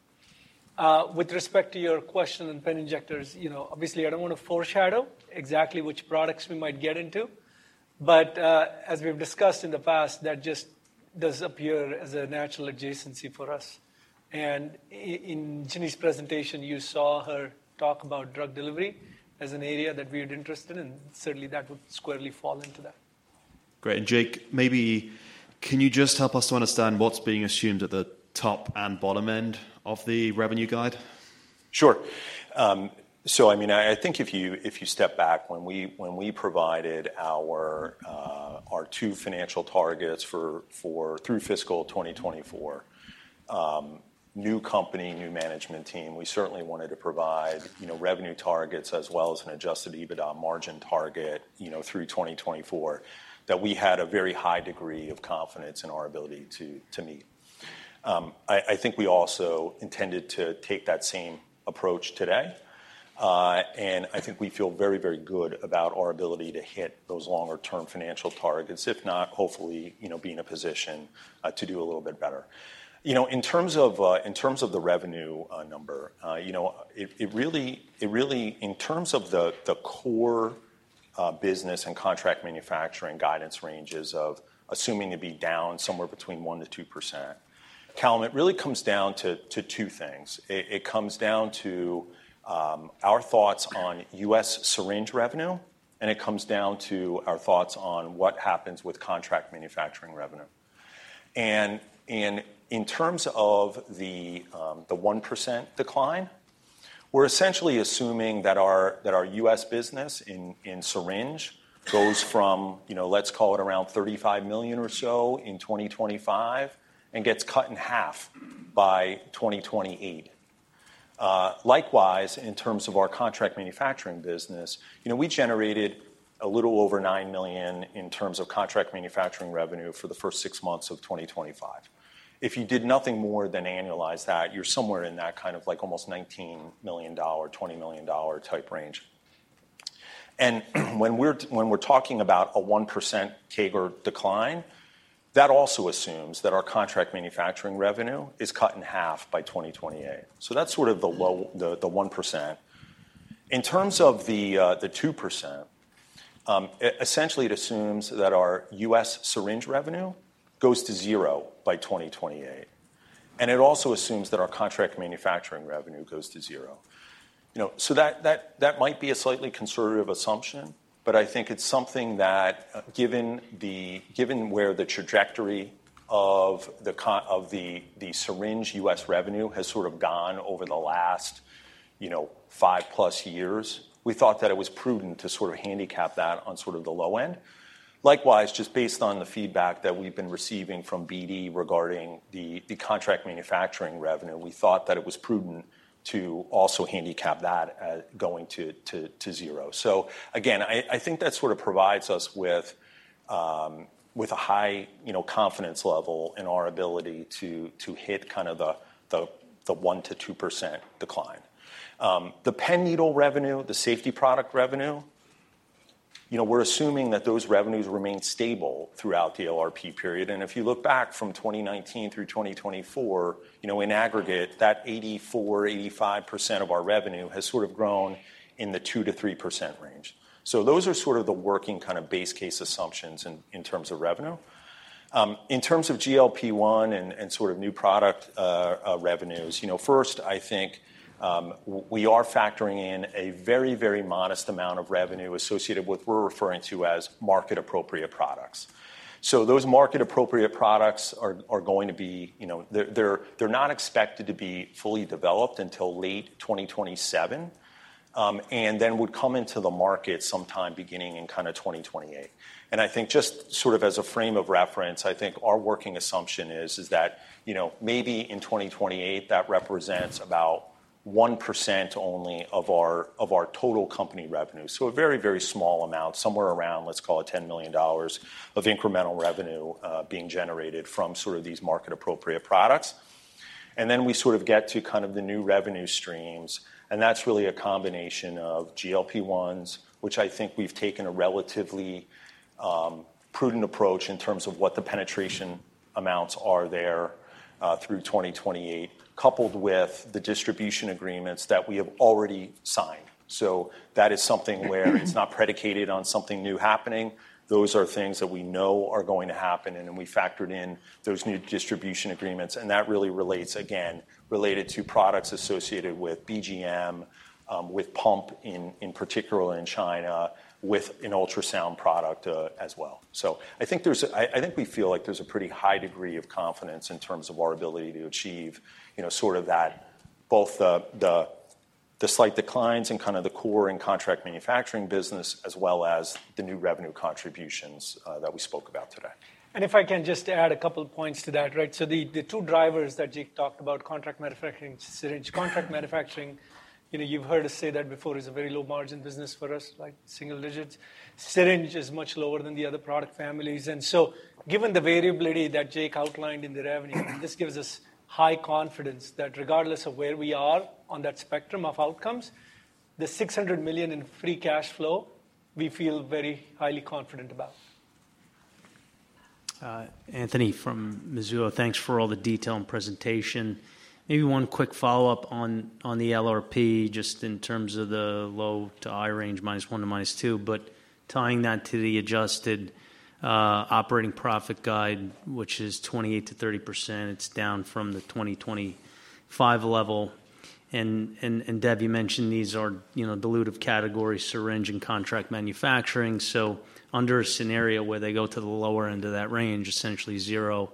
With respect to your question on pen injectors, obviously, I do not want to foreshadow exactly which products we might get into. As we have discussed in the past, that does appear as a natural adjacency for us. In Ginny Blocki's presentation, you saw her talk about drug delivery as an area that we are interested in, and certainly that would squarely fall into that. Great. Jake Elguicze, maybe can you just help us to understand what's being assumed at the top and bottom-end of the revenue guide? Sure. I mean, I think if you step back, when we provided our two financial targets for through fiscal 2024, new company, new management team, we certainly wanted to provide revenue targets as well as an Adjusted EBITDA margin target through 2024 that we had a very high degree of confidence in our ability to meet. I think we also intended to take that same approach today. I think we feel very, very good about our ability to hit those longer-term financial targets, if not, hopefully, being in a position to do a little bit better. In terms of the revenue number, it really, in terms of the core business and contract manufacturing guidance ranges of assuming to be down somewhere between 1%-2%, Kallum Titchmarsh, it really comes down to two things. It comes down to our thoughts on U.S. syringe revenue, and it comes down to our thoughts on what happens with contract manufacturing revenue. In terms of the 1% decline, we are essentially assuming that our U.S. business in syringe goes from, let's call it around $35 million or so in 2025 and gets cut in half by 2028. Likewise, in terms of our contract manufacturing business, we generated a little over $9 million in terms of contract manufacturing revenue for the first six months of 2025. If you did nothing more than annualize that, you are somewhere in that kind of like almost $19 million-$20 million type range. When we're talking about a 1% CAGR decline, that also assumes that our contract manufacturing revenue is cut in half by 2028. That's sort of the 1%. In terms of the 2%, essentially, it assumes that our U.S. syringe revenue goes to zero by 2028. It also assumes that our contract manufacturing revenue goes to zero. That might be a slightly conservative assumption, but I think it's something that, given where the trajectory of the syringe U.S. revenue has sort of gone over the last five + years, we thought that it was prudent to sort of handicap that on the low end. Likewise, just based on the feedback that we've been receiving from BD regarding the contract manufacturing revenue, we thought that it was prudent to also handicap that going to zero. Again, I think that sort of provides us with a high confidence level in our ability to hit kind of the 1%-2% decline. The pen needle revenue, the safety product revenue, we're assuming that those revenues remain stable throughout the LRP period. If you look back from 2019 through 2024, in aggregate, that 84%-85% of our revenue has sort of grown in the 2%-3% range. Those are sort of the working kind of base case assumptions in terms of revenue. In terms of GLP-1 and sort of new product revenues, first, I think we are factoring in a very, very modest amount of revenue associated with what we're referring to as market-appropriate products. Those market-appropriate products are going to be, they're not expected to be developed until late 2027 and then would come into the market sometime beginning in kind of 2028. I think just sort of as a frame of reference, I think our working assumption is that maybe in 2028, that represents about 1% only of our total company revenue. A very, very small amount, somewhere around, let's call it $10 million of incremental revenue being generated from sort of these market-appropriate products. We sort of get to kind of the new revenue streams. That's really a combination of GLP-1s, which I think we've taken a relatively prudent approach in terms of what the penetration amounts are there through 2028, coupled with the distribution agreements that we have already signed. That is something where it's not predicated on something new happening. Those are things that we know are going to happen. We factored in those new distribution agreements. That really relates, again, related to products associated with BGM, with pump in particular in China, with an ultrasound product as well. I think we feel like there's a pretty high degree of confidence in terms of our ability to achieve sort of that, both the slight declines in kind of the core and contract manufacturing business as well as the new revenue contributions that we spoke about today. If I can just add a couple of points to that, right? The two drivers that Jake Elguicze talked about, contract manufacturing and syringe, contract manufacturing, you've heard us say that before is a very low-margin business for us, like single digits. Syringe is much lower than the other product families. Given the variability that Jake Elguicze outlined in the revenue, this gives us high confidence that regardless of where we are on that spectrum of outcomes, the $600 million in free cash flow, we feel very highly confident about. Anthony from Mizuho. Thanks for all the detail and presentation. Maybe one quick follow-up on the LRP, just in terms of the low-to-high range, -1 to -2, but tying that to the adjusted operating profit guide, which is 28%-30%. It is down from the 2025 level. And Dev Kurdikar, you mentioned these are dilutive categories, syringe and contract manufacturing. Under a scenario where they go to the lower-end of that range, essentially zero,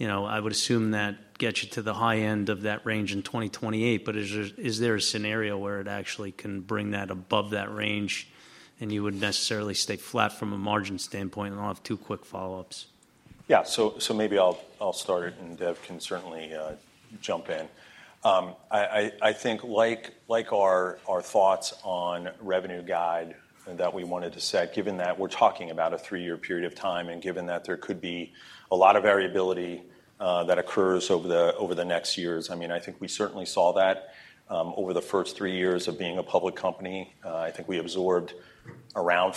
I would assume that gets you to the high-end of that range in 2028. Is there a scenario where it actually can bring that above that range and you would necessarily stay flat from a margin stand-point? I'll have two quick follow-ups. Yeah, maybe I'll start it, and Dev Kurdikar can certainly jump in. I think like our thoughts on revenue guide that we wanted to set, given that we're talking about a three-year period of time and given that there could be a lot of variability that occurs over the next years, I mean, I think we certainly saw that over the first three years of being a public company. I think we absorbed around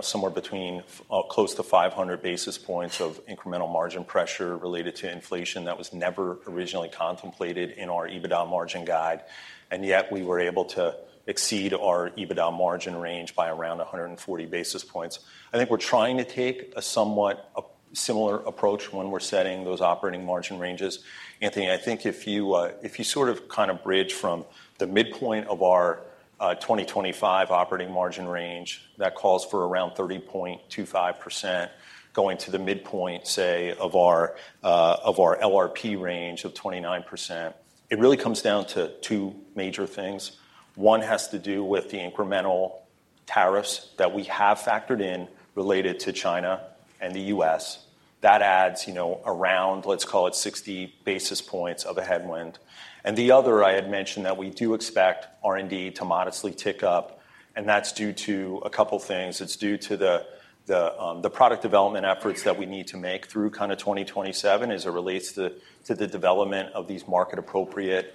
somewhere between close to 500 basis points of incremental margin pressure related to inflation that was never originally contemplated in our EBITDA margin guide. Yet we were able to exceed our EBITDA margin range by around 140 basis points. I think we're trying to take a somewhat similar approach when we're setting those operating margin ranges. Anthony Petrone, I think if you sort of kind of bridge from the midpoint of our 2025 operating margin range, that calls for around 30.25% going to the midpoint, say, of our LRP range of 29%. It really comes down to two major things. One has to do with the incremental tariffs that we have factored in related to China and the U.S. That adds around, let's call it 60 basis points of a headwind. The other, I had mentioned that we do expect R&D to modestly tick up. That's due to a couple of things. It's due to the development efforts that we need to make through kind of 2027 as it relates to development of these market-appropriate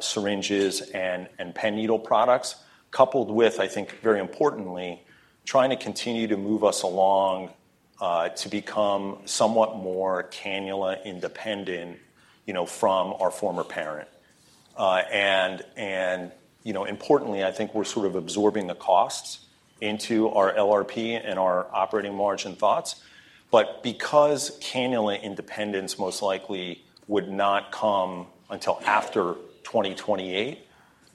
syringes and pen needle products, coupled with, I think, very importantly, trying to continue to move us along to become somewhat more cannula independent from our former parent. Importantly, I think we're sort of absorbing the costs into our LRP and our operating margin thoughts. Because cannula independence most likely would not come until after 2028,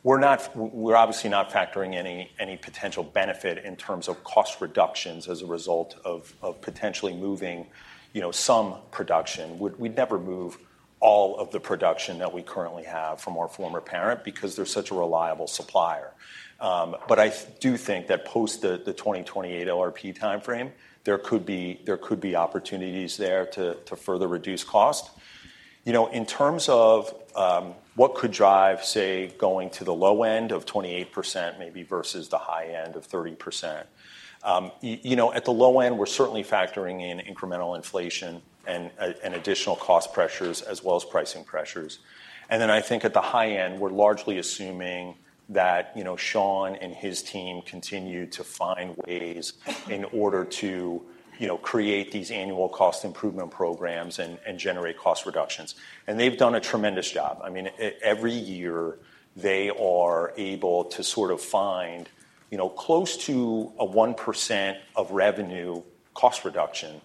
we're obviously not factoring any potential benefit in terms of cost reductions as a result of potentially moving some production. We'd never move all of the production that we currently have from our former parent because they're such a reliable supplier. I do think that post the 2028 LRP timeframe, there could be opportunities there to further reduce cost. In terms of what could drive, say, going to the low-end of 28%, maybe versus the high-end of 30%, at the low-end, we're certainly factoring in incremental inflation and additional cost pressures as well as pricing pressures. I think at the high-end, we're largely assuming that Shaun Curtis and his team continue to find ways in order to create these annual cost improvement programs and generate cost reductions. They've done a tremendous job. I mean, every year, they are able to sort of find close to a 1% of revenue cost reduction,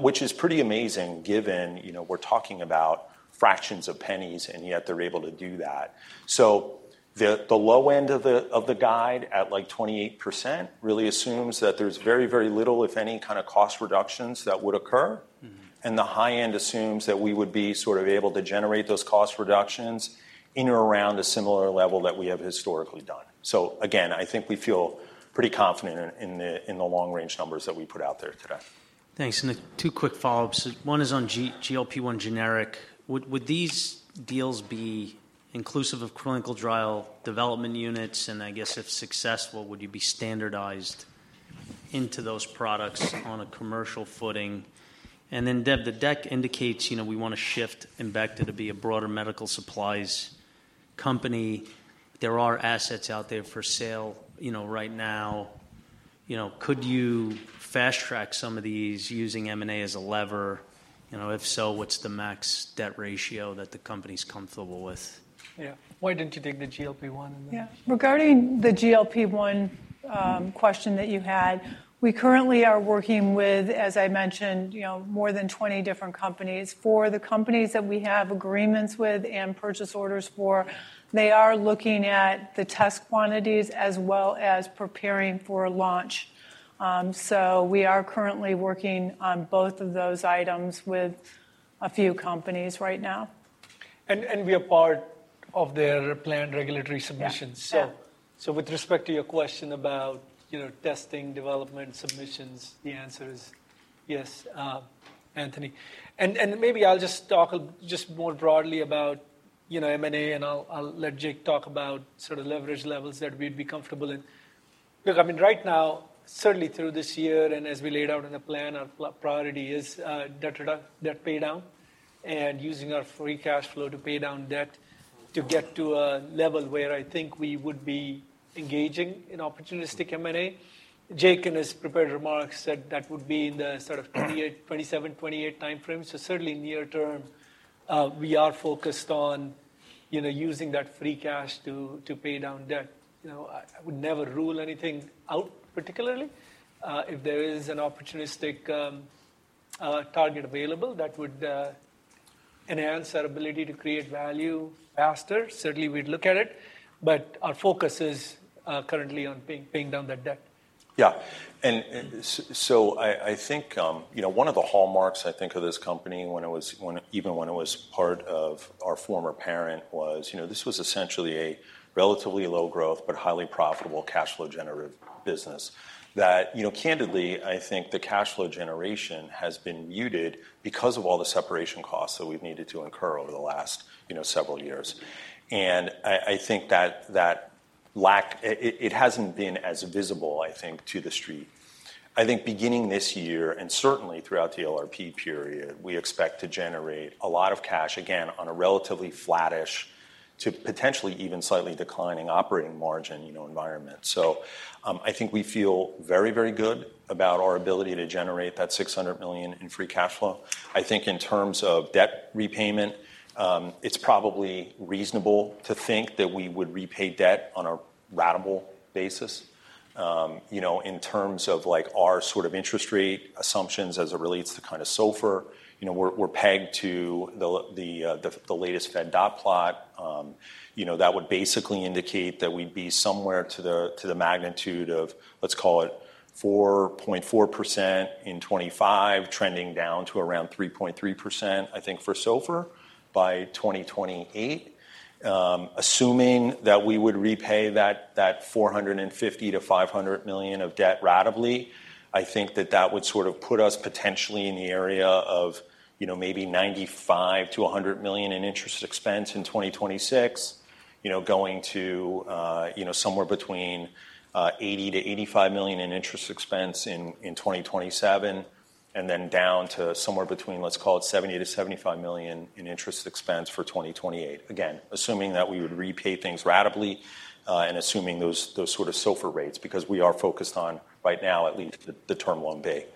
which is pretty amazing given we're talking about fractions of pennies, and yet they're able to do that. The low-end of the guide at like 28% really assumes that there's very, very little, if any, kind of cost reductions that would occur. The high end assumes that we would be sort of able to generate those cost reductions in or around a similar level that we have historically done. I think we feel pretty confident in the long-range numbers that we put out there today. Thanks. Two quick follow-ups. One is on GLP-1 generic. Would these deals be inclusive of clinical development units? I guess if successful, would you be standardized into those products on a commercial footing? Dev Kurdikar, the deck indicates we want to shift Embecta back to be a broader medical supplies company. There are assets out there for sale right now. Could you fast-track some of these using M&A as a lever? If so, what's the max debt ratio that the company's comfortable with? Yeah. Why did you not take the GLP-1? Yeah. Regarding the GLP-1 question that you had, we currently are working with, as I mentioned, more than 20 different companies. For the companies that we have agreements with and purchase orders for, they are looking at the test quantities as well as preparing for launch. We are currently working on both of those items with a few companies right now. We are part of their planned regulatory submissions. With respect to your question about development, submissions, the answer is yes, Anthony Petrone. Maybe I'll just talk just more broadly about M&A, and I'll let Jake Elguicze talk about sort of leverage levels that we'd be comfortable in. Look, I mean, right now, certainly through this year and as we laid out in the plan, our priority is debt paydown and using our free cash flow to pay down debt to get to a level where I think we would be engaging in opportunistic M&A. Jake Elguicze in his prepared remarks said that would be in the sort of 2027, 2028 timeframe. Certainly near term, we are focused on using that free cash to pay down debt. I would never rule anything out particularly. If there is an opportunistic target available that would enhance our ability to create value faster, certainly we'd look at it. Our focus is currently on paying down that debt. Yeah. I think one of the hallmarks, I think, of this company, even when it was part of our former parent, was this was essentially a relatively low-growth but highly profitable cash flow generative business. That candidly, I think the cash flow generation has been muted because of all the separation costs that we've needed to incur over the last several years. I think that lack, it hasn't been as visible, I think, to the street. I think beginning this year and certainly throughout the LRP period, we expect to generate a lot of cash, again, on a relatively flattish to potentially even slightly declining operating margin environment. I think we feel very, very good about our ability to generate that $600 million in free cash flow. I think in terms of debt repayment, it's probably reasonable to think that we would repay debt on a ratable basis. In terms of our sort of interest rate assumptions as it relates to kind of SOFR, we're pegged to the latest Fed dot plot that would basically indicate that we'd be somewhere to the magnitude of, let's call it 4.4% in 2025, trending down to around 3.3%, I think, for SOFR by 2028. Assuming that we would repay that $450 million-$500 million of debt ratably, I think that that would sort of put us potentially in the area of maybe $95 million-$100 million in interest expense in 2026, going to somewhere between $80 million-$85 million in interest expense in 2027, and then down to somewhere between, let's call it $70 million-$75 million in interest expense for 2028. Again, assuming that we would repay things ratably and assuming those sort of SOFR rates, because we are focused on, right now, at least, the term loan bay.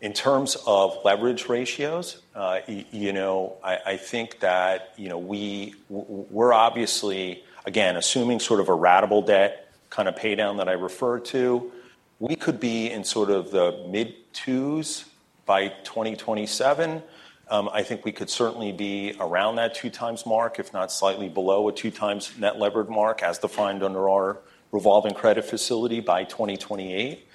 In terms of leverage ratios, I think that we're obviously, again, assuming sort of a ratable debt kind of paydown that I referred to, we could be in sort of the mid-twos by 2027. I think we could certainly be around that 2x mark, if not slightly below a 2x net levered mark as defined under our revolving credit facility by 2028.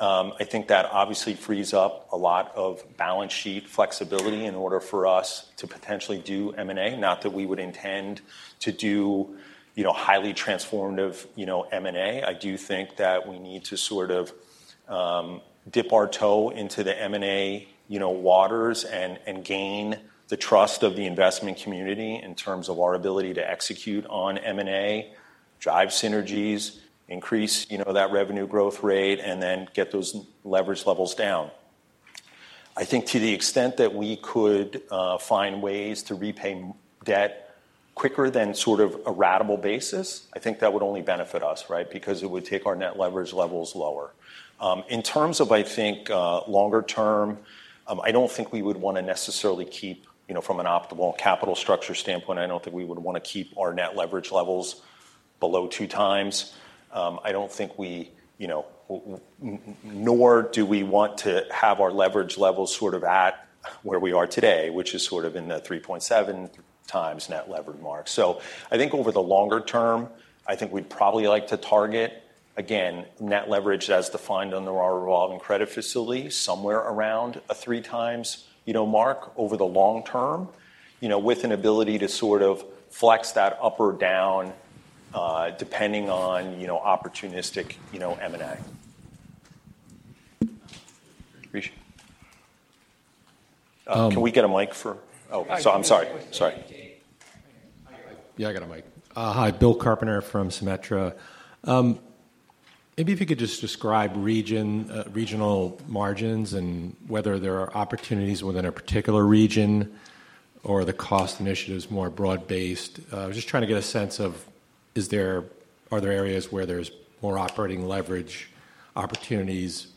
I think that obviously frees up a lot of balance sheet flexibility in order for us to potentially do M&A. Not that we would intend to do highly transformative M&A. I do think that we need to sort of dip our toe into the M&A waters and gain the trust of the investment community in terms of our ability to execute on M&A, drive synergies, increase that revenue growth rate, and then get those leverage levels down. I think to the extent that we could find ways to repay debt quicker than sort of a ratable basis, I think that would only benefit us, right? Because it would take our net leverage levels lower. In terms of, I think, longer-term, I do not think we would want to necessarily keep, from an optimal capital structure stand-point, I do not think we would want to keep our net leverage levels below 2x. I do not think we, nor do we want to have our leverage levels sort of at where we are today, which is sort of in the 3.7x net levered mark. I think over the longer-term, I think we would probably like to target, again, net leverage as defined under our revolving credit facility, somewhere around a three-times mark. Over the long-term, with an ability to sort of flex that up or down depending on opportunistic M&A. Can we get a mic for—oh, I am sorry. Sorry. Yeah, I got a mic. Hi, Bill Carpenter from Symetra. Maybe if you could just describe regional margins and whether there are opportunities within a particular region or the cost initiatives more broad-based. I was just trying to get a sense of, are there areas where there is more operating leverage opportunities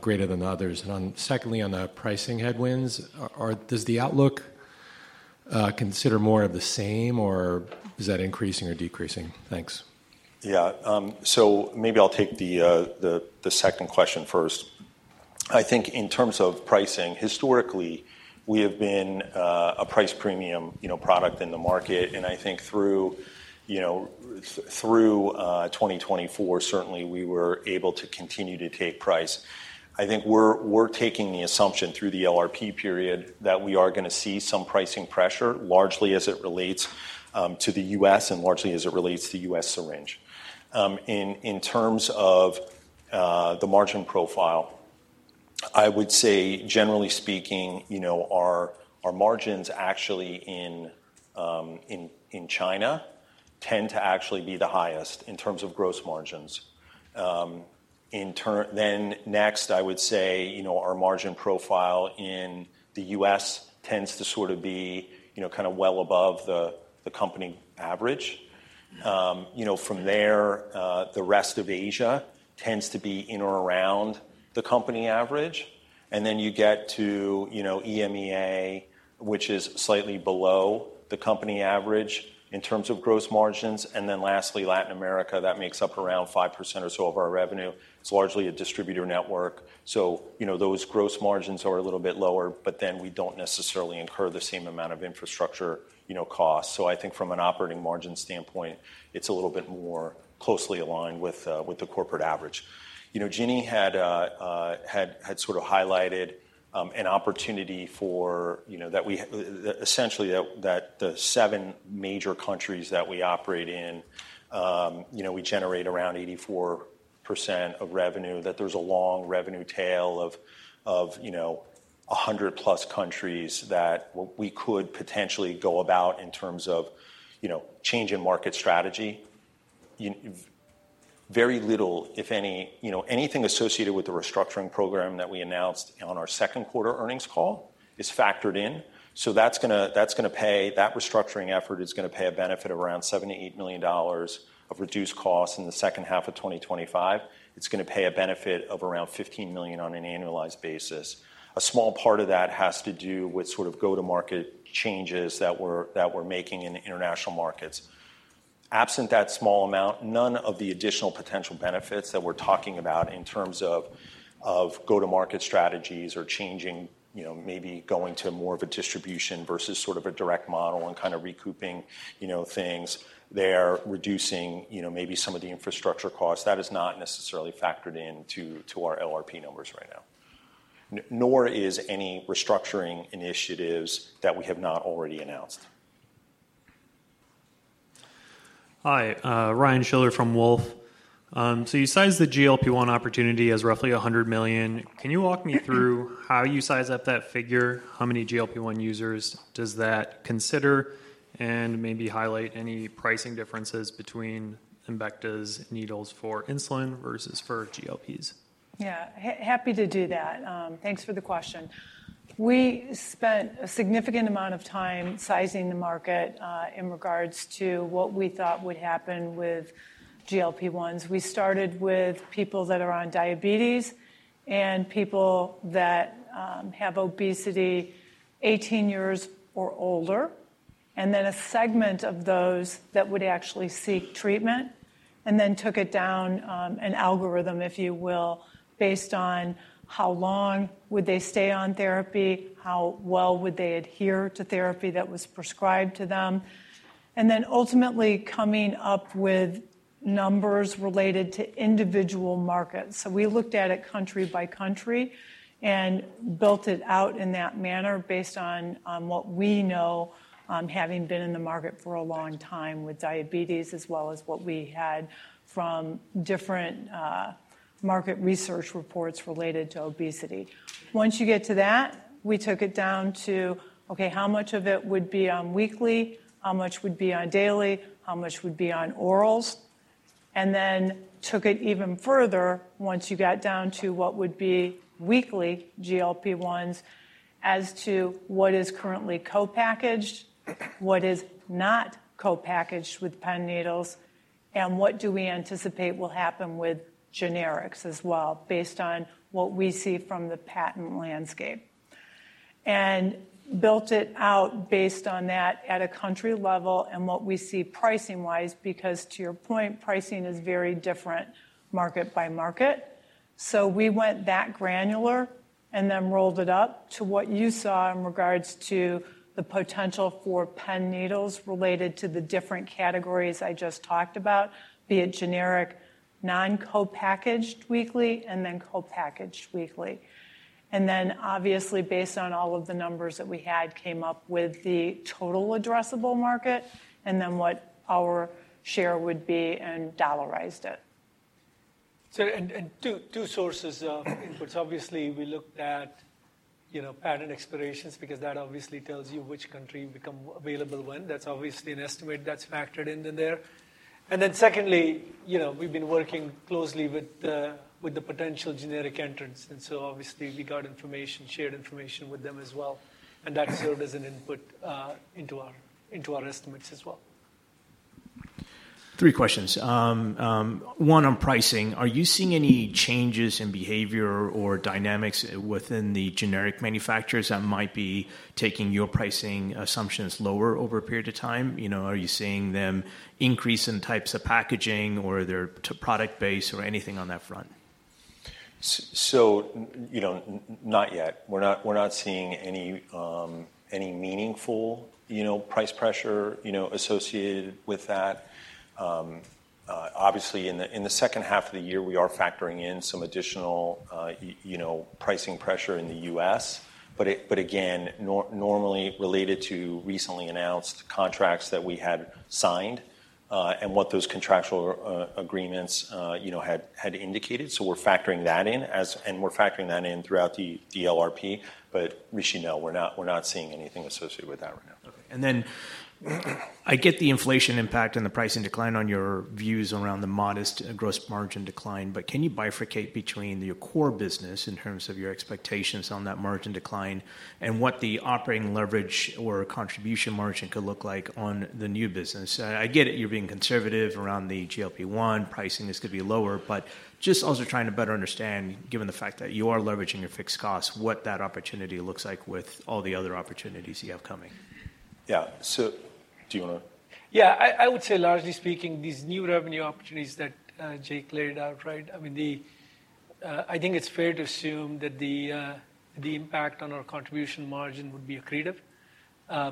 greater than others? Secondly, on the pricing headwinds, does the outlook consider more of the same, or is that increasing or decreasing? Thanks. Yeah. Maybe I'll take the second question first. I think in terms of pricing, historically, we have been a price premium product in the market. I think through 2024, certainly we were able to continue to take price. I think we're taking the assumption through the LRP period that we are going to see some pricing pressure, largely as it relates to the U.S. and largely as it relates to the U.S. syringe. In terms of the margin profile, I would say, generally speaking, our margins actually in China tend to actually be the highest in terms of gross margins. Next, I would say our margin profile in the U.S. tends to sort of be kind of well above the company average. From there, the rest of Asia tends to be in or around the company average. You get to EMEA, which is slightly below the company average in terms of gross margins. Lastly, Latin America makes up around 5% or so of our revenue. It's largely a distributor network, so those gross margins are a little bit lower, but we don't necessarily incur the same amount of infrastructure costs. I think from an operating margin stand-point, it's a little bit more closely aligned with the corporate average. Ginny Blocki had sort of highlighted an opportunity for that we essentially that the seven major countries that we operate in, we generate around 84% of revenue, that there's a long revenue tail of 100+ countries that we could potentially go about in terms of change in market strategy. Very little, if any, anything associated with the restructuring program that we announced on our Q2 earnings call is factored in. That restructuring effort is going to pay a benefit of around $78 million of reduced costs in the second half of 2025. It is going to pay a benefit of around $15 million on an annualized basis. A small part of that has to do with sort of go-to-market changes that we are making in international markets. Absent that small amount, none of the additional potential benefits that we are talking about in terms of go-to-market strategies or changing, maybe going to more of a distribution versus sort of a direct model and kind of recouping things there, reducing maybe some of the infrastructure costs, that is not necessarily factored into our LRP numbers right now. Nor is any restructuring initiatives that we have not already announced. Hi, Ryan Schiller from Wolfe. You sized the GLP-1 opportunity as roughly $100 million. Can you walk me through how you size up that figure? How many GLP-1 users does that consider? Maybe highlight any pricing differences between Embecta's needles for insulin versus for GLPs? Yeah. Happy to do that. Thanks for the question. We spent a significant amount of time sizing the market in regards to what we thought would happen with GLP-1s. We started with people that are on diabetes and people that have obesity 18 years or older, and then a segment of those that would actually seek treatment, and then took it down an algorithm, if you will, based on how long would they stay on therapy, how well would they adhere to therapy that was prescribed to them, and then ultimately coming up with numbers related to individual markets. We looked at it country by country and built it out in that manner based on what we know, having been in the market for a long time with diabetes, as well as what we had from different market research reports related to obesity. Once you get to that, we took it down to, okay, how much of it would be on weekly, how much would be on daily, how much would be on orals. Then took it even further once you got down to what would be weekly GLP-1s as to what is currently co-packaged, what is not co-packaged with Pen Needles, and what do we anticipate will happen with generics as well based on what we see from the patent landscape. Built it out based on that at a country level and what we see pricing-wise, because to your point, pricing is very different market by market. We went that granular and then rolled it up to what you saw in regards to the potential for Pen Needles related to the different categories I just talked about, be it generic, non-co-packaged weekly, and then co-packaged weekly. Obviously, based on all of the numbers that we had, came up with the total addressable market and then what our share would be and dollarized it. Two sources of inputs. Obviously, we looked at patent expirations because that obviously tells you which country becomes available when. That's obviously an estimate that's factored in there. Secondly, we've been working closely with the potential generic entrants. Obviously, we got information, shared information with them as well. That served as an input into our estimates as well. Three questions. One on pricing. Are you seeing any changes in behavior or dynamics within the generic manufacturers that might be taking your pricing assumptions lower over a period of time? Are you seeing them increase in types of packaging or their product base or anything on that front? Not yet. We're not seeing any meaningful price pressure associated with that. Obviously, in the second half of the year, we are factoring in some additional pricing pressure in the U.S. Again, normally related to recently announced contracts that we had signed and what those contractual agreements had indicated. We are factoring that in, and we are factoring that in throughout the LRP. We are not seeing anything associated with that right now. I get the inflation impact and the pricing decline on your views around the modest gross margin decline, but can you bifurcate between your core business in terms of your expectations on that margin decline and what the operating leverage or contribution margin could look like on the new business? I get it, you are being conservative around the GLP-1 pricing is going to be lower, but just also trying to better understand, given the fact that you are leveraging your fixed costs, what that opportunity looks like with all the other opportunities you have coming. Yeah. Do you want to? Yeah. I would say, largely speaking, these new revenue opportunities that Jake Elguicze laid out, right? I mean, I think it's fair to assume that the impact on our contribution margin would be accretive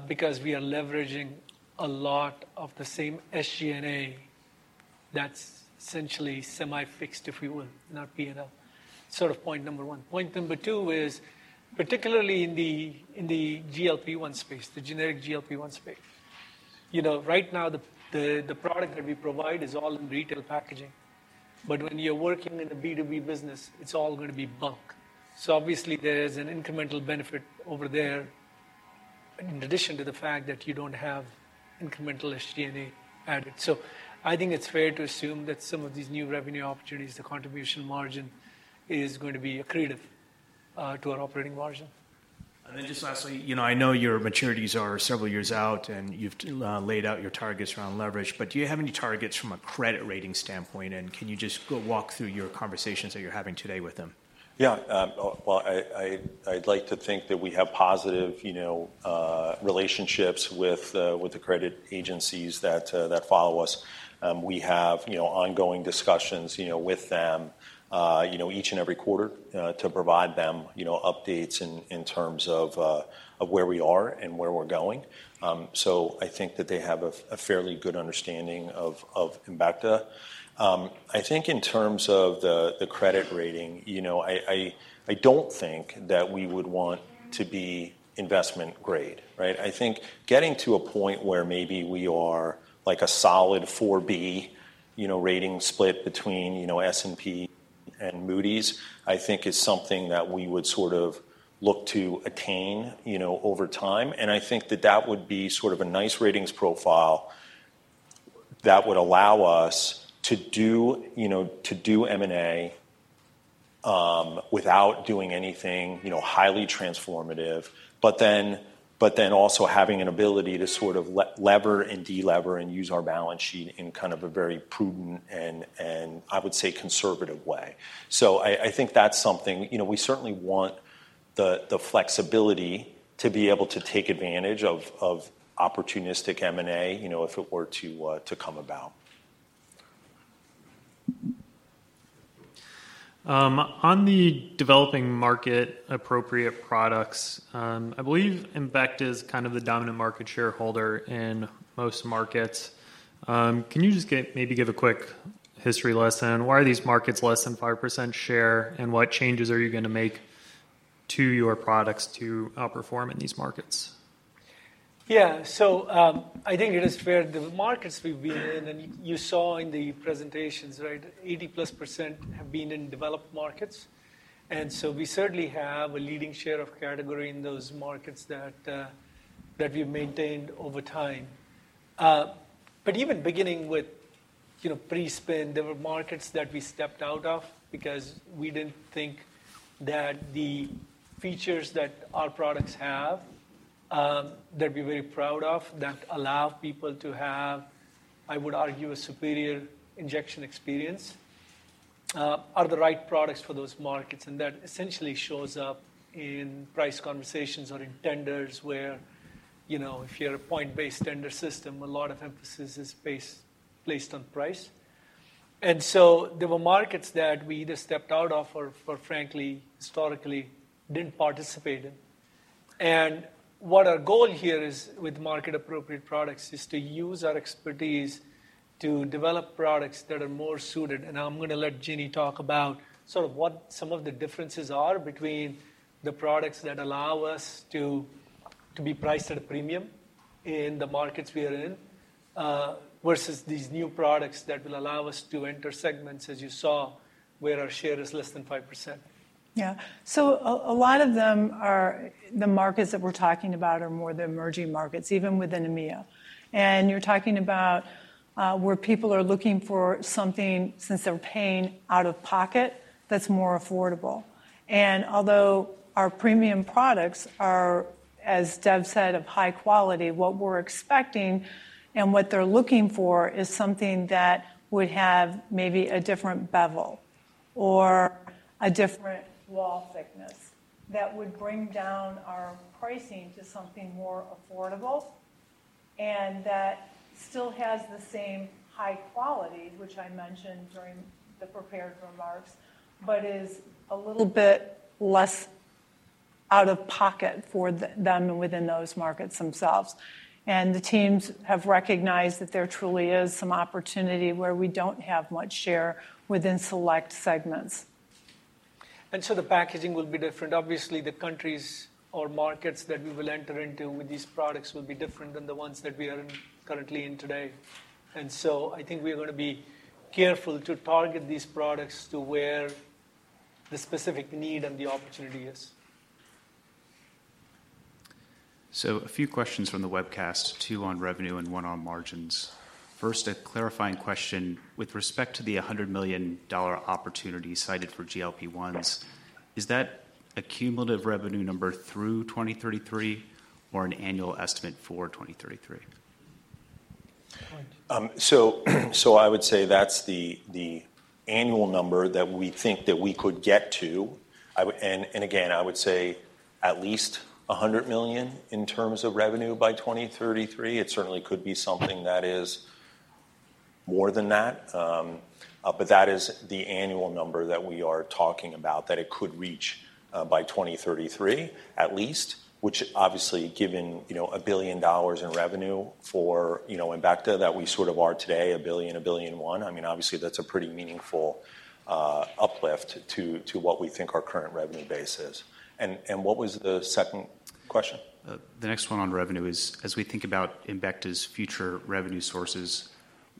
because we are leveraging a lot of the same SG&A that's essentially semi-fixed, if you will, not P&L. Sort of point number one. Point number two is, particularly in the GLP-1 space, the generic GLP-1 space. Right now, the product that we provide is all in retail packaging. But when you're working in the B2B business, it's all going to be bulk. Obviously, there is an incremental benefit over there in addition to the fact that you don't have incremental SG&A added. I think it's fair to assume that some of these new revenue opportunities, the contribution margin is going to be accretive to our operating margin. Lastly, I know your maturities are several years out and you've laid out your targets around leverage, but do you have any targets from a credit rating stand-point? Can you just walk through your conversations that you're having today with them? Yeah. I'd like to think that we have positive relationships with the credit agencies that follow us. We have ongoing discussions with them each and every quarter to provide them updates in terms of where we are and where we're going. I think that they have a fairly good understanding of Embecta. I think in terms of the credit rating, I don't think that we would want to be investment grade, right? I think getting to a point where maybe we are like a solid 4B rating split between S&P and Moody's, I think is something that we would sort of look to attain over time. I think that that would be sort of a nice ratings profile that would allow us to do M&A without doing anything highly transformative, but then also having an ability to sort of lever and delever and use our balance sheet in kind of a very prudent and, I would say, conservative way. I think that's something we certainly want the flexibility to be able to take advantage of opportunistic M&A if it were to come about. Ondeveloping market appropriate products, I believe Embecta is kind of the dominant market shareholder in most markets. Can you just maybe give a quick history lesson? Why are these markets less than 5% share and what changes are you going to make to your products to outperform in these markets? Yeah. I think it is fair. The markets we've been in, and you saw in the presentations, right, 80%+ have been developed markets. We certainly have a leading share of category in those markets that we've maintained over time. Even beginning with pre-spin, there were markets that we stepped out of because we didn't think that the features that our products have that we're very proud of that allow people to have, I would argue, a superior injection experience are the right products for those markets. That essentially shows up in price conversations or in tenders where if you're a point-based tender system, a lot of emphasis is placed on price. There were markets that we either stepped out of or, frankly, historically did not participate in. What our goal here is with market-appropriate products is to use our expertise develop products that are more suited. I am going to let Ginny Blocki talk about sort of what some of the differences are between the products that allow us to be priced at a premium in the markets we are in versus these new products that will allow us to enter segments, as you saw, where our share is less than 5%. A lot of the markets that we are talking about are more the emerging markets, even within EMEA. You are talking about where people are looking for something since they are paying out of pocket that is more affordable. Although our premium products are, as Dev Kurdikar said, of high quality, what we're expecting and what they're looking for is something that would have maybe a different bevel or a different wall thickness that would bring down our pricing to something more affordable and that still has the same high quality, which I mentioned during the prepared remarks, but is a little bit less out of pocket for them within those markets themselves. The teams have recognized that there truly is some opportunity where we don't have much share within select segments. The packaging will be different. Obviously, the countries or markets that we will enter into with these products will be different than the ones that we are currently in today. I think we are going to be careful to target these products to where the specific need and the opportunity is. A few questions from the webcast, two on revenue and one on margins. First, a clarifying question with respect to the $100 million opportunity cited for GLP-1s. Is that a cumulative revenue number through 2033 or an annual estimate for 2033? I would say that's the annual number that we think that we could get to. Again, I would say at least $100 million in terms of revenue by 2033. It certainly could be something that is more than that. That is the annual number that we are talking about that it could reach by 2033, at least, which obviously, given a billion dollars in revenue for Embecta that we sort of are today, a billion, a billion one, I mean, obviously, that's a pretty meaningful uplift to what we think our current revenue base is. What was the second question? The next one on revenue is, as we think about Embecta's future revenue sources,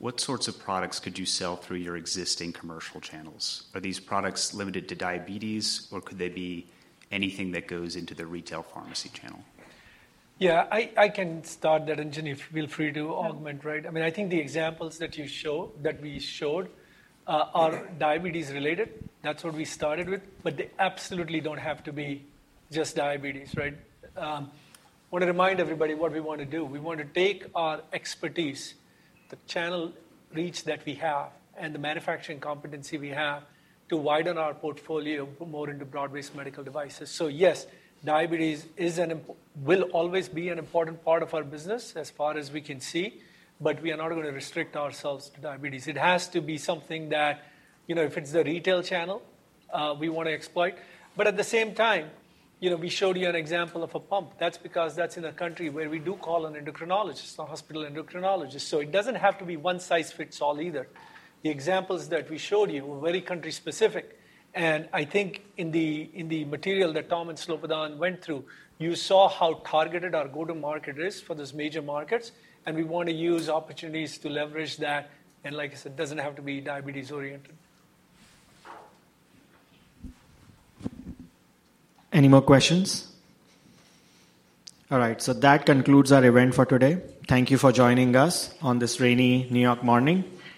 what sorts of products could you sell through your existing commercial channels? Are these products limited to diabetes, or could they be anything that goes into the retail pharmacy channel? Yeah. I can start that, and Ginny Blocki, feel free to augment, right? I mean, I think the examples that we showed are diabetes-related. That's what we started with. But they absolutely do not have to be just diabetes, right? I want to remind everybody what we want to do. We want to take our expertise, the channel reach that we have, and the manufacturing competency we have to widen our portfolio more into broad-based devices. Yes, diabetes will always be an important part of our business as far as we can see, but we are not going to restrict ourselves to diabetes. It has to be something that, if it's the retail channel, we want to exploit. At the same time, we showed you an example of a pump. That's because that's in a country where we do call an endocrinologist, a hospital endocrinologist. It does not have to be one size fits all either. The examples that we showed you were very country-specific. I think in the material that Tom Blount and Slobodan Radumilo went through, you saw how targeted our go-to-market is for those major markets. We want to use opportunities to leverage that. Like I said, it does not have to b diabetes-oriented. Any more questions? All right. That concludes our event for today. Thank you for joining us on this rainy New York morning.